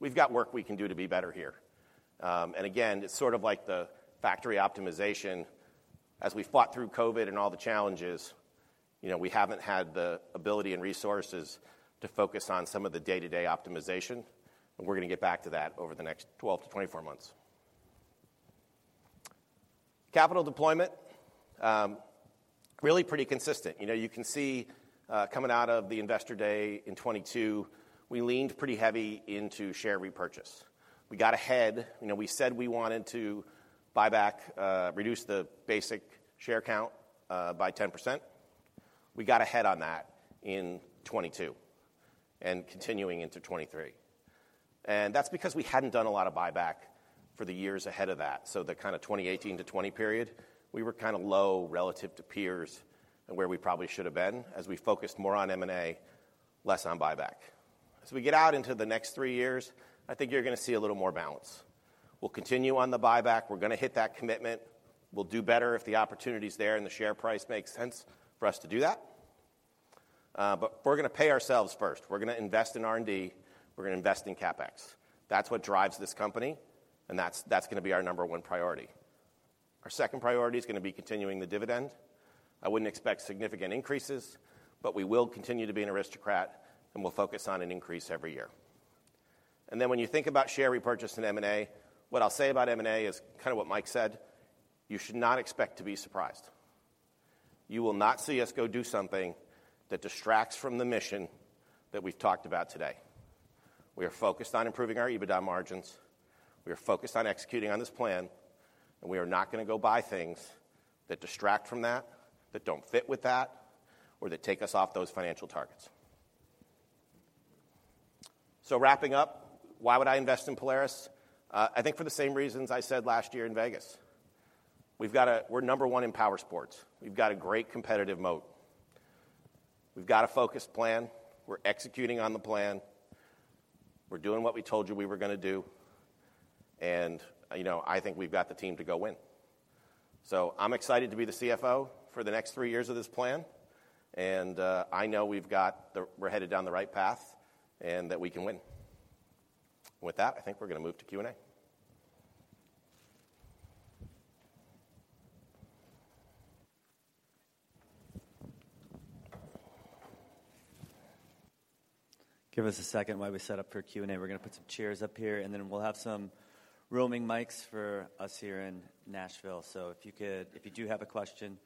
We've got work we can do to be better here. And again, it's sort of like the factory optimization. As we fought through COVID and all the challenges, you know, we haven't had the ability and resources to focus on some of the day-to-day optimization, and we're gonna get back to that over the next 12 to 24 months. Capital deployment, really pretty consistent. You know, you can see, coming out of the Investor Day in 2022, we leaned pretty heavy into share repurchase. We got ahead. You know, we said we wanted to buy back, reduce the basic share count, by 10%. We got ahead on that in 2022 and continuing into 2023, and that's because we hadn't done a lot of buyback for the years ahead of that. The kind of 2018-2020 period, we were kind of low relative to peers and where we probably should have been as we focused more on M&A, less on buyback. As we get out into the next 3 years, I think you're gonna see a little more balance. We'll continue on the buyback. We're gonna hit that commitment. We'll do better if the opportunity's there and the share price makes sense for us to do that. We're gonna pay ourselves first. We're gonna invest in R&D. We're gonna invest in CapEx. That's what drives this company, that's, that's gonna be our number one priority. Our second priority is gonna be continuing the dividend. I wouldn't expect significant increases, we will continue to be an aristocrat, we'll focus on an increase every year. When you think about share repurchase and M&A, what I'll say about M&A is kind of what Mike said: You should not expect to be surprised. You will not see us go do something that distracts from the mission that we've talked about today. We are focused on improving our EBITDA margins, we are focused on executing on this plan, we are not gonna go buy things that distract from that, that don't fit with that, or that take us off those financial targets. Wrapping up, why would I invest in Polaris? I think for the same reasons I said last year in Vegas. We've got we're number one in powersports. We've got a great competitive moat. We've got a focused plan. We're executing on the plan. We're doing what we told you we were gonna do, and, you know, I think we've got the team to go win. I'm excited to be the CFO for the next three years of this plan, and I know we've got we're headed down the right path and that we can win. With that, I think we're gonna move to Q&A. Give us a second while we set up for Q&A. We're gonna put some chairs up here, and then we'll have some roaming mics for us here in Nashville. If you do have a question,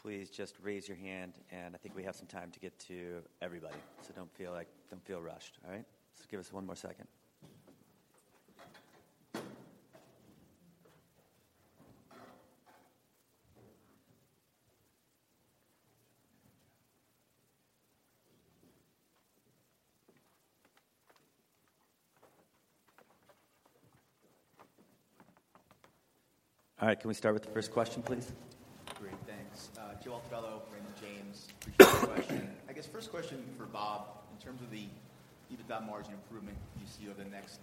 please just raise your hand, and I think we have some time to get to everybody. Don't feel rushed. All right? Just give us one more second. All right, can we start with the first question, please? Great, thanks. Joe Altobello from Raymond James. Question. I guess, first question for Bob: in terms of the EBITDA margin improvement you see over the next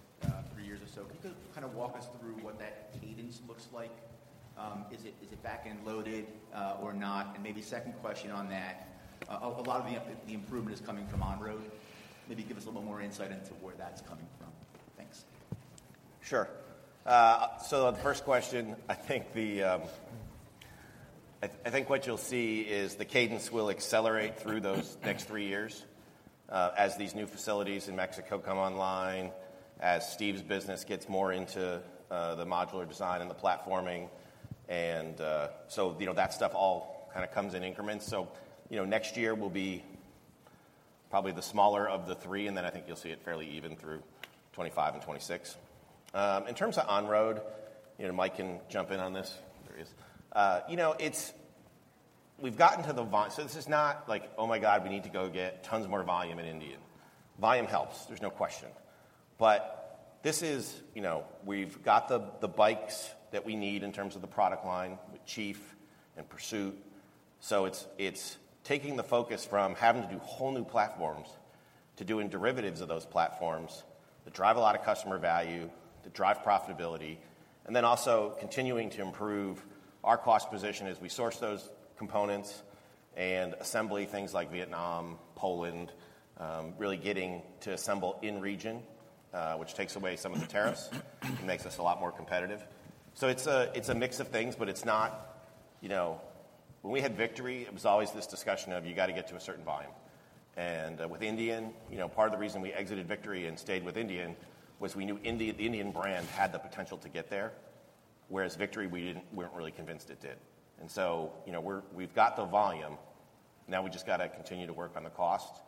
3 years or so, can you kind of walk us through what that cadence looks like? Is it, is it back-end loaded, or not? Maybe second question on that, a lot of the improvement is coming from On Road. Maybe give us a little more insight into where that's coming from. Thanks. Sure. The first question, I think the, I, I think what you'll see is the cadence will accelerate through those next three years as these new facilities in Mexico come online, as Steve's business gets more into the modular design and the platforming, and. You know, that stuff all kind of comes in increments. You know, next year will be probably the smaller of the three, and then I think you'll see it fairly even through 25 and 26. In terms of On Road, you know, Mike can jump in on this. There he is. You know, we've gotten to the. This is not like, 'Oh, my God, we need to go get tons more volume in Indian.' Volume helps, there's no question. This is, you know, we've got the, the bikes that we need in terms of the product line with Chief and Pursuit. It's, it's taking the focus from having to do whole new platforms to doing derivatives of those platforms that drive a lot of customer value, that drive profitability, and then also continuing to improve our cost position as we source those components and assembly things like Vietnam, Poland, really getting to assemble in region, which takes away some of the tariffs, makes us a lot more competitive. It's a, it's a mix of things, but it's not, you know... When we had Victory, it was always this discussion of: You gotta get to a certain volume. With Indian, you know, part of the reason we exited Victory and stayed with Indian was we knew the Indian brand had the potential to get there, whereas Victory, we didn't, weren't really convinced it did. You know, we've got the volume. Now we just gotta continue to work on the cost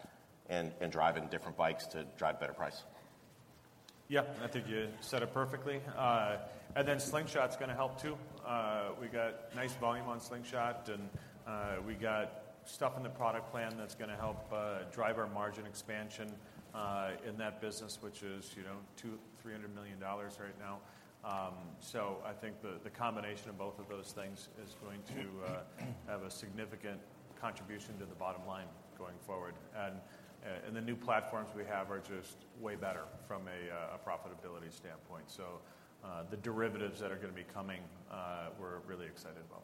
and, and drive in different bikes to drive better price. Yeah, I think you said it perfectly. Slingshot's gonna help, too. We got nice volume on Slingshot, and we got stuff in the product plan that's gonna help, drive our margin expansion, in that business, which is, you know, $200 million-$300 million right now. I think the combination of both of those things is going to have a significant contribution to the bottom line going forward. The new platforms we have are just way better from a profitability standpoint. The derivatives that are gonna be coming, we're really excited about.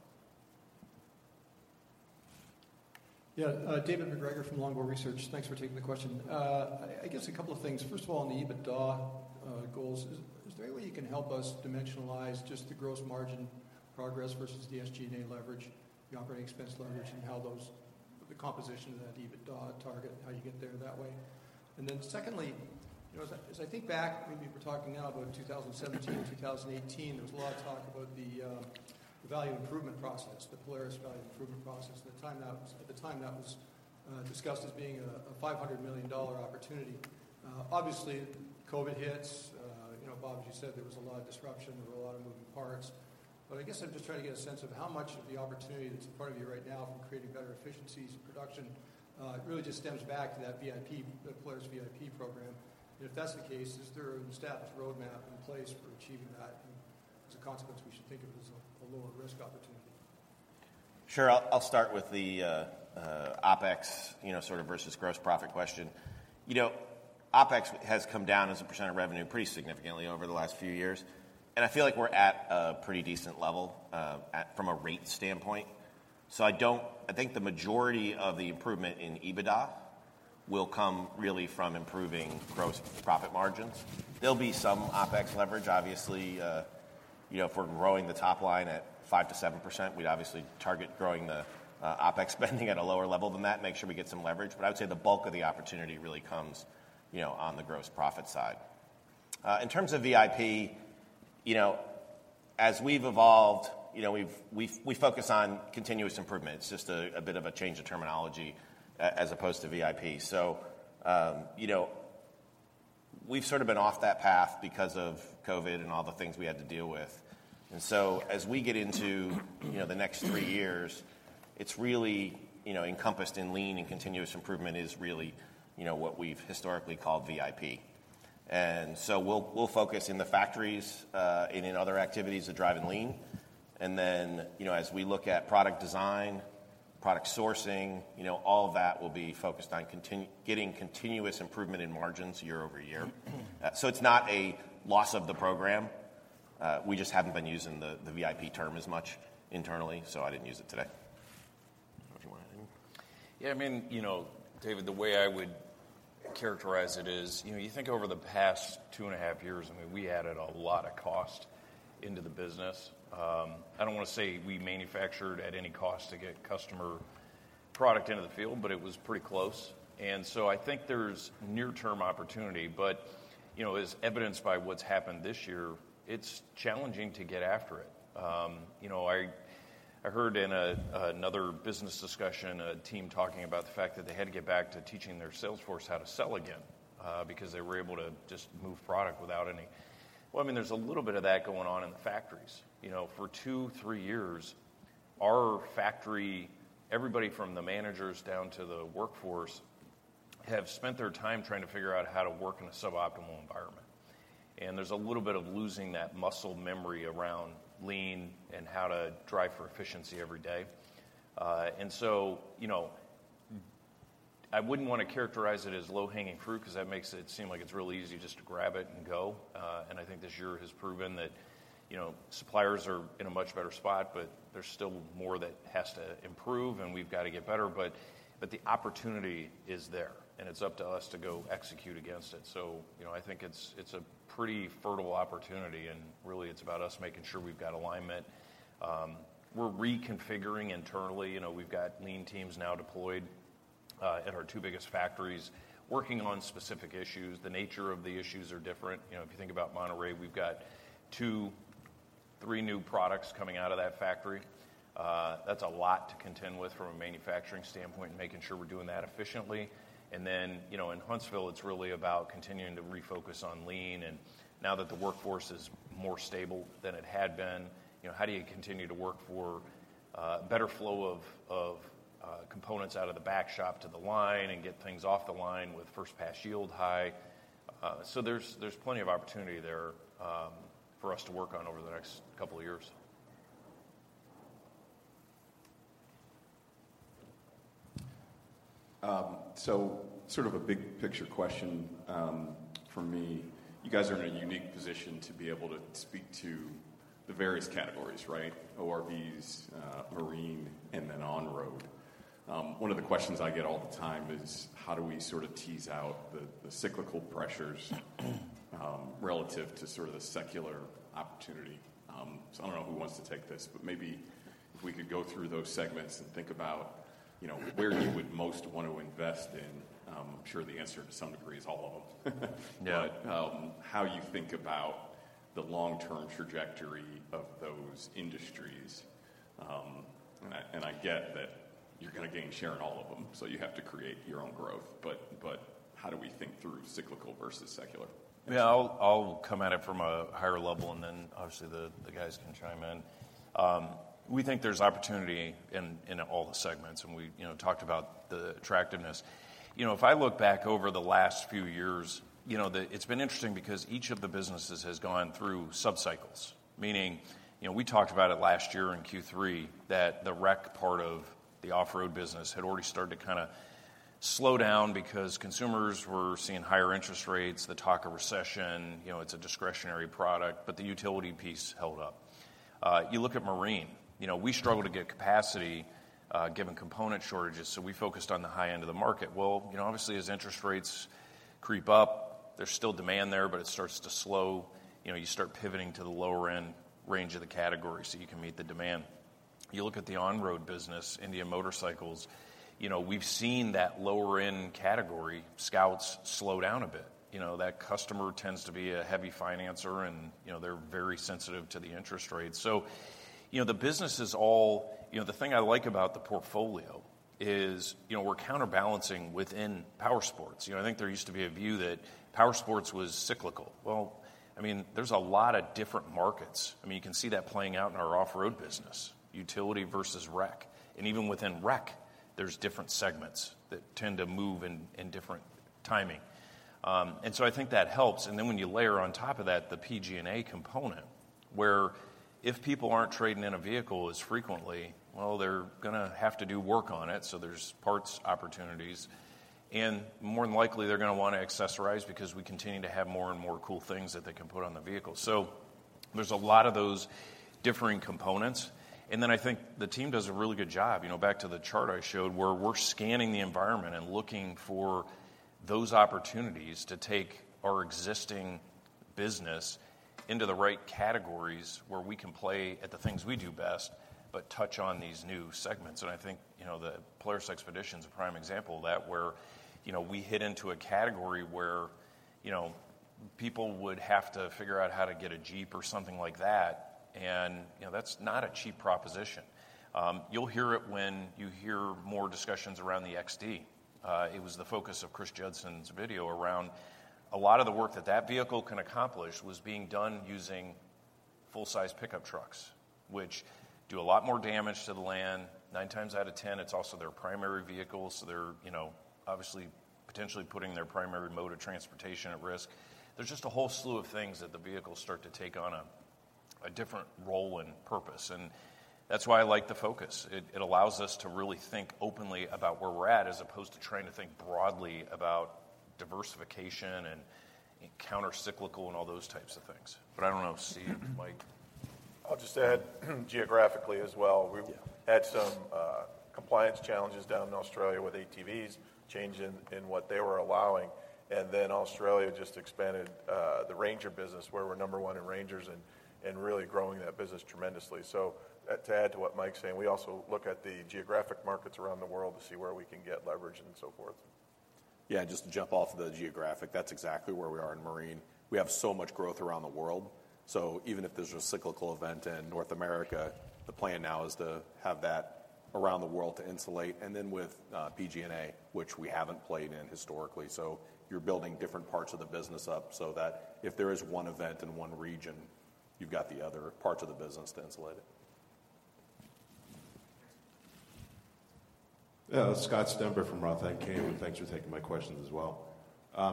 Yeah, David MacGregor from Longbow Research. Thanks for taking the question. I, I guess a couple of things. First of all, on the EBITDA goals, is, is there any way you can help us dimensionalize just the gross margin progress versus the SG&A leverage, the operating expense leverage, and how those, the composition of that EBITDA target, how you get there that way? Secondly, you know, as I, as I think back, maybe we're talking now about 2017, 2018, there was a lot of talk about the value improvement process, the Polaris Value Improvement Process. At the time that was, at the time, that was discussed as being a $500 million opportunity. Obviously, COVID hits. You know, Bob, as you said, there was a lot of disruption, there were a lot of moving parts. I guess I'm just trying to get a sense of how much of the opportunity that's in front of you right now from creating better efficiencies in production, really just stems back to that VIP, the Polaris VIP program. If that's the case, is there an established roadmap in place for achieving that? As a consequence, we should think of it as a, a lower-risk opportunity. Sure. I'll, I'll start with the OpEx, you know, sort of versus gross profit question. You know, OpEx has come down as a percent of revenue pretty significantly over the last few years, and I feel like we're at a pretty decent level at from a rate standpoint. I don't-- I think the majority of the improvement in EBITDA will come really from improving gross profit margins. There'll be some OpEx leverage, obviously. You know, if we're growing the top line at 5%-7%, we'd obviously target growing the OpEx spending at a lower level than that, make sure we get some leverage. I would say the bulk of the opportunity really comes, you know, on the gross profit side. In terms of VIP, you know, as we've evolved, you know, we've, we've, we focus on continuous improvement. It's just a, a bit of a change of terminology a- as opposed to VIP. You know, we've sort of been off that path because of COVID and all the things we had to deal with. As we get into, you know, the next 3 years, it's really, you know, encompassed in lean and continuous improvement is really, you know, what we've historically called VIP. We'll, we'll focus in the factories, and in other activities that drive in lean. You know, as we look at product design-... product sourcing, you know, all of that will be focused on contin- getting continuous improvement in margins year-over-year. It's not a loss of the program. We just haven't been using the, the VIP term as much internally, so I didn't use it today. I don't know if you want to add anything. Yeah, I mean, you know, David, the way I would characterize it is, you know, you think over the past 2.5 years, I mean, we added a lot of cost into the business. I don't wanna say we manufactured at any cost to get customer product into the field, but it was pretty close. So I think there's near-term opportunity, but, you know, as evidenced by what's happened this year, it's challenging to get after it. You know, I, I heard in another business discussion, a team talking about the fact that they had to get back to teaching their sales force how to sell again, because they were able to just move product without any... Well, I mean, there's a little bit of that going on in the factories. You know, for 2, 3 years, our factory, everybody from the managers down to the workforce, have spent their time trying to figure out how to work in a suboptimal environment. There's a little bit of losing that muscle memory around lean and how to drive for efficiency every day. You know, I wouldn't want to characterize it as low-hanging fruit, 'cause that makes it seem like it's really easy just to grab it and go. I think this year has proven that, you know, suppliers are in a much better spot, but there's still more that has to improve, and we've got to get better. The opportunity is there, and it's up to us to go execute against it. You know, I think it's, it's a pretty fertile opportunity, and really, it's about us making sure we've got alignment. We're reconfiguring internally. You know, we've got lean teams now deployed at our two biggest factories, working on specific issues. The nature of the issues are different. You know, if you think about Monterrey, we've got two, three new products coming out of that factory. That's a lot to contend with from a manufacturing standpoint and making sure we're doing that efficiently. Then, you know, in Huntsville, it's really about continuing to refocus on lean, and now that the workforce is more stable than it had been, you know, how do you continue to work for better flow of components out of the back shop to the line and get things off the line with first pass yield high? So there's, there's plenty of opportunity there for us to work on over the next couple of years. Sort of a big-picture question from me. You guys are in a unique position to be able to speak to the various categories, right? ORVs, marine, and then on-road. One of the questions I get all the time is, how do we sort of tease out the cyclical pressures relative to sort of the secular opportunity? I don't know who wants to take this, but maybe if we could go through those segments and think about, you know, where you would most want to invest in. I'm sure the answer, to some degree, is all of them. Yeah. How you think about the long-term trajectory of those industries. I, and I get that you're gonna gain share in all of them, so you have to create your own growth, but, but how do we think through cyclical versus secular? Yeah, I'll, I'll come at it from a higher level, and then, obviously, the, the guys can chime in. We think there's opportunity in, in all the segments, we, you know, talked about the attractiveness. You know, if I look back over the last few years, you know, it's been interesting because each of the businesses has gone through subcycles, meaning, you know, we talked about it last year in Q3, that the rec part of the off-road business had already started to kind of slow down because consumers were seeing higher interest rates, the talk of recession, you know, it's a discretionary product, the utility piece held up. You look at marine, you know, we struggle to get capacity, given component shortages, we focused on the high end of the market. Well, you know, obviously, as interest rates creep up, there's still demand there, but it starts to slow. You know, you start pivoting to the lower-end range of the category so you can meet the demand. You look at the on-road business, Indian Motorcycles, you know, we've seen that lower-end category, Scouts, slow down a bit. You know, that customer tends to be a heavy financer, and, you know, they're very sensitive to the interest rates. You know, the business is all... You know, the thing I like about the portfolio is, you know, we're counterbalancing within powersports. You know, I think there used to be a view that powersports was cyclical. Well, I mean, there's a lot of different markets. I mean, you can see that playing out in our off-road business, utility versus rec, and even within rec, there's different segments that tend to move in, in different timing. I think that helps. Then when you layer on top of that the PG&A component, where if people aren't trading in a vehicle as frequently, well, they're gonna have to do work on it, so there's parts opportunities, and more than likely, they're gonna wanna accessorize because we continue to have more and more cool things that they can put on the vehicle. There's a lot of those differing components. Then I think the team does a really good job. You know, back to the chart I showed, where we're scanning the environment and looking for those opportunities to take our existing business into the right categories, where we can play at the things we do best, but touch on these new segments. I think, you know, the Polaris Xpedition is a prime example of that, where, you know, we hit into a category where, you know, people would have to figure out how to get a Jeep or something like that, and, you know, that's not a cheap proposition. You'll hear it when you hear more discussions around the XD. It was the focus of Chris Judson's video around a lot of the work that that vehicle can accomplish was being done using full-size pickup trucks, which do a lot more damage to the land. 9 times out of 10, it's also their primary vehicle, so they're, you know, obviously, potentially putting their primary mode of transportation at risk. There's just a whole slew of things that the vehicles start to take on a different role and purpose, and that's why I like the focus. It, it allows us to really think openly about where we're at, as opposed to trying to think broadly about diversification and, and countercyclical and all those types of things. I don't know, Steve, Mike? I'll just add, geographically as well. Yeah. We've had some compliance challenges down in Australia with ATVs, change in, in what they were allowing. Then Australia just expanded the Ranger business, where we're number 1 in Rangers and, and really growing that business tremendously. To add to what Mike's saying, we also look at the geographic markets around the world to see where we can get leverage and so forth. Yeah, and just to jump off of the geographic, that's exactly where we are in Marine. We have so much growth around the world, so even if there's a cyclical event in North America, the plan now is to have that around the world to insulate. Then with PG&A, which we haven't played in historically, so you're building different parts of the business up, so that if there is one event in one region, you've got the other parts of the business to insulate it. Yeah, Scott Stember from ROTH MKM. Thanks for taking my questions as well.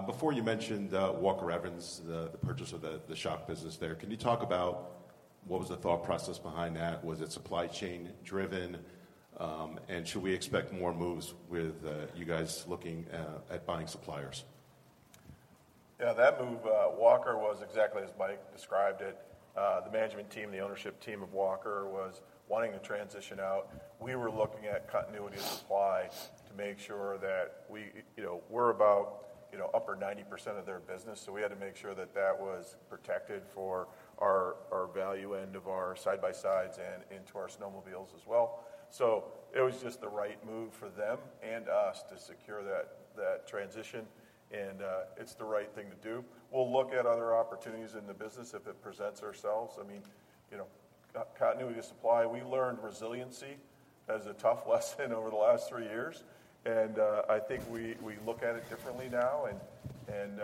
Before you mentioned Walker Evans Enterprises, the purchase of the shop business there, can you talk about what was the thought process behind that? Was it supply chain driven? Should we expect more moves with you guys looking at buying suppliers? Yeah, that move, Walker was exactly as Mike described it. The management team, the ownership team of Walker was wanting to transition out. We were looking at continuity of supply to make sure that we, you know, we're about, you know, upper 90% of their business, so we had to make sure that that was protected for our, our value end of our side-by-sides and into our snowmobiles as well. It was just the right move for them and us to secure that, that transition, and it's the right thing to do. We'll look at other opportunities in the business if it presents ourselves. I mean, you know, continuity of supply, we learned resiliency as a tough lesson over the last 3 years, and I think we, we look at it differently now, and, and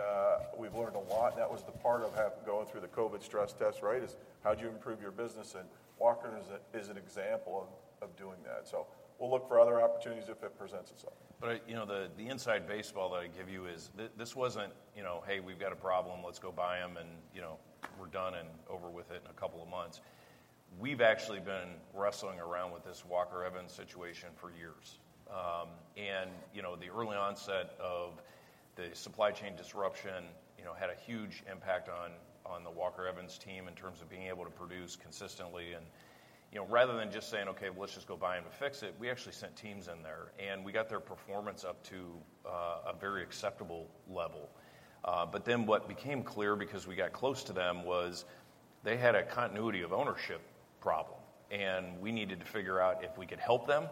we've learned a lot. That was the part of going through the COVID stress test, right? Is how do you improve your business, and Walker is a, is an example of, of doing that. We'll look for other opportunities if it presents itself. You know, the, the inside baseball that I give you is this wasn't, you know, "Hey, we've got a problem, let's go buy them, and, you know, we're done and over with it in a couple of months." We've actually been wrestling around with this Walker Evans situation for years. And, you know, the early onset of the supply chain disruption, you know, had a huge impact on, on the Walker Evans team in terms of being able to produce consistently and, you know, rather than just saying, "Okay, well, let's just go buy them and fix it," we actually sent teams in there, and we got their performance up to a very acceptable level. Then what became clear, because we got close to them, was they had a continuity of ownership problem, and we needed to figure out if we could help them.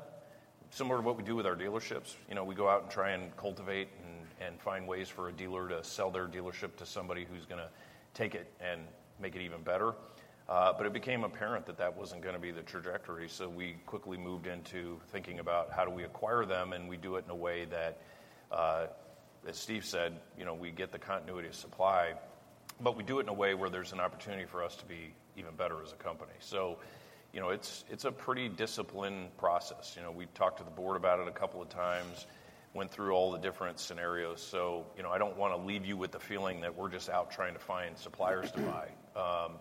Similar to what we do with our dealerships, you know, we go out and try and cultivate and, and find ways for a dealer to sell their dealership to somebody who's gonna take it and make it even better. It became apparent that that wasn't gonna be the trajectory, so we quickly moved into thinking about how do we acquire them, and we do it in a way that, as Steve said, you know, we get the continuity of supply, but we do it in a way where there's an opportunity for us to be even better as a company. You know, it's, it's a pretty disciplined process. You know, we've talked to the board about it a couple of times, went through all the different scenarios. You know, I don't wanna leave you with the feeling that we're just out trying to find suppliers to buy.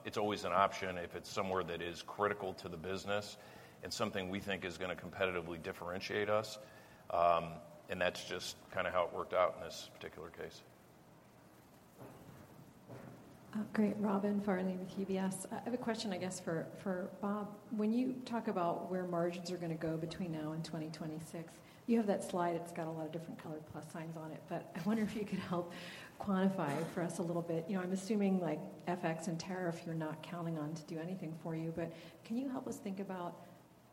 It's always an option if it's somewhere that is critical to the business and something we think is gonna competitively differentiate us. That's just kinda how it worked out in this particular case. Great. Robin Farley with UBS. I have a question, I guess, for Bob. When you talk about where margins are gonna go between now and 2026, you have that slide, it's got a lot of different colored plus signs on it, but I wonder if you could help quantify for us a little bit. You know, I'm assuming, like, FX and tariff, you're not counting on to do anything for you. But can you help us think about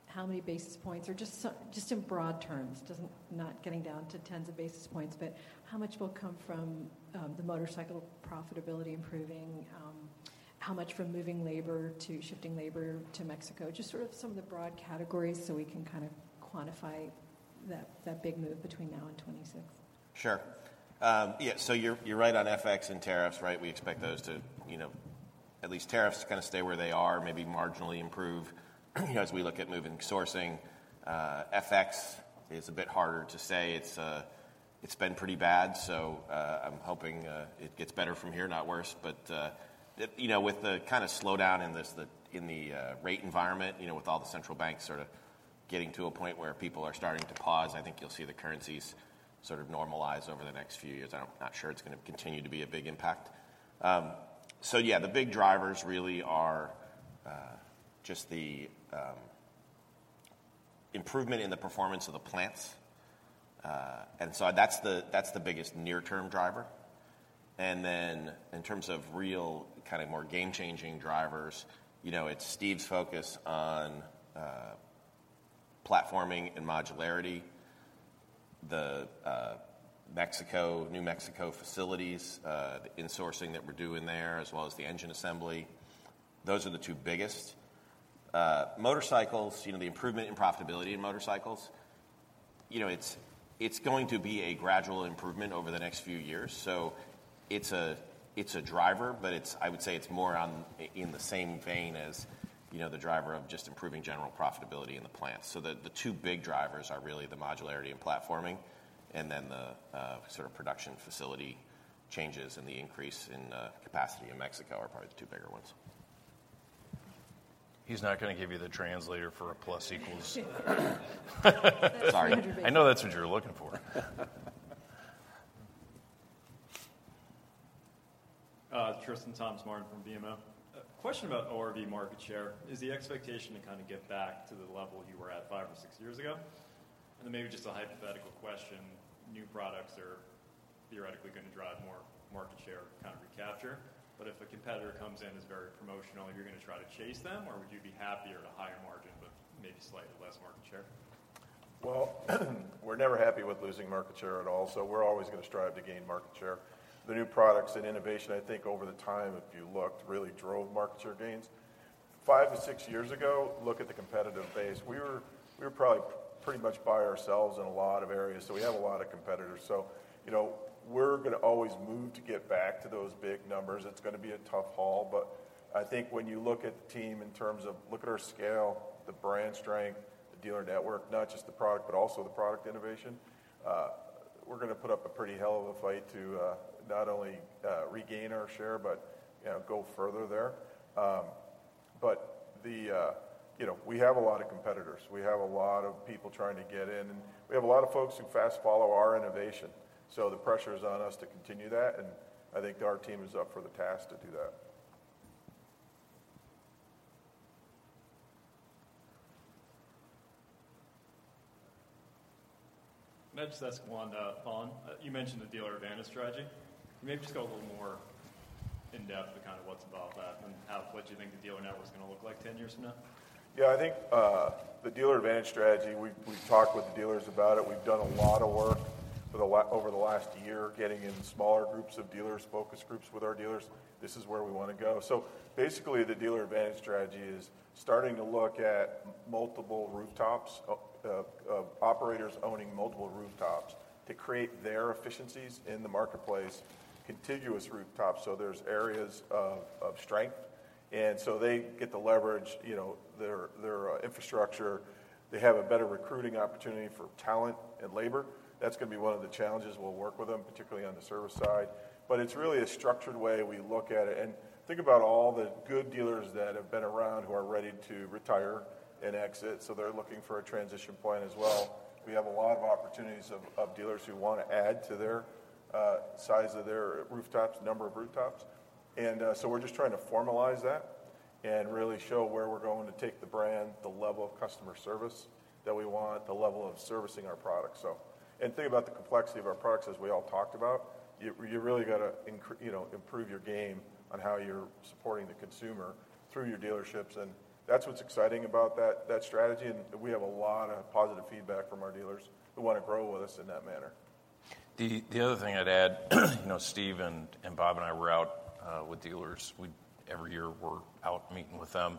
how many basis points or just in broad terms, not getting down to tens of basis points, but how much will come from the motorcycle profitability improving? How much from moving labor to shifting labor to Mexico? Just sort of some of the broad categories so we can kind of quantify that, that big move between now and 26. Sure. Yeah, so you're, you're right on FX and tariffs, right? We expect those to, you know, at least tariffs kinda stay where they are, maybe marginally improve, you know, as we look at moving sourcing. FX is a bit harder to say. It's been pretty bad, so I'm hoping it gets better from here, not worse. It, you know, with the kinda slowdown in this, the, in the rate environment, you know, with all the central banks sort of getting to a point where people are starting to pause, I think you'll see the currencies sort of normalize over the next few years. I'm not sure it's gonna continue to be a big impact. Yeah, the big drivers really are just the improvement in the performance of the plants. So that's the, that's the biggest near-term driver. Then in terms of real, kind of more game-changing drivers, you know, it's Steve's focus on platforming and modularity, the Mexico, New Mexico facilities, the insourcing that we're doing there, as well as the engine assembly. Those are the two biggest. Motorcycles, you know, the improvement in profitability in motorcycles, you know, it's, it's going to be a gradual improvement over the next few years. It's a, it's a driver, but it's- I would say it's more in the same vein as- ... you know, the driver of just improving general profitability in the plant. The, the two big drivers are really the modularity and platforming, and then the sort of production facility changes and the increase in capacity in Mexico are probably the two bigger ones. He's not going to give you the translator for a plus equals. Sorry. I know that's what you're looking for. Tristan Thomas-Martin from BMO. A question about ORV market share. Is the expectation to kind of get back to the level you were at five or six years ago? Maybe just a hypothetical question, new products are theoretically going to drive more market share, kind of recapture. If a competitor comes in, is very promotional, are you going to try to chase them, or would you be happier at a higher margin, but maybe slightly less market share? Well, we're never happy with losing market share at all, so we're always going to strive to gain market share. The new products and innovation, I think over the time, if you looked, really drove market share gains. Five to six years ago, look at the competitive base. We were, we were probably pretty much by ourselves in a lot of areas, so we have a lot of competitors. You know, we're going to always move to get back to those big numbers. It's going to be a tough haul, but I think when you look at the team in terms of... Look at our scale, the brand strength, the dealer network, not just the product, but also the product innovation, we're going to put up a pretty hell of a fight to not only regain our share, but, you know, go further there. The, you know, we have a lot of competitors. We have a lot of people trying to get in, and we have a lot of folks who fast follow our innovation. The pressure is on us to continue that, and I think our team is up for the task to do that. May I just ask one follow-on? You mentioned the Dealer Advantage strategy. Can you maybe just go a little more in-depth to kind of what's involved with that and what you think the dealer network is going to look like 10 years from now? Yeah, I think, the Dealer Advantage strategy, we've, we've talked with the dealers about it. We've done a lot of work for the over the last year, getting in smaller groups of dealers, focus groups with our dealers. This is where we want to go. Basically, the Dealer Advantage strategy is starting to look at multiple rooftops, operators owning multiple rooftops to create their efficiencies in the marketplace, contiguous rooftops, so there's areas of strength. They get to leverage, you know, their, their, infrastructure. They have a better recruiting opportunity for talent and labor. That's going to be one of the challenges we'll work with them, particularly on the service side. It's really a structured way we look at it. Think about all the good dealers that have been around who are ready to retire and exit, so they're looking for a transition plan as well. We have a lot of opportunities of, of dealers who want to add to their size of their rooftops, number of rooftops. So we're just trying to formalize that and really show where we're going to take the brand, the level of customer service that we want, the level of servicing our products, so. Think about the complexity of our products, as we all talked about. You, you really got to you know, improve your game on how you're supporting the consumer through your dealerships, and that's what's exciting about that, that strategy, and we have a lot of positive feedback from our dealers who want to grow with us in that manner. The other thing I'd add, you know, Steve and Bob and I were out with dealers. Every year, we're out meeting with them.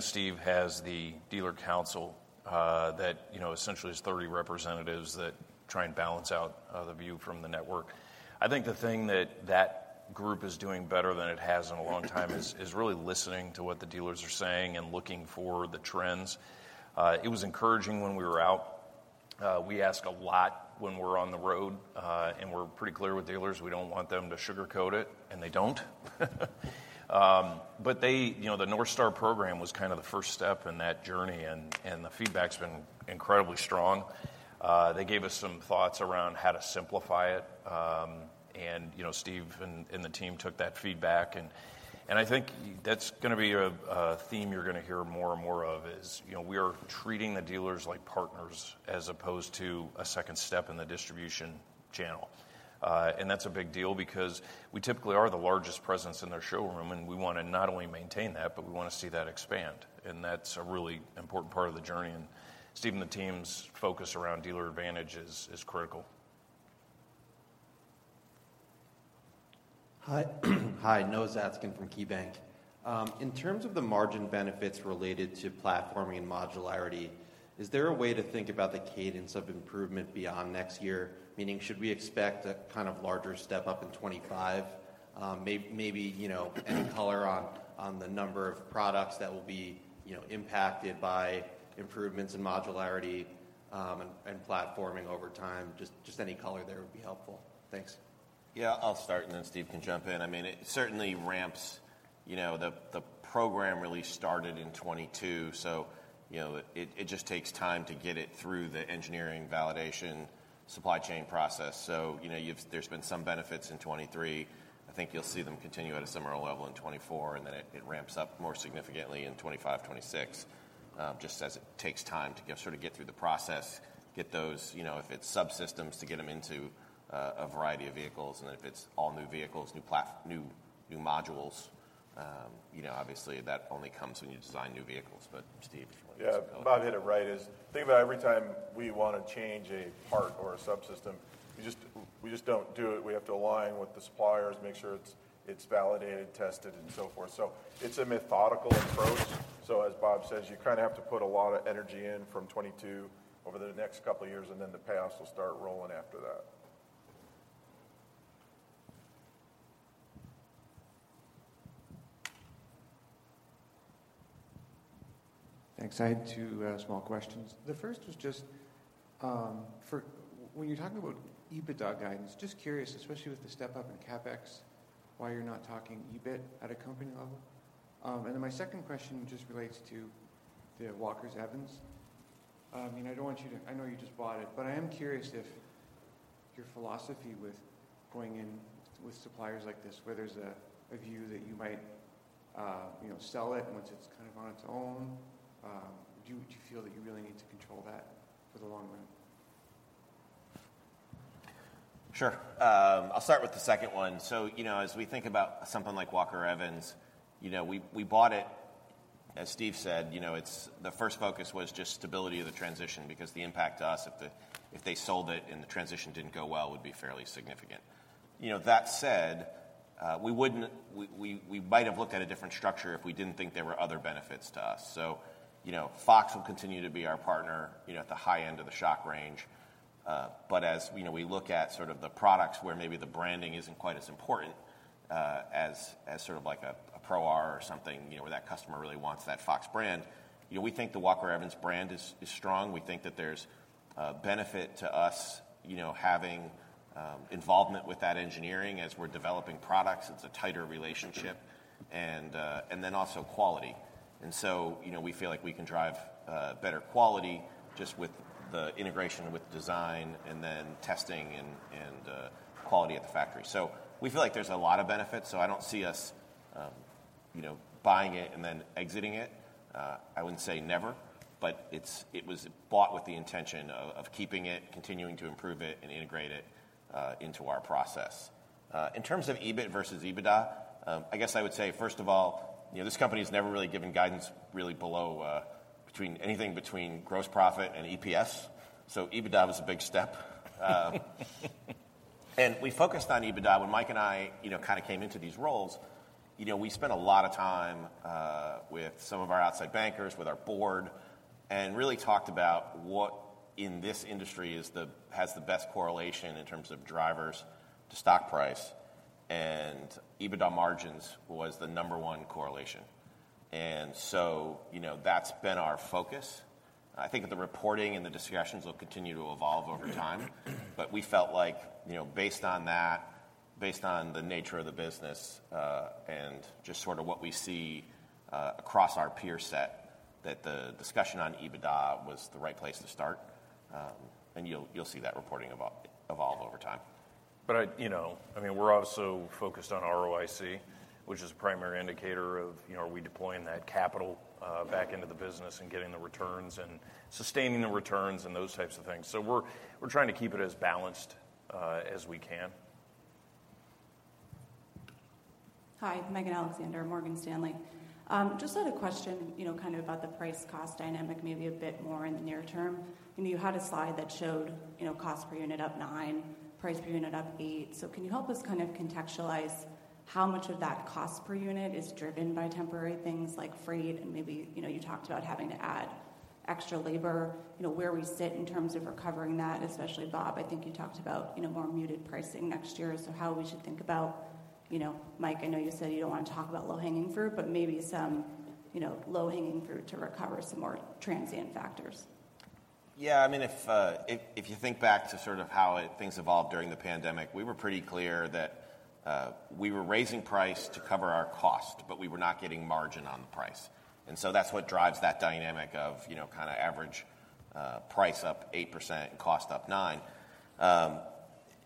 Steve has the dealer council that, you know, essentially is 30 representatives that try and balance out the view from the network. I think the thing that that group is doing better than it has in a long time is, is really listening to what the dealers are saying and looking for the trends. It was encouraging when we were out. We ask a lot when we're on the road, and we're pretty clear with dealers we don't want them to sugarcoat it, and they don't. They... You know, the NorthStar program was kind of the first step in that journey, and the feedback's been incredibly strong. They gave us some thoughts around how to simplify it, you know, Steve and the team took that feedback, and I think that's going to be a theme you're going to hear more and more of is, you know, we are treating the dealers like partners as opposed to a second step in the distribution channel. That's a big deal because we typically are the largest presence in their showroom, and we want to not only maintain that, but we want to see that expand, and that's a really important part of the journey. Steve and the team's focus around Dealer Advantage is critical. Hi. Hi, Noah Zatzkin from KeyBank. In terms of the margin benefits related to platforming and modularity, is there a way to think about the cadence of improvement beyond next year? Meaning, should we expect a kind of larger step-up in 25? You know, any color on the number of products that will be, you know, impacted by improvements in modularity, and platforming over time. Just, just any color there would be helpful. Thanks. Yeah, I'll start, and then Steve can jump in. I mean, it certainly ramps... You know, the, the program really started in 2022, so you know, it, it just takes time to get it through the engineering, validation, supply chain process. You know, you've- there's been some benefits in 2023. I think you'll see them continue at a similar level in 2024, and then it, it ramps up more significantly in 2025, 2026. just as it takes time to get, sort of get through the process, get those, you know, if it's subsystems, to get them into, a variety of vehicles, and then if it's all new vehicles, new plat- new, new modules, you know, obviously, that only comes when you design new vehicles. Steve, if you want to just build- Yeah. Bob hit it right, is think about every time we want to change a part or a subsystem, we just, we just don't do it. We have to align with the suppliers, make sure it's, it's validated, tested, and so forth. It's a methodical approach. As Bob says, you kind of have to put a lot of energy in from 22 over the next couple of years, and then the payoffs will start rolling after that. Thanks. I had two small questions. The first was just for when you're talking about EBITDA guidance, just curious, especially with the step-up in CapEx, why you're not talking EBIT at a company level? My second question just relates to the Walker Evans. You know, I don't want you to, I know you just bought it, but I am curious if your philosophy with going in with suppliers like this, where there's a, a view that you might, you know, sell it once it's kind of on its own. Do you, do you feel that you really need to control that for the long run? Sure. I'll start with the second one. You know, as we think about something like Walker Evans, you know, we, we bought it. As Steve said, you know, it's. The first focus was just stability of the transition, because the impact to us if the, if they sold it and the transition didn't go well, would be fairly significant. You know, that said, we wouldn't, we, we, we might have looked at a different structure if we didn't think there were other benefits to us. You know, FOX will continue to be our partner, you know, at the high end of the shock range. As, you know, we look at sort of the products where maybe the branding isn't quite as important, as, as sort of like a, a Pro R or something, you know, where that customer really wants that FOX brand, you know, we think the Walker Evans brand is, is strong. We think that there's a benefit to us, you know, having, involvement with that engineering as we're developing products. It's a tighter relationship, and then also quality. So, you know, we feel like we can drive better quality just with the integration with design and then testing and, and, quality at the factory. We feel like there's a lot of benefits, so I don't see us, you know, buying it and then exiting it. I wouldn't say never, but it's, it was bought with the intention of, of keeping it, continuing to improve it, and integrate it into our process. In terms of EBIT versus EBITDA, I guess I would say, first of all, you know, this company has never really given guidance really below between anything between gross profit and EPS, so EBITDA was a big step. We focused on EBITDA. When Mike and I, you know, kind of came into these roles, you know, we spent a lot of time with some of our outside bankers, with our board, and really talked about what in this industry has the best correlation in terms of drivers to stock price, and EBITDA margins was the number one correlation. You know, that's been our focus. I think that the reporting and the discussions will continue to evolve over time. We felt like, you know, based on that, based on the nature of the business, and just sort of what we see across our peer set, that the discussion on EBITDA was the right place to start. You'll, you'll see that reporting evolve over time. I, you know, I mean, we're also focused on ROIC, which is a primary indicator of, you know, are we deploying that capital, back into the business and getting the returns and sustaining the returns and those types of things. We're, we're trying to keep it as balanced as we can. Hi, Megan Alexander, Morgan Stanley. Just had a question kind of about the price-cost dynamic, maybe a bit more in the near term. You had a slide that showed cost per unit up 9, price per unit up 8. Can you help us kind of contextualize how much of that cost per unit is driven by temporary things like freight and maybe you talked about having to add extra labor, where we sit in terms of recovering that, especially, Bob, I think you talked about more muted pricing next year. How we should think about? Mike, I know you said you don't want to talk about low-hanging fruit, but maybe some low-hanging fruit to recover some more transient factors. Yeah. I mean, if, if you think back to sort of how things evolved during the pandemic, we were pretty clear that we were raising price to cover our cost, but we were not getting margin on the price. So that's what drives that dynamic of, you know, kind of average price up 8% and cost up nine.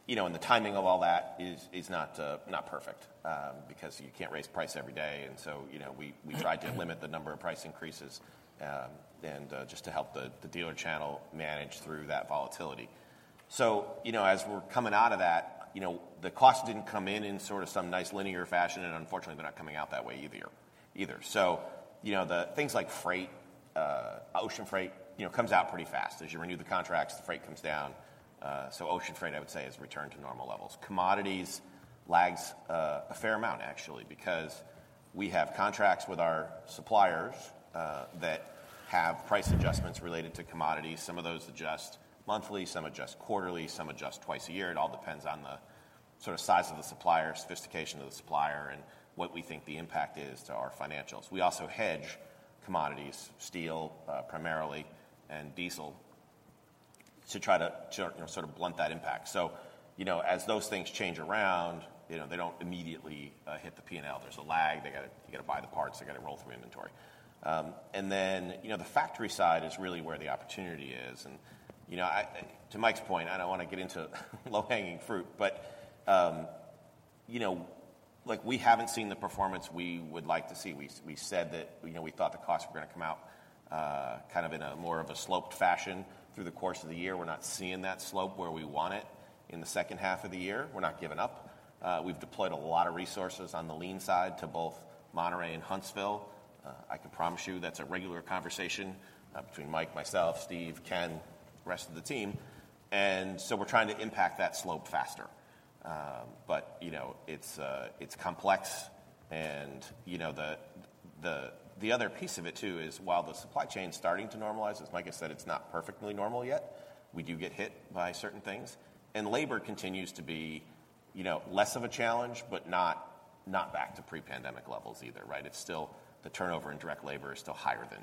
You know, and the timing of all that is, is not perfect, because you can't raise price every day, so, you know, we, we tried to limit the number of price increases, and just to help the dealer channel manage through that volatility. You know, as we're coming out of that, you know, the costs didn't come in in sort of some nice linear fashion, and unfortunately, they're not coming out that way either, either. you know, the things like freight, ocean freight, you know, comes out pretty fast. As you renew the contracts, the freight comes down. So ocean freight, I would say, has returned to normal levels. Commodities lags, a fair amount, actually, because we have contracts with our suppliers, that have price adjustments related to commodities. Some of those adjust monthly, some adjust quarterly, some adjust twice a year. It all depends on the sort of size of the supplier, sophistication of the supplier, and what we think the impact is to our financials. We also hedge commodities, steel, primarily, and diesel, to try to, to, you know, sort of blunt that impact. You know, as those things change around, you know, they don't immediately hit the PNL. There's a lag, you gotta buy the parts, they gotta roll through inventory. Then, you know, the factory side is really where the opportunity is, and, you know, I... To Mike's point, I don't want to get into low-hanging fruit, but, you know, like, we haven't seen the performance we would like to see. We, we said that, you know, we thought the costs were gonna come out, kind of in a more of a sloped fashion through the course of the year. We're not seeing that slope where we want it in the second half of the year. We're not giving up. We've deployed a lot of resources on the lean side to both Monterrey and Huntsville. I can promise you that's a regular conversation, between Mike, myself, Steve, Ken, the rest of the team, and so we're trying to impact that slope faster. You know, it's, it's complex, and, you know, the other piece of it, too, is while the supply chain's starting to normalize, it's like I said, it's not perfectly normal yet. We do get hit by certain things, and labor continues to be, you know, less of a challenge, but not, not back to pre-pandemic levels either, right? It's still, the turnover in direct labor is still higher than,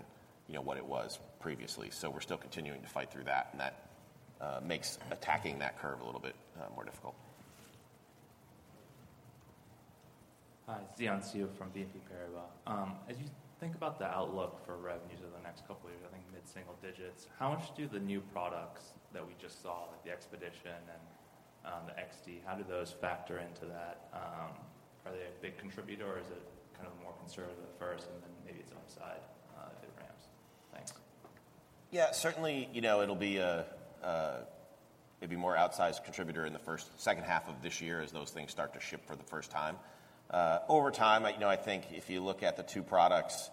you know, what it was previously. We're still continuing to fight through that, and that makes attacking that curve a little bit more difficult. Hi, Xian Siew from BNP Paribas. As you think about the outlook for revenues over the next 2 years, I think mid-single digits, how much do the new products that we just saw, like the XPEDITION and the XD, how do those factor into that? Are they a big contributor, or is it kind of more conservative at first and then maybe it's upside if it ramps? Thanks. Yeah, certainly, you know, it'll be a, a maybe more outsized contributor in the first second half of this year as those things start to ship for the first time. Over time, you know, I think if you look at the two Polaris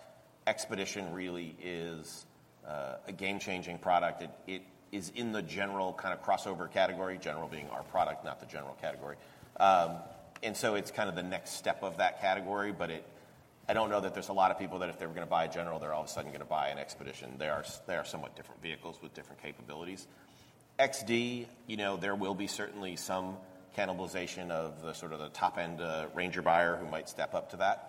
Xpedition really is a game-changing product. It, it is in the General kind of crossover category, General being our product, not the General category. So it's kind of the next step of that category, I don't know that there's a lot of people that if they were gonna buy a General, they're all of a sudden gonna buy a Polaris Xpedition. They are somewhat different vehicles with different capabilities. XD, you know, there will be certainly some cannibalization of the sort of the top-end Ranger buyer who might step up to that.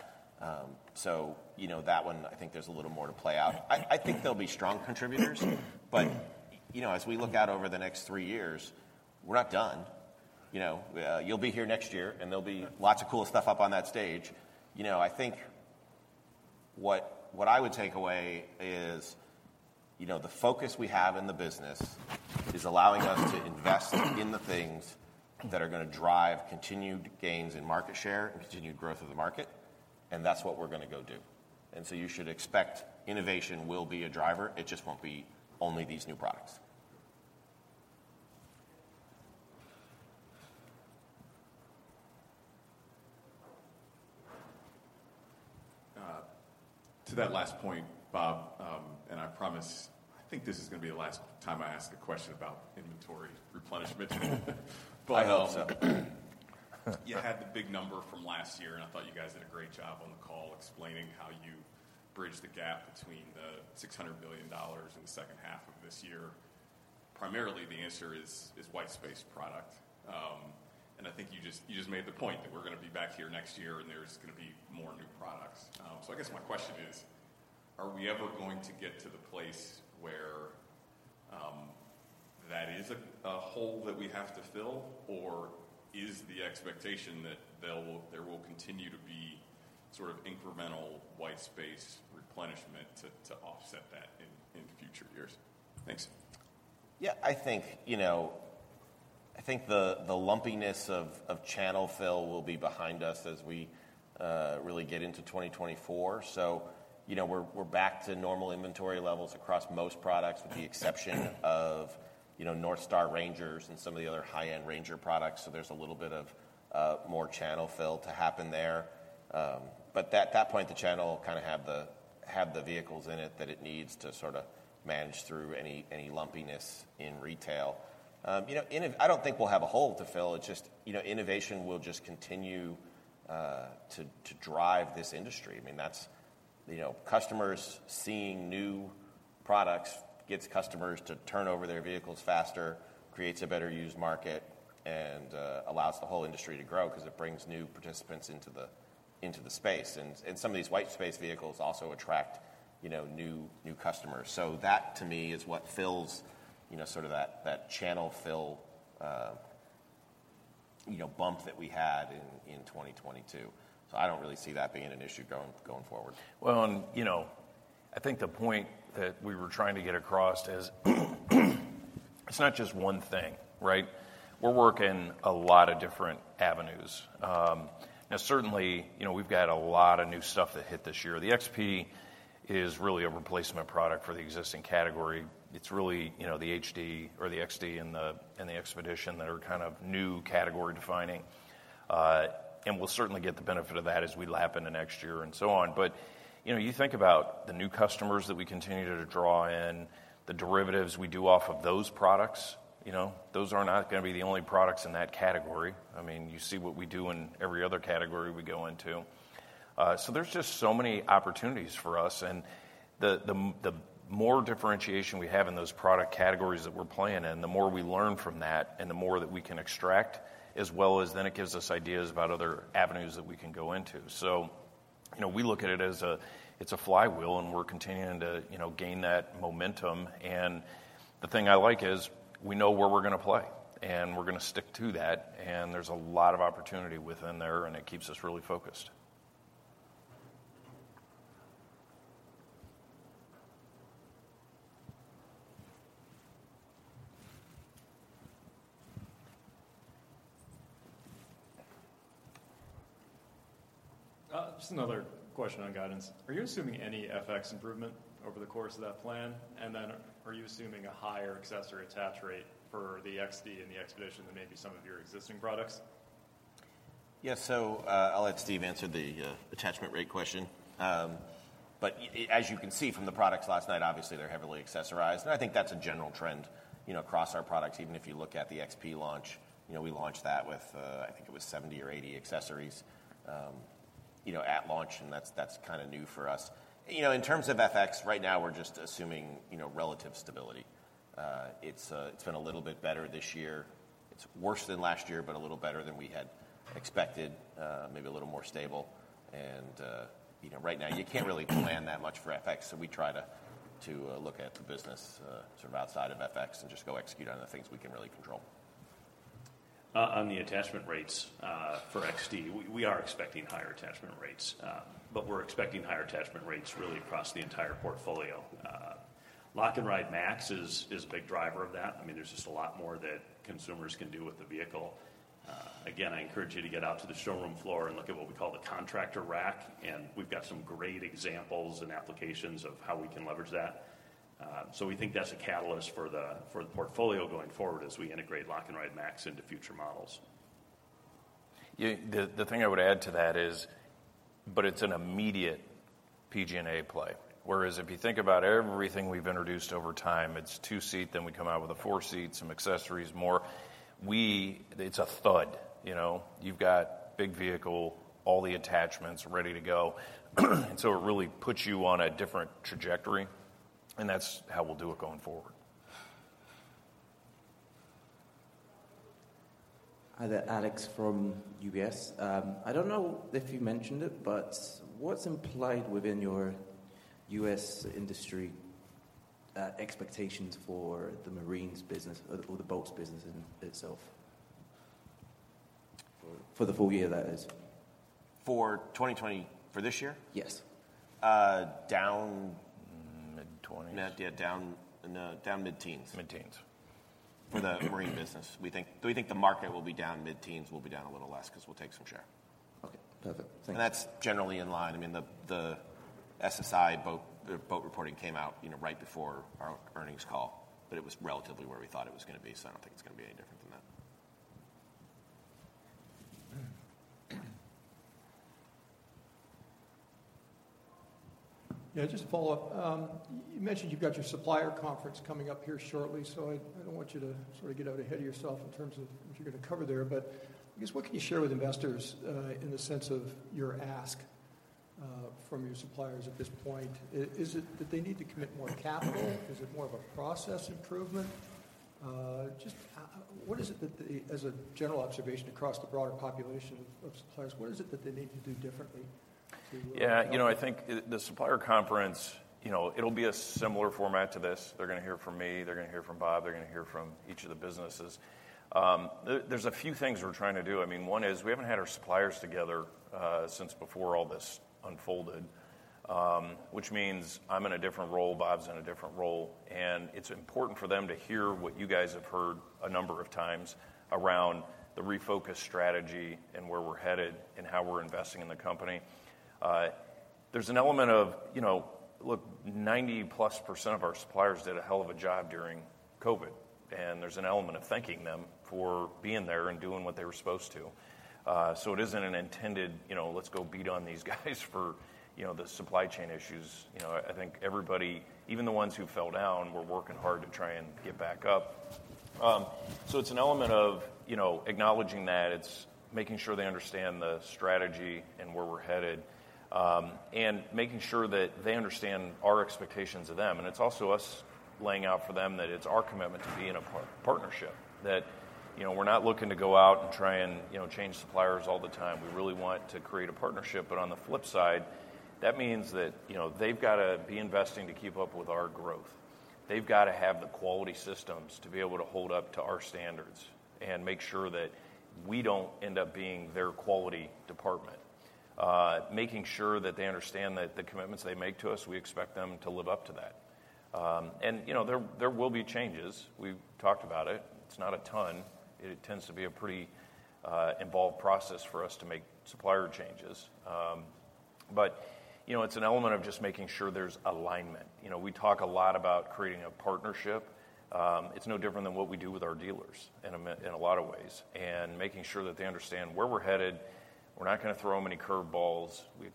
You know, that one, I think there's a little more to play out. I think they'll be strong contributors, but, you know, as we look out over the next three years, we're not done. You know, you'll be here next year, and there'll be lots of cool stuff up on that stage. You know, I think what I would take away is, you know, the focus we have in the business is allowing us to invest in the things that are gonna drive continued gains in market share and continued growth of the market, and that's what we're gonna go do. You should expect innovation will be a driver. It just won't be only these new products. To that last point, Bob, I promise, I think this is gonna be the last time I ask a question about inventory replenishment. I hope so. You had the big number from last year, I thought you guys did a great job on the call explaining how you bridged the gap between the $600 million in the second half of this year. Primarily, the answer is, is white space product. I think you just, you just made the point that we're gonna be back here next year, and there's gonna be more new products. I guess my question is: Are we ever going to get to the place where, that is a, a hole that we have to fill, or is the expectation that there will, there will continue to be sort of incremental white space replenishment to, to offset that in, in future years? Thanks. I think, you know, I think the lumpiness of channel fill will be behind us as we really get into 2024. You know, we're back to normal inventory levels across most products, with the exception of, you know, NorthStar Rangers and some of the other high-end Ranger products, so there's a little bit of more channel fill to happen there. At that point, the channel will kinda have the vehicles in it that it needs to sorta manage through any, any lumpiness in retail. You know, I don't think we'll have a hole to fill. It's just, you know, innovation will just continue to drive this industry. I mean, that's, you know, customers seeing new products gets customers to turn over their vehicles faster, creates a better used market, and allows the whole industry to grow 'cause it brings new participants into the, into the space. Some of these white space vehicles also attract, you know, new, new customers. That, to me, is what fills, you know, sort of that, that channel fill, you know, bump that we had in, in 2022. I don't really see that being an issue going, going forward. Well, you know, I think the point that we were trying to get across is, it's not just one thing, right? We're working a lot of different avenues. Now, certainly, you know, we've got a lot of new stuff that hit this year. The XP is really a replacement product for the existing category. It's really, you know, the HD or the XD and the, and the XPEDITION that are kind of new category-defining. And we'll certainly get the benefit of that as we lap into next year and so on. You know, you think about the new customers that we continue to draw in, the derivatives we do off of those products, you know? Those are not gonna be the only products in that category. I mean, you see what we do in every other category we go into. There's just so many opportunities for us, and the, the more differentiation we have in those product categories that we're playing in, the more we learn from that and the more that we can extract, as well as then it gives us ideas about other avenues that we can go into. You know, we look at it as a, it's a flywheel, and we're continuing to, you know, gain that momentum, and the thing I like is we know where we're gonna play, and we're gonna stick to that, and there's a lot of opportunity within there, and it keeps us really focused. Just another question on guidance. Are you assuming any FX improvement over the course of that plan? Are you assuming a higher accessory attach rate for the XD and the XPEDITION than maybe some of your existing products? Yes, I'll let Steve answer the attachment rate question. As you can see from the products last night, obviously, they're heavily accessorized, and I think that's a general trend, you know, across our products. Even if you look at the XP launch, you know, we launched that with, I think it was 70 or 80 accessories.... you know, at launch, and that's, that's kinda new for us. You know, in terms of FX, right now, we're just assuming, you know, relative stability. It's been a little bit better this year. It's worse than last year, but a little better than we had expected, maybe a little more stable. You know, right now, you can't really plan that much for FX, so we try to, to look at the business, sort of outside of FX and just go execute on the things we can really control. On the attachment rates for XD, we are expecting higher attachment rates, but we're expecting higher attachment rates really across the entire portfolio. Lock & Ride MAX is a big driver of that. I mean, there's just a lot more that consumers can do with the vehicle. Again, I encourage you to get out to the showroom floor and look at what we call the contractor rack, and we've got some great examples and applications of how we can leverage that. We think that's a catalyst for the portfolio going forward as we integrate Lock & Ride MAX into future models. Yeah, the thing I would add to that is, it's an immediate PG&A play, whereas if you think about everything we've introduced over time, it's 2-seat, then we come out with a 4-seat, some accessories, more. It's a thud, you know? You've got big vehicle, all the attachments ready to go. It really puts you on a different trajectory, and that's how we'll do it going forward. Hi there, Alex from UBS. I don't know if you mentioned it, but what's implied within your U.S. industry expectations for the marine business or the, or the boats business in itself? For the full year, that is. For 2020, for this year? Yes. Uh, down- Mid-twenties. Yeah, down, no, down mid-teens. Mid-teens. For the marine business, we think the market will be down mid-teens. We'll be down a little less 'cause we'll take some share. Okay, perfect. Thank you. That's generally in line. I mean, the, the SSI boat, the boat reporting came out, you know, right before our earnings call. It was relatively where we thought it was gonna be, so I don't think it's gonna be any different than that. Yeah, just to follow up, you mentioned you've got your supplier conference coming up here shortly, so I, I don't want you to sort of get out ahead of yourself in terms of what you're gonna cover there. I guess, what can you share with investors, in the sense of your ask, from your suppliers at this point? Is it that they need to commit more capital? Is it more of a process improvement? Just, what is it that the... As a general observation across the broader population of, of suppliers, what is it that they need to do differently to- Yeah, you know, I think the, the supplier conference, you know, it'll be a similar format to this. They're gonna hear from me, they're gonna hear from Bob, they're gonna hear from each of the businesses. There, there's a few things we're trying to do. I mean, one is, we haven't had our suppliers together, since before all this unfolded, which means I'm in a different role, Bob's in a different role, and it's important for them to hear what you guys have heard a number of times around the refocused strategy and where we're headed and how we're investing in the company. There's an element of, you know, look, 90%+ of our suppliers did a hell of a job during COVID, and there's an element of thanking them for being there and doing what they were supposed to. So it isn't an intended, you know, let's go beat on these guys for, you know, the supply chain issues. You know, I think everybody, even the ones who fell down, were working hard to try and get back up. So it's an element of, you know, acknowledging that. It's making sure they understand the strategy and where we're headed, and making sure that they understand our expectations of them. It's also us laying out for them that it's our commitment to be in a partnership, that, you know, we're not looking to go out and try and, you know, change suppliers all the time. We really want to create a partnership. On the flip side, that means that, you know, they've gotta be investing to keep up with our growth. They've gotta have the quality systems to be able to hold up to our standards and make sure that we don't end up being their quality department. Making sure that they understand that the commitments they make to us, we expect them to live up to that. You know, there, there will be changes. We've talked about it. It's not a ton. It tends to be a pretty involved process for us to make supplier changes. You know, it's an element of just making sure there's alignment. You know, we talk a lot about creating a partnership. It's no different than what we do with our dealers in a lot of ways, and making sure that they understand where we're headed. We're not gonna throw them any curve balls. We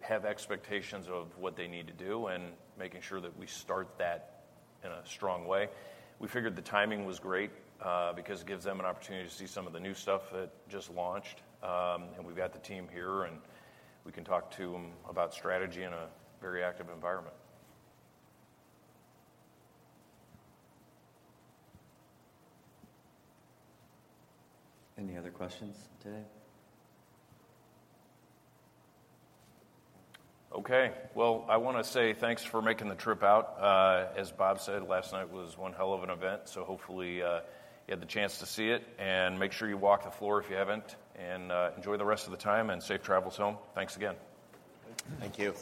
have expectations of what they need to do and making sure that we start that in a strong way. We figured the timing was great because it gives them an opportunity to see some of the new stuff that just launched. We've got the team here, and we can talk to them about strategy in a very active environment. Any other questions today? Okay. Well, I wanna say thanks for making the trip out. As Bob said, last night was one hell of an event, so hopefully, you had the chance to see it, and make sure you walk the floor if you haven't. Enjoy the rest of the time, and safe travels home. Thanks again. Thank you.